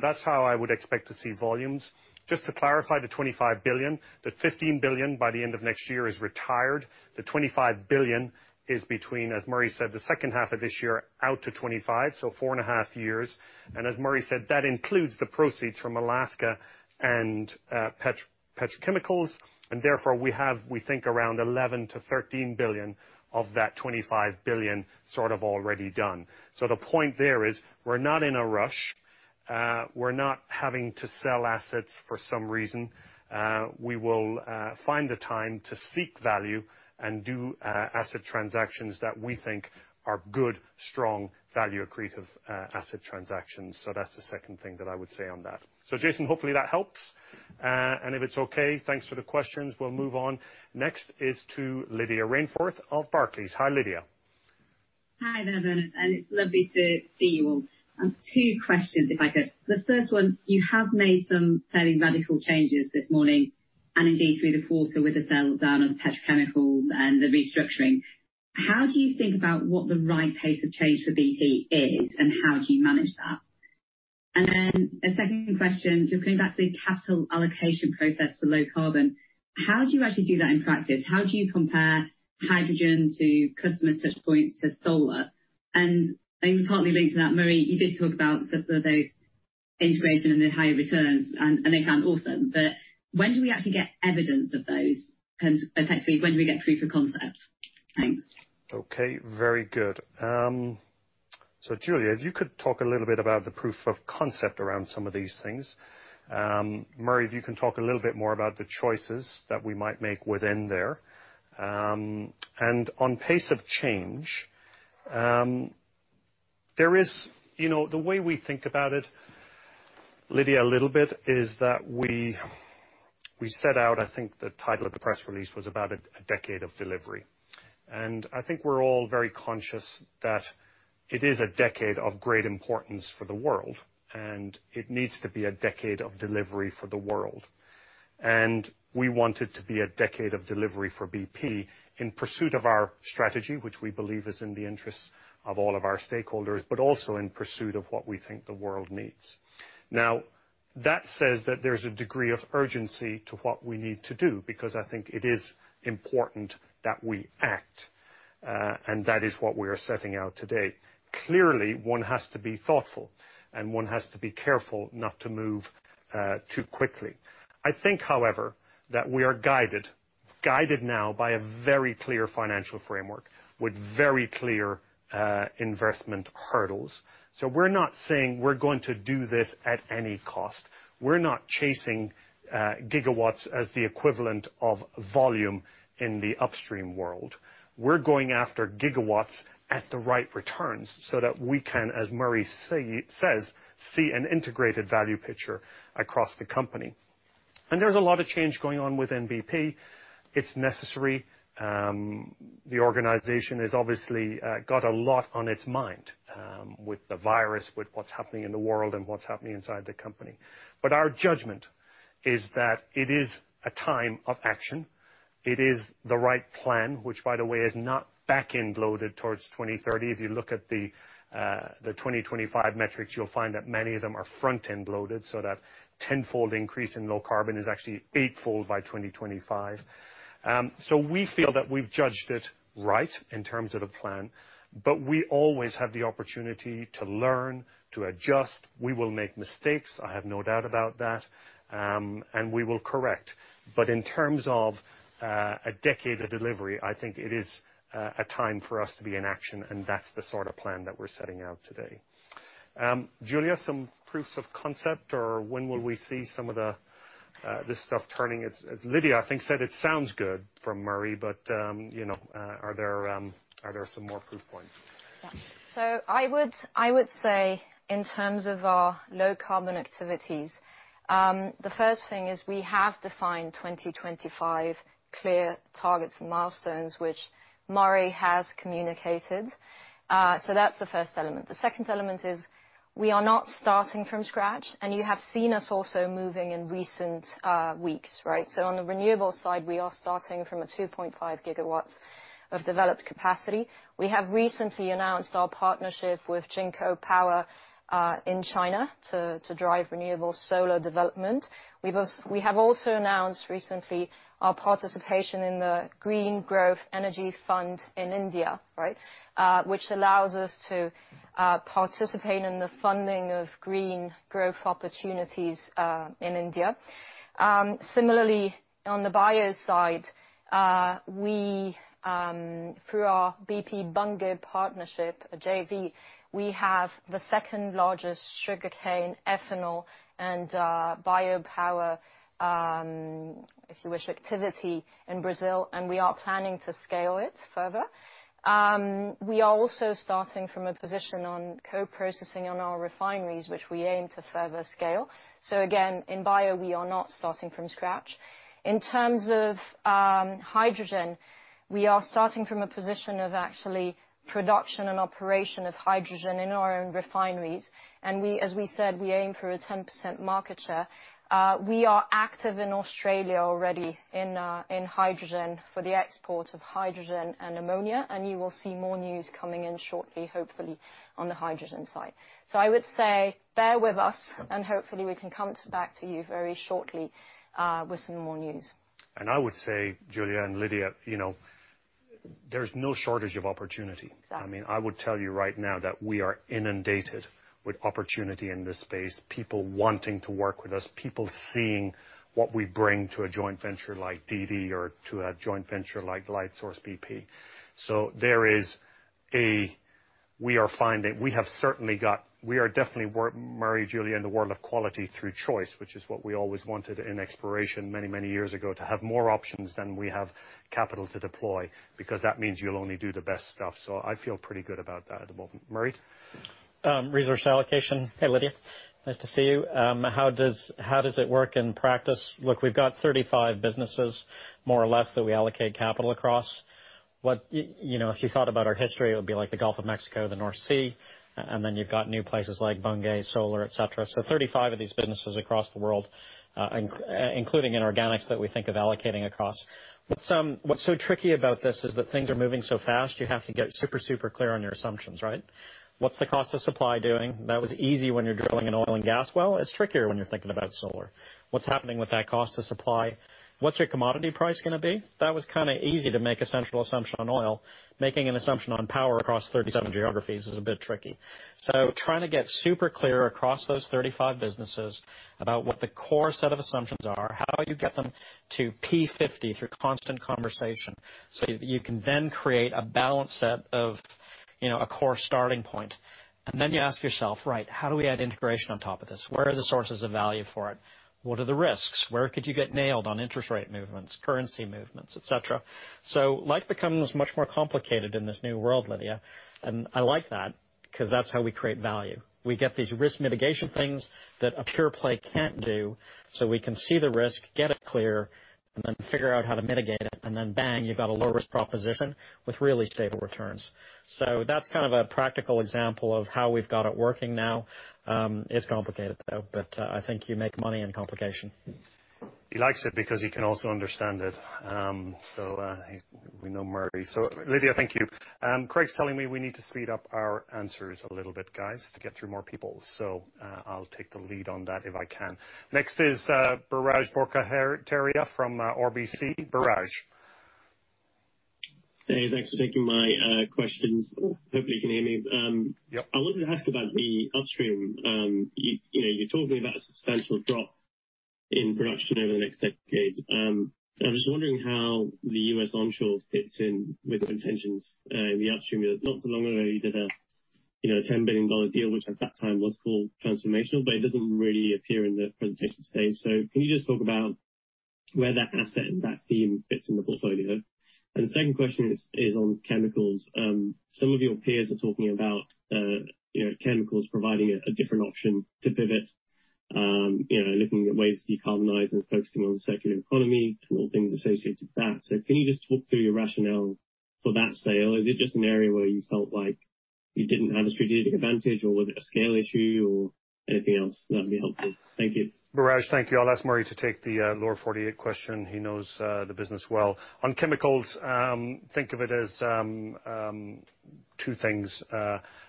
That's how I would expect to see volumes. Just to clarify the $25 billion, the $15 billion by the end of next year is retired. The $25 billion is between, as Murray said, the second half of this year out to 2025, so four and a half years. As Murray said, that includes the proceeds from Alaska and petrochemicals, therefore, we have, we think around $11 billion-$13 billion of that $25 billion sort of already done. The point there is, we're not in a rush. We're not having to sell assets for some reason. We will find the time to seek value and do asset transactions that we think are good, strong value accretive asset transactions. That's the second thing that I would say on that. Jason, hopefully that helps. If it's okay, thanks for the questions. We'll move on. Next is to Lydia Rainforth of Barclays. Hi, Lydia. Hi there, Bernard. It's lovely to see you all. I have two questions, if I could. The first one, you have made some fairly radical changes this morning and indeed through the quarter with the sell-down of petrochemical and the restructuring. How do you think about what the right pace of change for BP is, and how do you manage that? A second question, just coming back to the capital allocation process for low carbon, how do you actually do that in practice? How do you compare hydrogen to customer touchpoints to solar? Partly linked to that, Murray, you did talk about some of those Integration and the higher returns, and they sound awesome. When do we actually get evidence of those? Effectively, when do we get proof of concept? Thanks. Okay. Very good. Giulia, if you could talk a little bit about the proof of concept around some of these things. Murray, if you can talk a little bit more about the choices that we might make within there. On pace of change, the way we think about it, Lydia, a little bit, is that we set out, I think the title of the press release was about a decade of delivery. I think we're all very conscious that it is a decade of great importance for the world, and it needs to be a decade of delivery for the world. We want it to be a decade of delivery for BP in pursuit of our strategy, which we believe is in the interests of all of our stakeholders, but also in pursuit of what we think the world needs. Now, that says that there's a degree of urgency to what we need to do, because I think it is important that we act. That is what we are setting out today. Clearly, one has to be thoughtful, and one has to be careful not to move too quickly. I think, however, that we are guided now by a very clear financial framework with very clear investment hurdles. We're not saying we're going to do this at any cost. We're not chasing gigawatts as the equivalent of volume in the upstream world. We're going after gigawatts at the right returns so that we can, as Murray says, see an integrated value picture across the company. There's a lot of change going on within BP. It's necessary. The organization has obviously got a lot on its mind, with the virus, with what's happening in the world, and what's happening inside the company. Our judgment is that it is a time of action. It is the right plan, which by the way, is not back-end loaded towards 2030. If you look at the 2025 metrics, you'll find that many of them are front-end loaded, so that tenfold increase in low carbon is actually eightfold by 2025. We feel that we've judged it right in terms of the plan, but we always have the opportunity to learn, to adjust. We will make mistakes, I have no doubt about that. We will correct. In terms of a decade of delivery, I think it is a time for us to be in action, and that's the sort of plan that we're setting out today. Giulia, some proofs of concept or when will we see some of this stuff turning? As Lydia, I think, said it sounds good from Murray, but are there some more proof points? Yeah. I would say in terms of our low-carbon activities, the first thing is we have defined 2025 clear targets and milestones, which Murray has communicated. The second element is we are not starting from scratch. You have seen us also moving in recent weeks, right? On the renewable side, we are starting from a 2.5 GW of developed capacity. We have recently announced our partnership with Jinko Power in China to drive renewable solar development. We have also announced recently our participation in the Green Growth Equity Fund in India, which allows us to participate in the funding of green growth opportunities in India. Similarly, on the bio side, through our BP Bunge partnership, a JV, we have the second largest sugarcane ethanol and biopower, if you wish, activity in Brazil. We are planning to scale it further. We are also starting from a position on co-processing on our refineries, which we aim to further scale. Again, in bio, we are not starting from scratch. In terms of hydrogen, we are starting from a position of actually production and operation of hydrogen in our own refineries, and as we said, we aim for a 10% market share. We are active in Australia already in hydrogen for the export of hydrogen and ammonia, and you will see more news coming in shortly, hopefully, on the hydrogen side. I would say bear with us, and hopefully we can come back to you very shortly, with some more news. I would say, Giulia and Lydia, there's no shortage of opportunity. Exactly. I would tell you right now that we are inundated with opportunity in this space. People wanting to work with us, people seeing what we bring to a joint venture like Didi or to a joint venture like Lightsource BP. We are definitely, Murray, Giulia, in the world of quality through choice, which is what we always wanted in exploration many years ago. To have more options than we have capital to deploy, because that means you'll only do the best stuff. I feel pretty good about that at the moment. Murray? Resource allocation. Hey, Lydia. Nice to see you. How does it work in practice? Look, we've got 35 businesses, more or less, that we allocate capital across. If you thought about our history, it would be like the Gulf of Mexico, the North Sea, and then you've got new places like Bunge, solar, et cetera. 35 of these businesses across the world, including in organics that we think of allocating across. What's so tricky about this is that things are moving so fast, you have to get super clear on your assumptions, right? What's the cost of supply doing? That was easy when you're drilling an oil and gas well. It's trickier when you're thinking about solar. What's happening with that cost of supply? What's your commodity price going to be? That was kind of easy to make a central assumption on oil. Making an assumption on power across 37 geographies is a bit tricky. Trying to get super clear across those 35 businesses about what the core set of assumptions are, how you get them to P50 through constant conversation. You can then create a balance set of a core starting point. Then you ask yourself, right, how do we add integration on top of this? Where are the sources of value for it? What are the risks? Where could you get nailed on interest rate movements, currency movements, et cetera? Life becomes much more complicated in this new world, Lydia. I like that, because that's how we create value. We get these risk mitigation things that a pure play can't do. We can see the risk, get it clear. Then figure out how to mitigate it. Then bang, you've got a low risk proposition with really stable returns. That's kind of a practical example of how we've got it working now. It's complicated, though. I think you make money in complication. He likes it because he can also understand it. We know Murray. Lydia, thank you. Craig's telling me we need to speed up our answers a little bit, guys, to get through more people. I'll take the lead on that if I can. Next is Biraj Borkhataria from RBC. Biraj. Hey, thanks for taking my questions. Hopefully you can hear me. I wanted to ask about the upstream. You're talking about a substantial drop in production over the next decade. I'm just wondering how the U.S. onshore fits in with your intentions in the upstream unit. Not so long ago, you did a GBP 10 billion deal, which at that time was called transformational, but it doesn't really appear in the presentation today. Can you just talk about where that asset and that theme fits in the portfolio? The second question is on chemicals. Some of your peers are talking about chemicals providing a different option to pivot, looking at ways to decarbonize and focusing on circular economy and all things associated to that. Can you just talk through your rationale for that sale? Is it just an area where you felt like you didn't have a strategic advantage, or was it a scale issue or anything else? That'd be helpful. Thank you. Biraj, thank you. I'll ask Murray to take the Lower 48 question. He knows the business well. On chemicals, think of it as two things.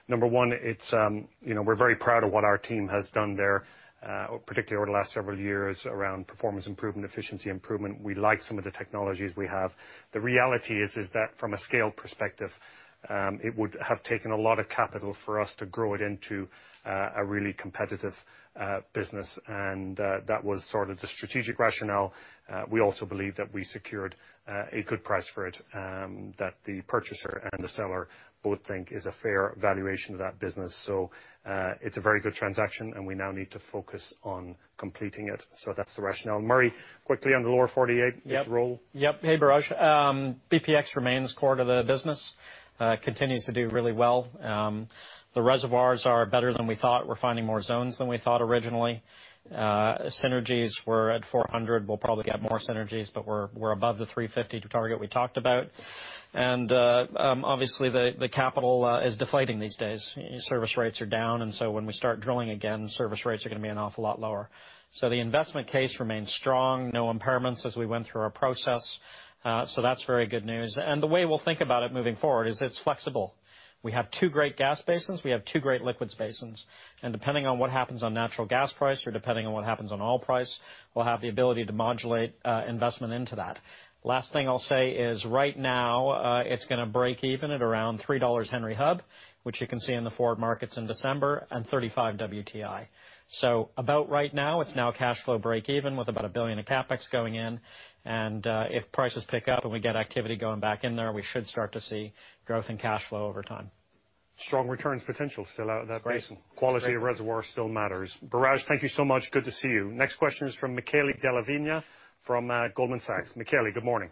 Number 1, we're very proud of what our team has done there, particularly over the last several years, around performance improvement, efficiency improvement. We like some of the technologies we have. The reality is that from a scale perspective, it would have taken a lot of capital for us to grow it into a really competitive business. That was sort of the strategic rationale. We also believe that we secured a good price for it, that the purchaser and the seller both think is a fair valuation of that business. It's a very good transaction, and we now need to focus on completing it. That's the rationale. Murray, quickly on the Lower 48, its role. Yep. Hey, Biraj. BPX remains core to the business, continues to do really well. The reservoirs are better than we thought. We're finding more zones than we thought originally. Synergies were at 400. We'll probably get more synergies, we're above the 350 target we talked about. Obviously the capital is deflating these days. Service rates are down, when we start drilling again, service rates are going to be an awful lot lower. The investment case remains strong. No impairments as we went through our process. That's very good news. The way we'll think about it moving forward is it's flexible. We have two great gas basins. We have two great liquids basins. Depending on what happens on natural gas price or depending on what happens on oil price, we'll have the ability to modulate investment into that. Last thing I'll say is right now, it's going to break even at around $3 Henry Hub, which you can see in the forward markets in December, and $35 WTI. About right now, it's now cash flow break even with about $1 billion of CapEx going in. If prices pick up and we get activity going back in there, we should start to see growth in cash flow over time. Strong returns potential still out of that basin. Great. Quality of reservoir still matters. Biraj, thank you so much. Good to see you. Next question is from Michele Della Vigna from Goldman Sachs. Michele, good morning.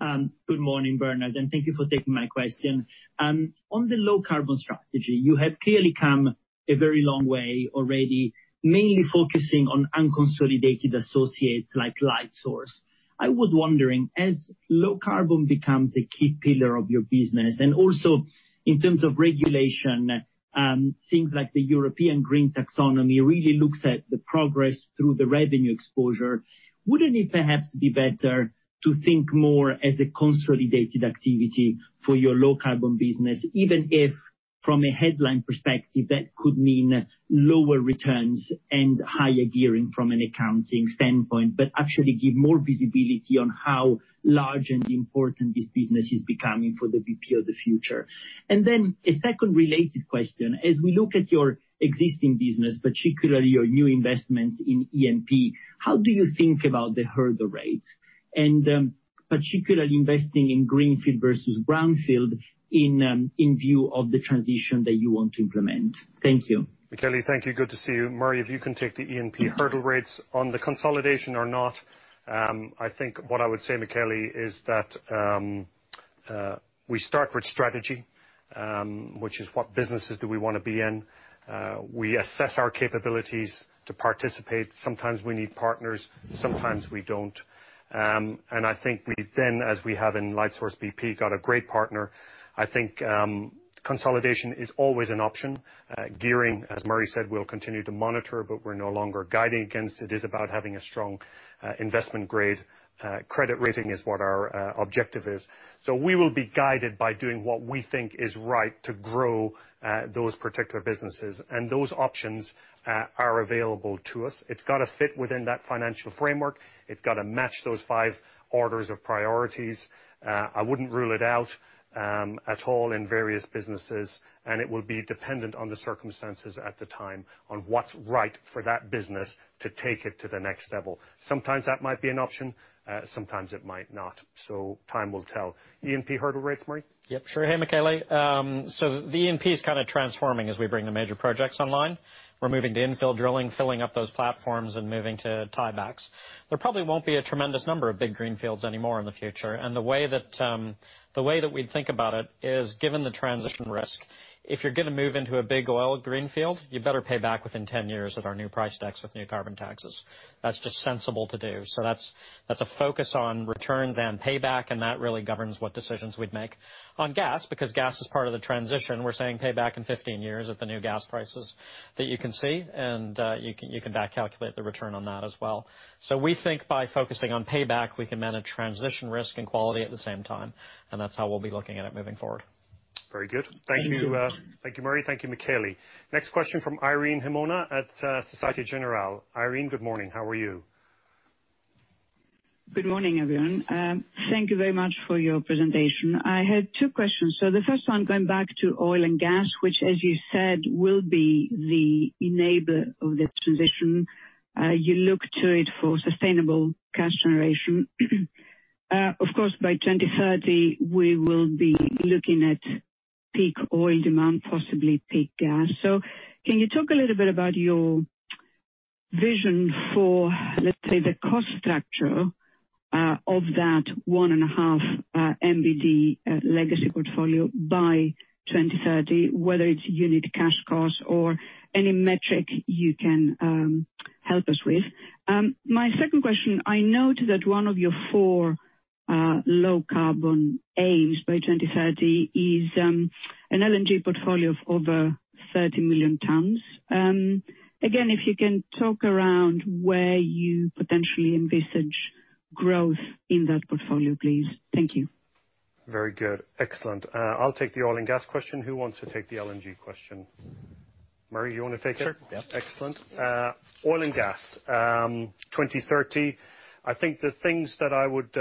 Good morning, Bernard, and thank you for taking my question. On the low-carbon strategy, you have clearly come a very long way already, mainly focusing on unconsolidated associates like Lightsource. I was wondering, as low carbon becomes a key pillar of your business, and also in terms of regulation, things like the European Green Taxonomy really looks at the progress through the revenue exposure. Wouldn't it perhaps be better to think more as a consolidated activity for your low-carbon business, even if from a headline perspective, that could mean lower returns and higher gearing from an accounting standpoint, but actually give more visibility on how large and important this business is becoming for the BP of the future? Then a second related question. As we look at your existing business, particularly your new investments in E&P, how do you think about the hurdle rates? Particularly investing in greenfield versus brownfield in view of the transition that you want to implement. Thank you. Michele, thank you. Good to see you. Murray, if you can take the E&P hurdle rates on the consolidation or not. I think what I would say, Michele, is that we start with strategy, which is what businesses do we want to be in. We assess our capabilities to participate. Sometimes we need partners, sometimes we don't. I think we then, as we have in Lightsource BP, got a great partner. I think consolidation is always an option. Gearing, as Murray said, we'll continue to monitor, but we're no longer guiding against it. It's about having a strong investment grade credit rating is what our objective is. We will be guided by doing what we think is right to grow those particular businesses, and those options are available to us. It's got to fit within that financial framework. It's got to match those five orders of priorities. I wouldn't rule it out at all in various businesses. It will be dependent on the circumstances at the time on what's right for that business to take it to the next level. Sometimes that might be an option, sometimes it might not. Time will tell. E&P hurdle rates, Murray? Yep, sure. Hey, Michele. The E&P is kind of transforming as we bring the major projects online. We're moving to infill drilling, filling up those platforms and moving to tie-backs. There probably won't be a tremendous number of big greenfields anymore in the future. The way that we think about it is, given the transition risk, if you're going to move into a big oil greenfield, you better pay back within 10 years at our new price decks with new carbon taxes. That's just sensible to do. That's a focus on returns and payback, and that really governs what decisions we'd make. On gas, because gas is part of the transition, we're saying pay back in 15 years at the new gas prices that you can see, and you can back calculate the return on that as well. We think by focusing on payback, we can manage transition risk and quality at the same time, and that's how we'll be looking at it moving forward. Very good. Thank you. Thank you. Thank you, Murray. Thank you, Michele. Next question from Irene Himona at Societe Generale. Irene, good morning. How are you? Good morning, everyone. Thank you very much for your presentation. I had two questions. The first one, going back to oil and gas, which, as you said, will be the enabler of this transition. You look to it for sustainable cash generation. Of course, by 2030, we will be looking at peak oil demand, possibly peak gas. Can you talk a little bit about your vision for, let's say, the cost structure of that one and a half MBD legacy portfolio by 2030, whether it's unit cash cost or any metric you can help us with? My second question, I note that one of your four low carbon aims by 2030 is an LNG portfolio of over 30 million tons. Again, if you can talk around where you potentially envisage growth in that portfolio, please. Thank you. Very good. Excellent. I'll take the oil and gas question. Who wants to take the LNG question? Murray, you want to take it? Sure, yeah. Excellent. Oil and gas. 2030, I think the things that I would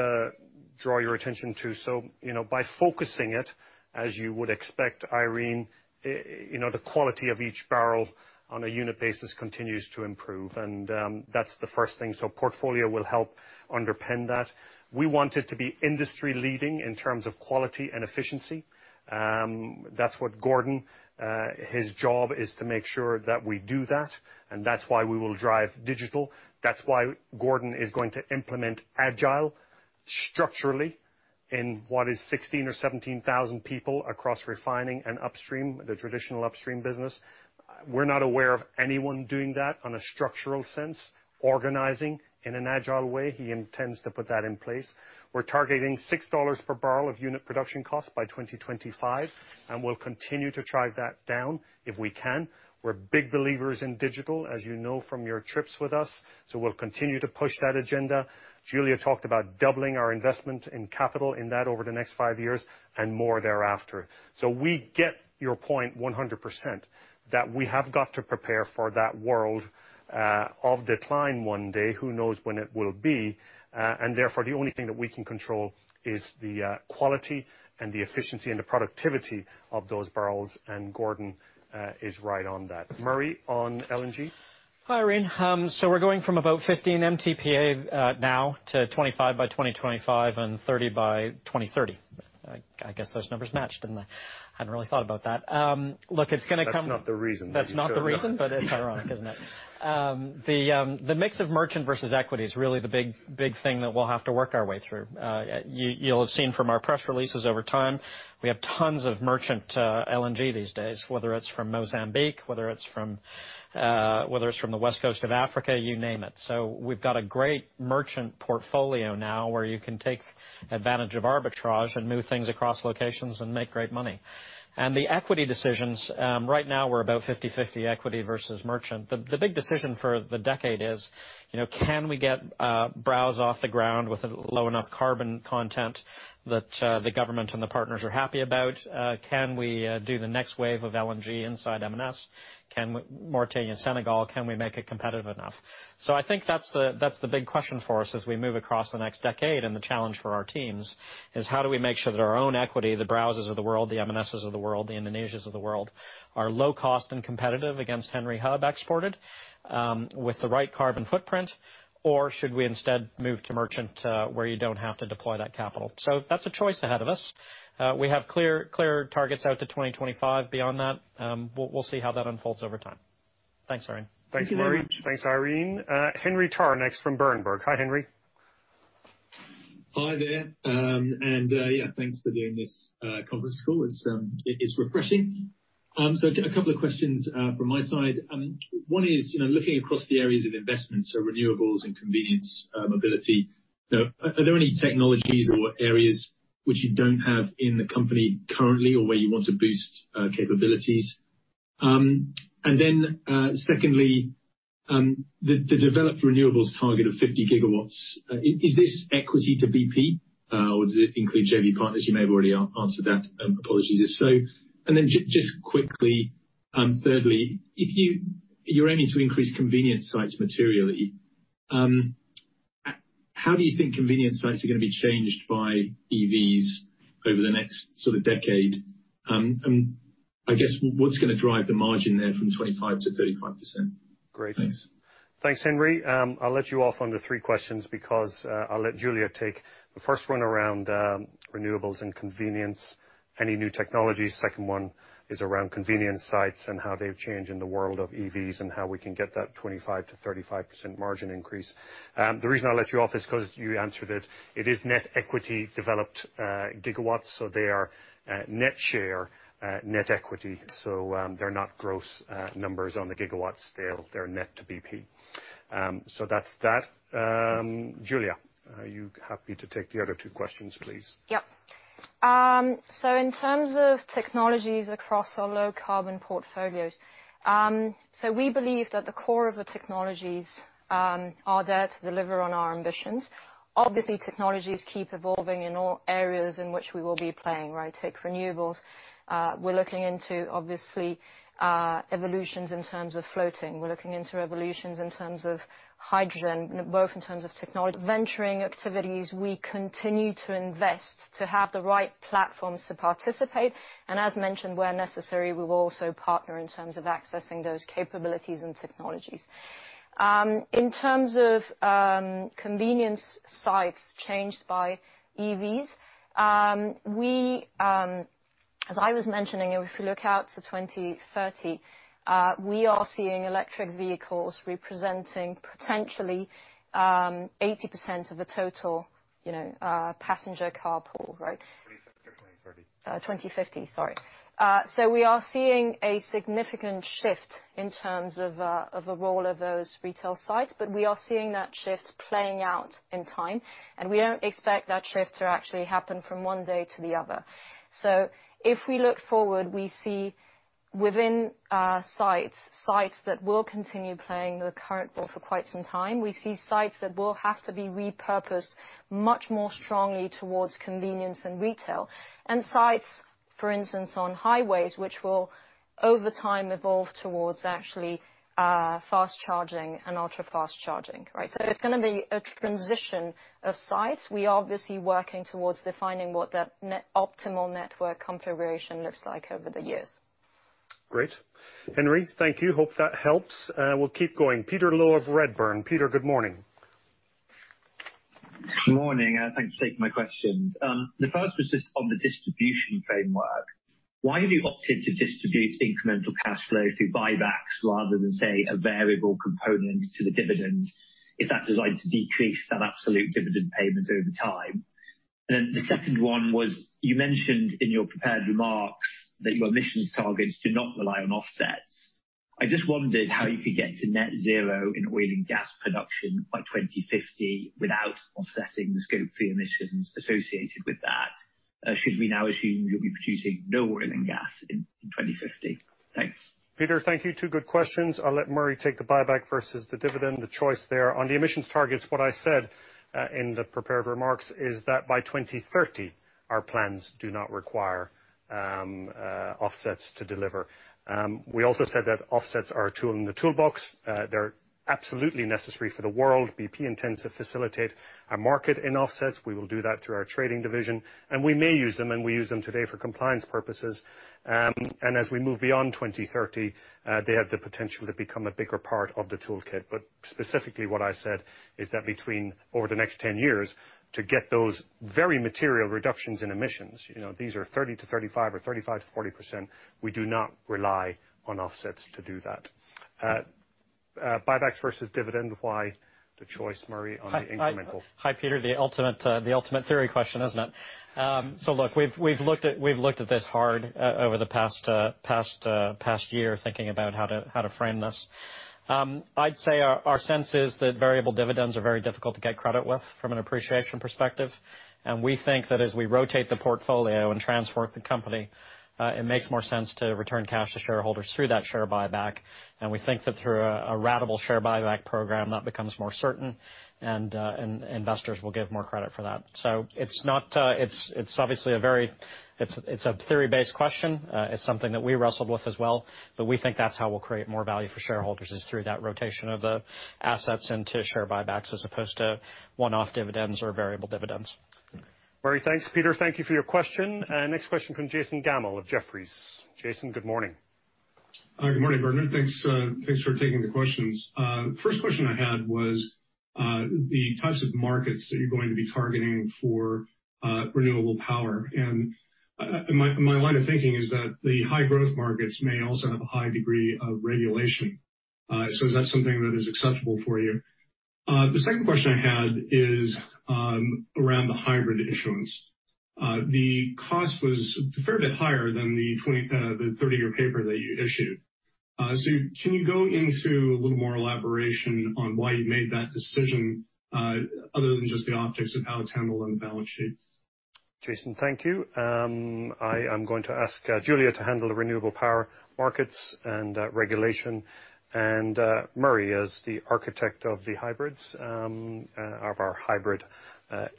draw your attention to. By focusing it, as you would expect, Irene, the quality of each barrel on a unit basis continues to improve, and that's the first thing. Portfolio will help underpin that. We want it to be industry leading in terms of quality and efficiency. That's what Gordon, his job is to make sure that we do that, and that's why we will drive digital. That's why Gordon is going to implement Agile structurally in what is 16,000 or 17,000 people across refining and upstream, the traditional upstream business. We're not aware of anyone doing that on a structural sense, organizing in an Agile way. He intends to put that in place. We're targeting $6 per barrel of unit production cost by 2025, and we'll continue to drive that down if we can. We're big believers in digital, as you know from your trips with us, so we'll continue to push that agenda. Giulia talked about doubling our investment in capital in that over the next 5 years and more thereafter. We get your point 100%, that we have got to prepare for that world of decline one day. Who knows when it will be. Therefore, the only thing that we can control is the quality and the efficiency and the productivity of those barrels. Gordon is right on that. Murray, on LNG. Hi, Irene. We're going from about 15 MTPA now to 25 by 2025 and 30 by 2030. I guess those numbers matched, didn't they? I hadn't really thought about that. That's not the reason. That's not the reason, but it's ironic, isn't it? The mix of merchant versus equity is really the big thing that we'll have to work our way through. You'll have seen from our press releases over time, we have tons of merchant LNG these days, whether it's from Mozambique, whether it's from the west coast of Africa, you name it. We've got a great merchant portfolio now where you can take advantage of arbitrage and move things across locations and make great money. The equity decisions, right now we're about 50/50 equity versus merchant. The big decision for the decade is can we get Browse off the ground with a low enough carbon content that the government and the partners are happy about? Can we do the next wave of LNG inside M&S? Mauritania, Senegal, can we make it competitive enough? I think that's the big question for us as we move across the next decade and the challenge for our teams is how do we make sure that our own equity, the Browses of the world, the M&S's of the world, the Indonesias of the world, are low cost and competitive against Henry Hub exported with the right carbon footprint? Should we instead move to merchant, where you don't have to deploy that capital? That's a choice ahead of us. We have clear targets out to 2025. Beyond that, we'll see how that unfolds over time. Thanks, Irene. Thanks, Murray. Thanks, Irene. Henry Tarr next from Berenberg. Hi, Henry. Hi there. Yeah, thanks for doing this conference call. It's refreshing. A couple of questions from my side. One is, looking across the areas of investment, so renewables and convenience, mobility. Are there any technologies or areas which you don't have in the company currently or where you want to boost capabilities? Secondly, the developed renewables target of 50 GW. Is this equity to BP, or does it include JV partners? You may have already answered that. Apologies if so. Just quickly, thirdly, if you're aiming to increase convenience sites materially, how do you think convenience sites are going to be changed by EVs over the next sort of decade? I guess what's going to drive the margin there from 25%-35%? Great. Thanks, Henry. I'll let you off on the three questions because I'll let Giulia take the first one around renewables and convenience, any new technology. Second one is around convenience sites and how they've changed in the world of EVs and how we can get that 25%-35% margin increase. The reason I'll let you off is because you answered it. It is net equity developed gigawatts. They are net share, net equity. They're not gross numbers on the gigawatts scale. They're net to BP. That's that. Giulia, are you happy to take the other two questions, please? Yep. In terms of technologies across our low-carbon portfolios, we believe that the core of the technologies are there to deliver on our ambitions. Obviously, technologies keep evolving in all areas in which we will be playing, right? Take renewables, we're looking into obviously, evolutions in terms of floating. We're looking into evolutions in terms of hydrogen, both in terms of technology. Venturing activities, we continue to invest to have the right platforms to participate. As mentioned, where necessary, we will also partner in terms of accessing those capabilities and technologies. In terms of convenience sites changed by EVs, as I was mentioning, if we look out to 2030, we are seeing electric vehicles representing potentially 80% of the total passenger car pool. Right? 2050, sorry. We are seeing a significant shift in terms of the role of those retail sites, but we are seeing that shift playing out in time, and we don't expect that shift to actually happen from one day to the other. If we look forward, we see within sites that will continue playing the current role for quite some time. We see sites that will have to be repurposed much more strongly towards convenience and retail. Sites, for instance, on highways, which will, over time, evolve towards actually fast charging and ultra-fast charging. Right? It's going to be a transition of sites. We are obviously working towards defining what that optimal network configuration looks like over the years. Great. Henry, thank you. Hope that helps. We'll keep going. Peter Low of Redburn. Peter, good morning. Good morning. Thanks for taking my questions. The first was just on the distribution framework. Why have you opted to distribute incremental cash flow through buybacks rather than, say, a variable component to the dividend, if that's designed to decrease that absolute dividend payment over time? The second one was, you mentioned in your prepared remarks that your emissions targets do not rely on offsets. I just wondered how you could get to net zero in oil and gas production by 2050 without offsetting the Scope 3 emissions associated with that. Should we now assume you'll be producing no oil and gas in 2050? Thanks. Peter, thank you. Two good questions. I'll let Murray take the buyback versus the dividend, the choice there. On the emissions targets, what I said, in the prepared remarks, is that by 2030, our plans do not require offsets to deliver. We also said that offsets are a tool in the toolbox. They're absolutely necessary for the world. BP intends to facilitate a market in offsets. We will do that through our trading division, and we may use them, and we use them today for compliance purposes. As we move beyond 2030, they have the potential to become a bigger part of the toolkit. Specifically what I said is that between over the next 10 years to get those very material reductions in emissions, these are 30%-35% or 35%-40%, we do not rely on offsets to do that. Buybacks versus dividend, why the choice, Murray, on the incremental? Hi, Peter. The ultimate theory question, isn't it? Look, we've looked at this hard over the past year, thinking about how to frame this. I'd say our sense is that variable dividends are very difficult to get credit with from an appreciation perspective. We think that as we rotate the portfolio and transform the company, it makes more sense to return cash to shareholders through that share buyback. We think that through a ratable share buyback program, that becomes more certain and investors will give more credit for that. It's obviously a very theory-based question. It's something that we wrestled with as well, we think that's how we'll create more value for shareholders, is through that rotation of the assets into share buybacks as opposed to one-off dividends or variable dividends. Murray, thanks. Peter, thank you for your question. Next question from Jason Gammel of Jefferies. Jason, good morning. Good morning, Bernard. Thanks for taking the questions. First question I had was the types of markets that you're going to be targeting for renewable power. My line of thinking is that the high growth markets may also have a high degree of regulation. Is that something that is acceptable for you? The second question I had is around the hybrid issuance. The cost was a fair bit higher than the 30-year paper that you issued. Can you go into a little more elaboration on why you made that decision, other than just the optics of how it's handled on the balance sheet? Jason, thank you. I am going to ask Giulia to handle the renewable power markets and regulation, and Murray, as the architect of our hybrid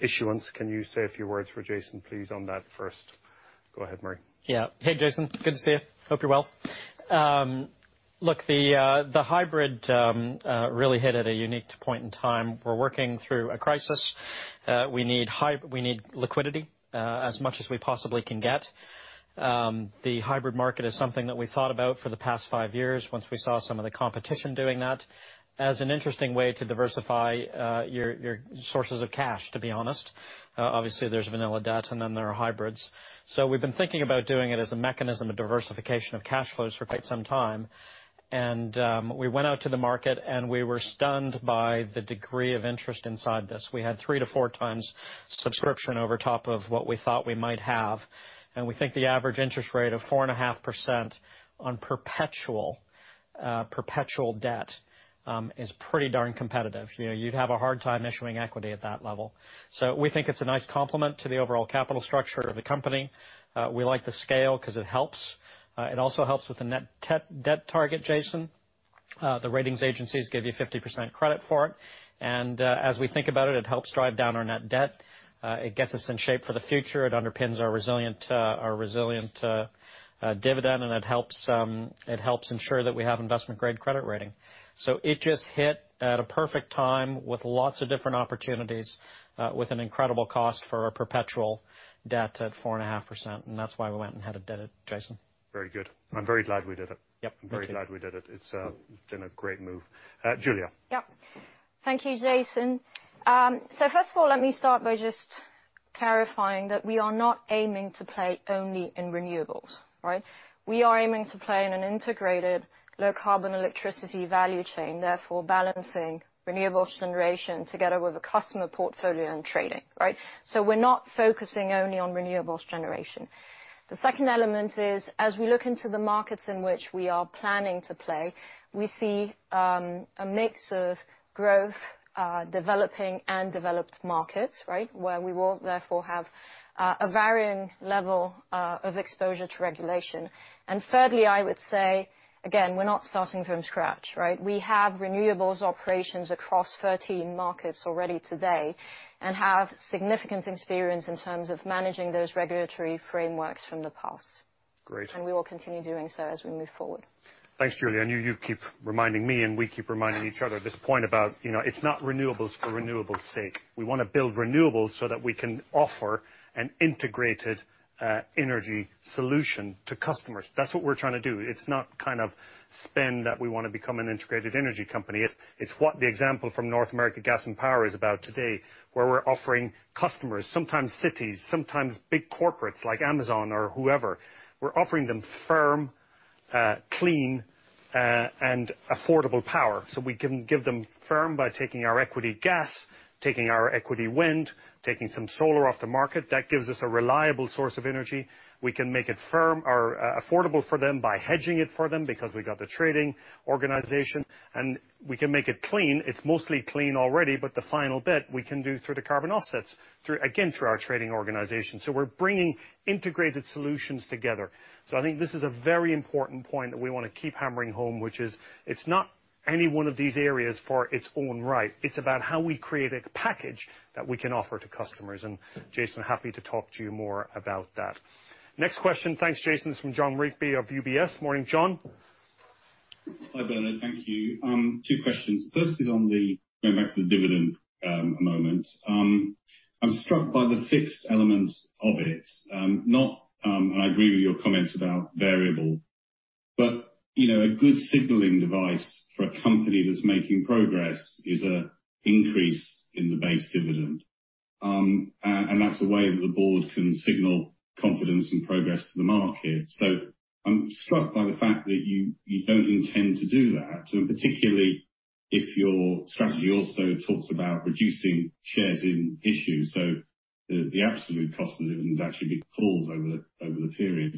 issuance, can you say a few words for Jason please on that first? Go ahead, Murray. Yeah. Hey, Jason. Good to see you. Hope you're well. Look, the hybrid really hit at a unique point in time. We're working through a crisis. We need liquidity as much as we possibly can get. The hybrid market is something that we thought about for the past five years once we saw some of the competition doing that as an interesting way to diversify your sources of cash, to be honest. Obviously, there's vanilla debt and then there are hybrids. We've been thinking about doing it as a mechanism of diversification of cash flows for quite some time. We went out to the market and we were stunned by the degree of interest inside this. We had three to four times subscription over top of what we thought we might have. We think the average interest rate of 4.5% on perpetual debt is pretty darn competitive. You'd have a hard time issuing equity at that level. We think it's a nice complement to the overall capital structure of the company. We like the scale because it helps. It also helps with the net debt target, Jason. The ratings agencies give you 50% credit for it. As we think about it helps drive down our net debt. It gets us in shape for the future. It underpins our resilient dividend, and it helps ensure that we have investment-grade credit rating. It just hit at a perfect time with lots of different opportunities, with an incredible cost for our perpetual debt at 4.5%. That's why we went and had it done it, Jason. Very good. I'm very glad we did it. Yep. Thank you. I'm very glad we did it. It's been a great move. Giulia. Yep. Thank you, Jason. First of all, let me start by just clarifying that we are not aiming to play only in renewables, right? We are aiming to play in an integrated low-carbon electricity value chain, therefore balancing renewables generation together with a customer portfolio and trading. We're not focusing only on renewables generation. The second element is as we look into the markets in which we are planning to play, we see a mix of growth, developing, and developed markets where we will therefore have a varying level of exposure to regulation. Thirdly, I would say, again, we're not starting from scratch, right? We have renewables operations across 13 markets already today and have significant experience in terms of managing those regulatory frameworks from the past. Great. We will continue doing so as we move forward. Thanks, Giulia. I know you keep reminding me, and we keep reminding each other this point about it's not renewables for renewables' sake. We want to build renewables so that we can offer an integrated energy solution to customers. That's what we're trying to do. It's not spend that we want to become an integrated energy company. It's what the example from North American Gas and Power is about today, where we're offering customers, sometimes cities, sometimes big corporates like Amazon or whoever, we're offering them firm, clean, and affordable power. We can give them firm by taking our equity gas, taking our equity wind, taking some solar off the market. That gives us a reliable source of energy. We can make it affordable for them by hedging it for them because we got the trading organization. We can make it clean. It's mostly clean already, the final bit we can do through the carbon offsets, again, through our trading organization. We're bringing integrated solutions together. I think this is a very important point that we want to keep hammering home, which is it's not any one of these areas for its own right. It's about how we create a package that we can offer to customers. Jason, happy to talk to you more about that. Next question. Thanks, Jason. It's from Jon Rigby of UBS. Morning, Jon. Hi, Bernard. Thank you. Two questions. First is on the going back to the dividend moment. I'm struck by the fixed element of it. I agree with your comments about variable, but a good signaling device for a company that's making progress is an increase in the base dividend, and that's a way the board can signal confidence and progress to the market. I'm struck by the fact that you don't intend to do that, and particularly if your strategy also talks about reducing shares in issue. The absolute cost of the dividend is actually being pulled over the period.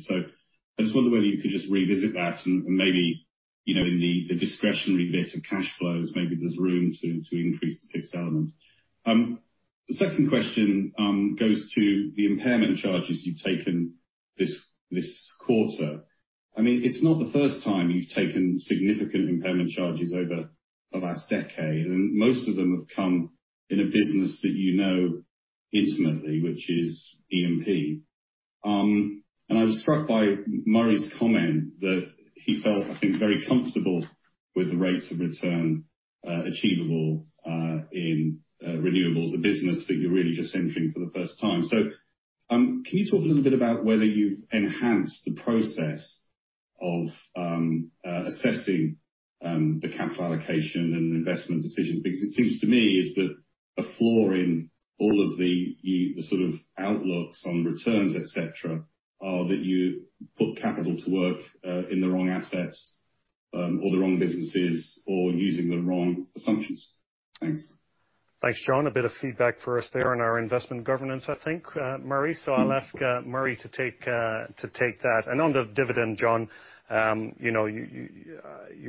I just wonder whether you could just revisit that and maybe in the discretionary bit of cash flows, maybe there's room to increase the fixed element. The second question goes to the impairment charges you've taken this quarter. It's not the first time you've taken significant impairment charges over the last decade, and most of them have come in a business that you know intimately, which is E&P. I was struck by Murray's comment that he felt, I think, very comfortable with the rates of return achievable in renewables, a business that you're really just entering for the first time. Can you talk a little bit about whether you've enhanced the process of assessing the capital allocation and investment decision? A floor in all of the sort of outlooks on returns, etc, are that you put capital to work in the wrong assets or the wrong businesses or using the wrong assumptions? Thanks. Thanks, Jon. A bit of feedback for us there on our investment governance, I think, Murray. I'll ask Murray to take that. On the dividend, Jon, you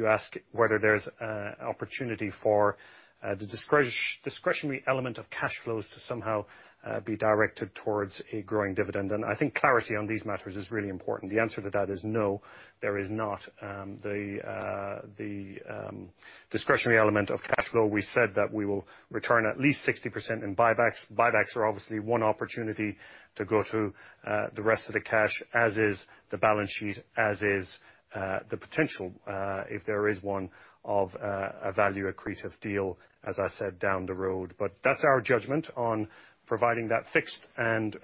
ask whether there's an opportunity for the discretionary element of cash flows to somehow be directed towards a growing dividend. I think clarity on these matters is really important. The answer to that is no, there is not. The discretionary element of cash flow, we said that we will return at least 60% in buybacks. Buybacks are obviously one opportunity to go to the rest of the cash, as is the balance sheet, as is the potential, if there is one, of a value-accretive deal, as I said, down the road. That's our judgment on providing that fixed and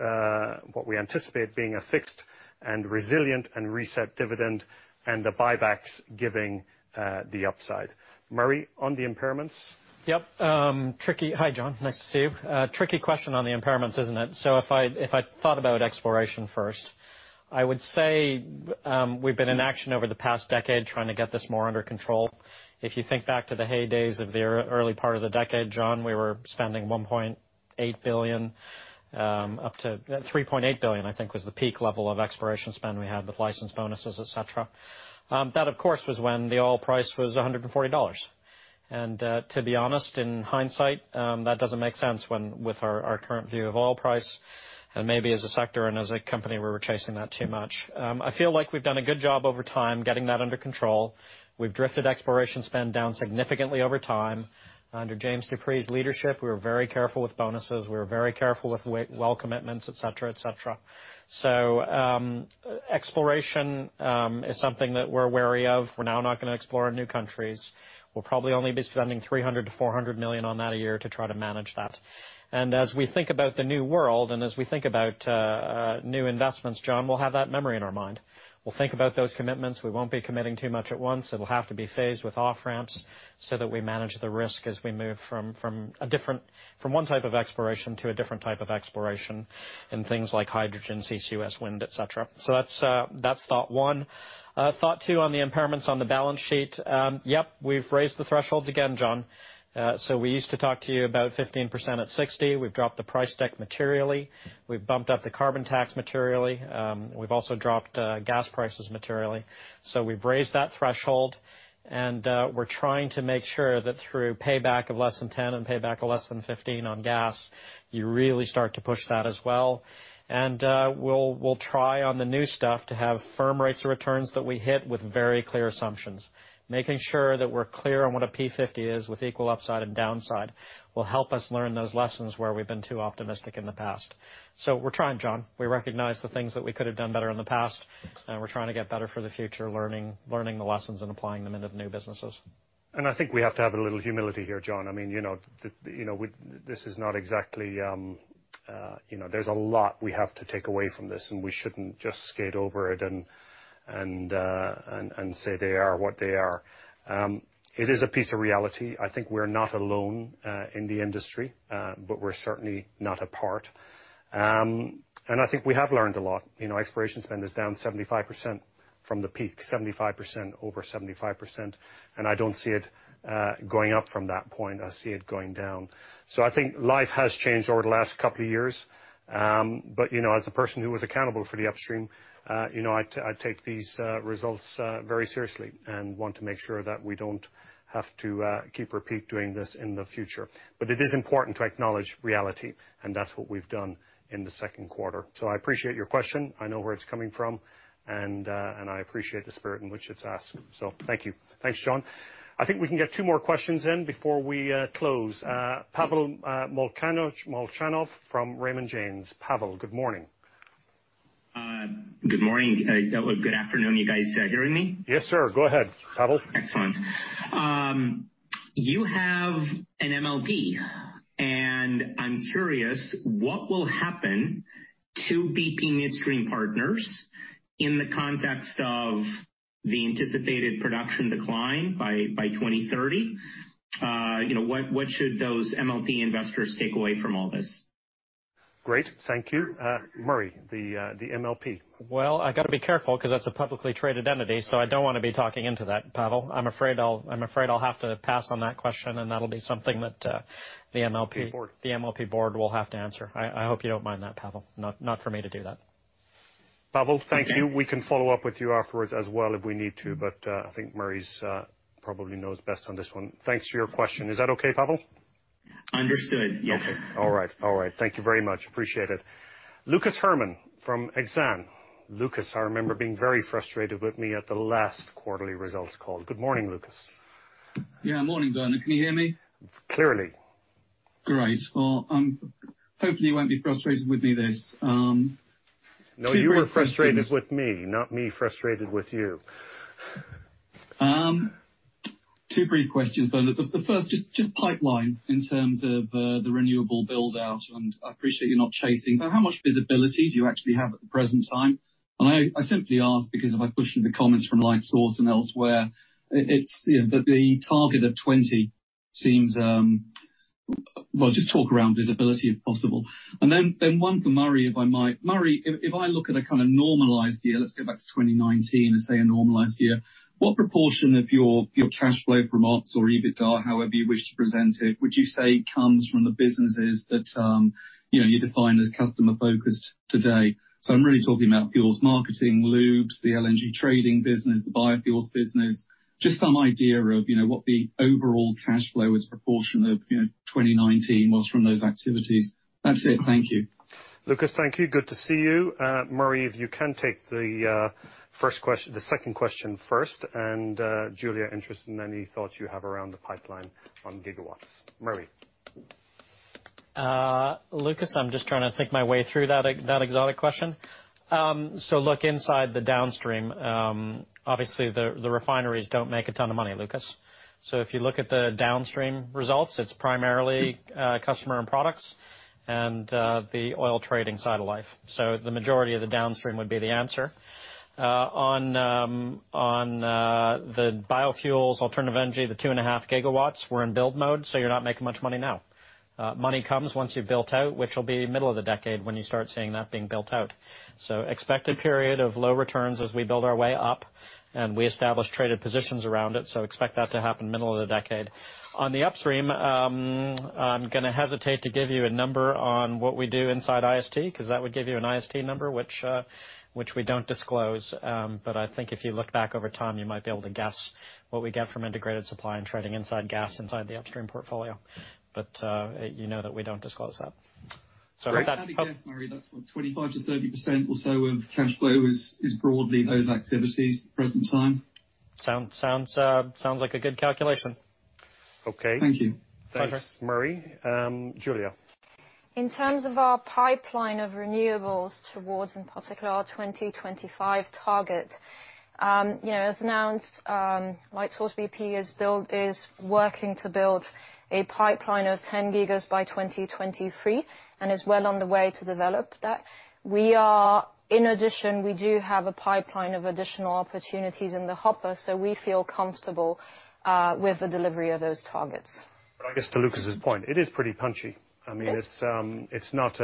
what we anticipate being a fixed and resilient and reset dividend and the buybacks giving the upside. Murray, on the impairments? Yep. Hi, Jon. Nice to see you. A tricky question on the impairments, isn't it? If I thought about exploration first, I would say we've been in action over the past decade trying to get this more under control. If you think back to the heydays of the early part of the decade, Jon, we were spending 1.8 billion up to 3.8 billion, I think, was the peak level of exploration spend we had with license bonuses, et cetera. That, of course, was when the oil price was GBP 140. To be honest, in hindsight, that doesn't make sense with our current view of oil price and maybe as a sector and as a company, we were chasing that too much. I feel like we've done a good job over time getting that under control. We've drifted exploration spend down significantly over time. Under James Dupree's leadership, we were very careful with bonuses. We were very careful with well commitments, etc. Exploration is something that we're wary of. We're now not going to explore in new countries. We'll probably only be spending 300 million-400 million on that a year to try to manage that. As we think about the new world and as we think about new investments, Jon, we'll have that memory in our mind. We'll think about those commitments. We won't be committing too much at once. It'll have to be phased with off-ramps so that we manage the risk as we move from one type of exploration to a different type of exploration in things like hydrogen, CCS, wind, etc. That's thought one. Thought two on the impairments on the balance sheet. Yep, we've raised the thresholds again, Jon. We used to talk to you about 15% at 60. We've dropped the price deck materially. We've bumped up the carbon tax materially. We've also dropped gas prices materially. We've raised that threshold, and we're trying to make sure that through payback of less than 10 and payback of less than 15 on gas, you really start to push that as well. We'll try on the new stuff to have firm rates of returns that we hit with very clear assumptions. Making sure that we're clear on what a P50 is with equal upside and downside will help us learn those lessons where we've been too optimistic in the past. We're trying, Jon. We recognize the things that we could have done better in the past, and we're trying to get better for the future, learning the lessons and applying them into the new businesses. I think we have to have a little humility here, Jon. There's a lot we have to take away from this, and we shouldn't just skate over it and say they are what they are. It is a piece of reality. I think we're not alone in the industry, but we're certainly not apart. I think we have learned a lot. Exploration spend is down 75% from the peak, 75% over 75%, and I don't see it going up from that point. I see it going down. I think life has changed over the last couple of years. As the person who was accountable for the upstream, I take these results very seriously and want to make sure that we don't have to keep repeating this in the future. It is important to acknowledge reality, and that's what we've done in the second quarter. I appreciate your question. I know where it's coming from, and I appreciate the spirit in which it's asked. Thank you. Thanks, John. I think we can get two more questions in before we close. Pavel Molchanov from Raymond James. Pavel, good morning. Good morning. Good afternoon, you guys. Can you hear me? Yes, sir. Go ahead, Pavel. Excellent. You have an MLP, and I'm curious what will happen to BP Midstream Partners in the context of the anticipated production decline by 2030. What should those MLP investors take away from all this? Great. Thank you. Murray, the MLP. Well, I got to be careful because that's a publicly traded entity, so I don't want to be talking into that, Pavel. I'm afraid I'll have to pass on that question, and that'll be something that the. The board. The MLP board will have to answer. I hope you don't mind that, Pavel. Not for me to do that. Pavel, thank you. We can follow up with you afterwards as well if we need to. I think Murray probably knows best on this one. Thanks for your question. Is that okay, Pavel? Understood. Yes, sir. Okay. All right. Thank you very much. Appreciate it. Lucas Herrmann from Exane. Lucas, I remember being very frustrated with me at the last quarterly results call. Good morning, Lucas. Yeah, morning, Bernard. Can you hear me? Clearly. Great. Well, hopefully you won't be frustrated with me this. No, you were frustrated with me, not me frustrated with you. Two brief questions, Bernard. The first, just pipeline in terms of the renewable build-out, I appreciate you're not chasing, but how much visibility do you actually have at the present time? I simply ask because if I push you the comments from Lightsource and elsewhere, the target of 20 seems, well, just talk around visibility if possible. One for Murray, if I might. Murray, if I look at a kind of normalized year, let's go back to 2019 and say a normalized year, what proportion of your cash flow from ops or EBITDA, however you wish to present it, would you say comes from the businesses that you define as customer-focused today? I'm really talking about fuels marketing, lubes, the LNG trading business, the biofuels business. Just some idea of what the overall cash flow as proportion of 2019 was from those activities. That's it. Thank you. Lucas, thank you. Good to see you. Murray, if you can take the second question first, and Giulia, interested in any thoughts you have around the pipeline on gigawatts. Murray. Lucas, I'm just trying to think my way through that exotic question. Look, inside the downstream, obviously the refineries don't make a ton of money, Lucas. If you look at the downstream results, it's primarily customer and products and the oil trading side of life. The majority of the downstream would be the answer. On the biofuels alternative energy, the 2.5 GW, we're in build mode, so you're not making much money now. Money comes once you've built out, which will be middle of the decade when you start seeing that being built out. Expected period of low returns as we build our way up, and we establish traded positions around it, so expect that to happen middle of the decade. On the upstream, I'm going to hesitate to give you a number on what we do inside IST, because that would give you an IST number, which we don't disclose. I think if you look back over time, you might be able to guess what we get from integrated supply and trading inside gas inside the upstream portfolio. You know that we don't disclose that. Great. Had to guess, Murray, that's what, 25%-30% or so of cash flow is broadly those activities present time? Sounds like a good calculation. Okay. Thank you. Pleasure. Thanks, Murray. Giulia. In terms of our pipeline of renewables towards, in particular, our 2025 target. As announced, Lightsource BP is working to build a pipeline of 10 gigas by 2023, and is well on the way to develop that. In addition, we do have a pipeline of additional opportunities in the hopper, so we feel comfortable with the delivery of those targets. I guess to Lucas's point, it is pretty punchy. Yes. It's not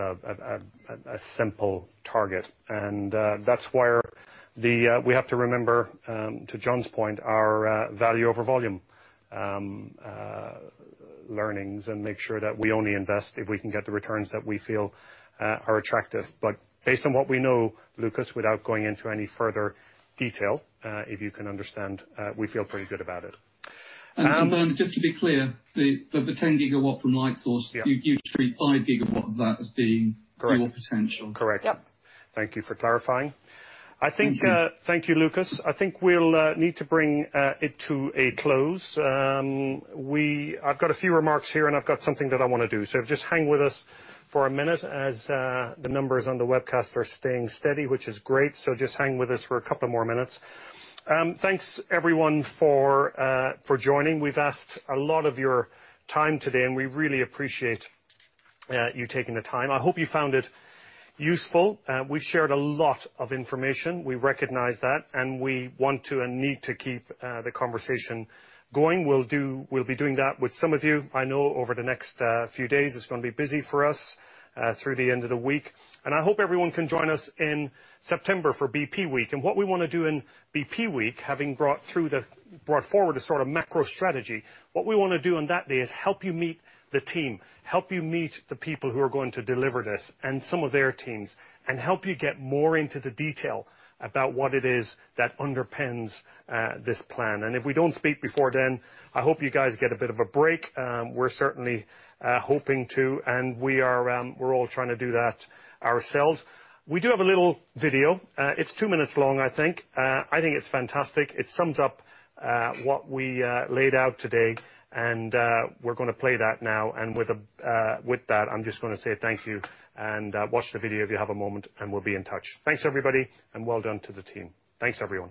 a simple target. That's where we have to remember, to Jon's point, our value over volume learnings and make sure that we only invest if we can get the returns that we feel are attractive. Based on what we know, Lucas, without going into any further detail, if you can understand, we feel pretty good about it. Just to be clear, the 10 GW from Lightsource. You treat 5 GW of that as being. Correc Yeah. Thank you for clarifying. Thank you, Lucas. I think we'll need to bring it to a close. I've got a few remarks here, and I've got something that I want to do. Just hang with us for a minute as the numbers on the webcast are staying steady, which is great. Just hang with us for a couple more minutes. Thanks everyone for joining. We've asked a lot of your time today, and we really appreciate you taking the time. I hope you found it useful. We've shared a lot of information. We recognize that, and we want to and need to keep the conversation going. We'll be doing that with some of you, I know, over the next few days. It's going to be busy for us through the end of the week. I hope everyone can join us in September for BP Week. What we want to do in BP Week, having brought forward the sort of macro strategy, what we want to do on that day is help you meet the team, help you meet the people who are going to deliver this and some of their teams. Help you get more into the detail about what it is that underpins this plan. If we don't speak before then, I hope you guys get a bit of a break. We're certainly hoping to, and we're all trying to do that ourselves. We do have a little video. It's two minutes long, I think. I think it's fantastic. It sums up what we laid out today, and we're going to play that now. With that, I'm just going to say thank you, and watch the video if you have a moment, and we'll be in touch. Thanks, everybody, and well done to the team. Thanks, everyone.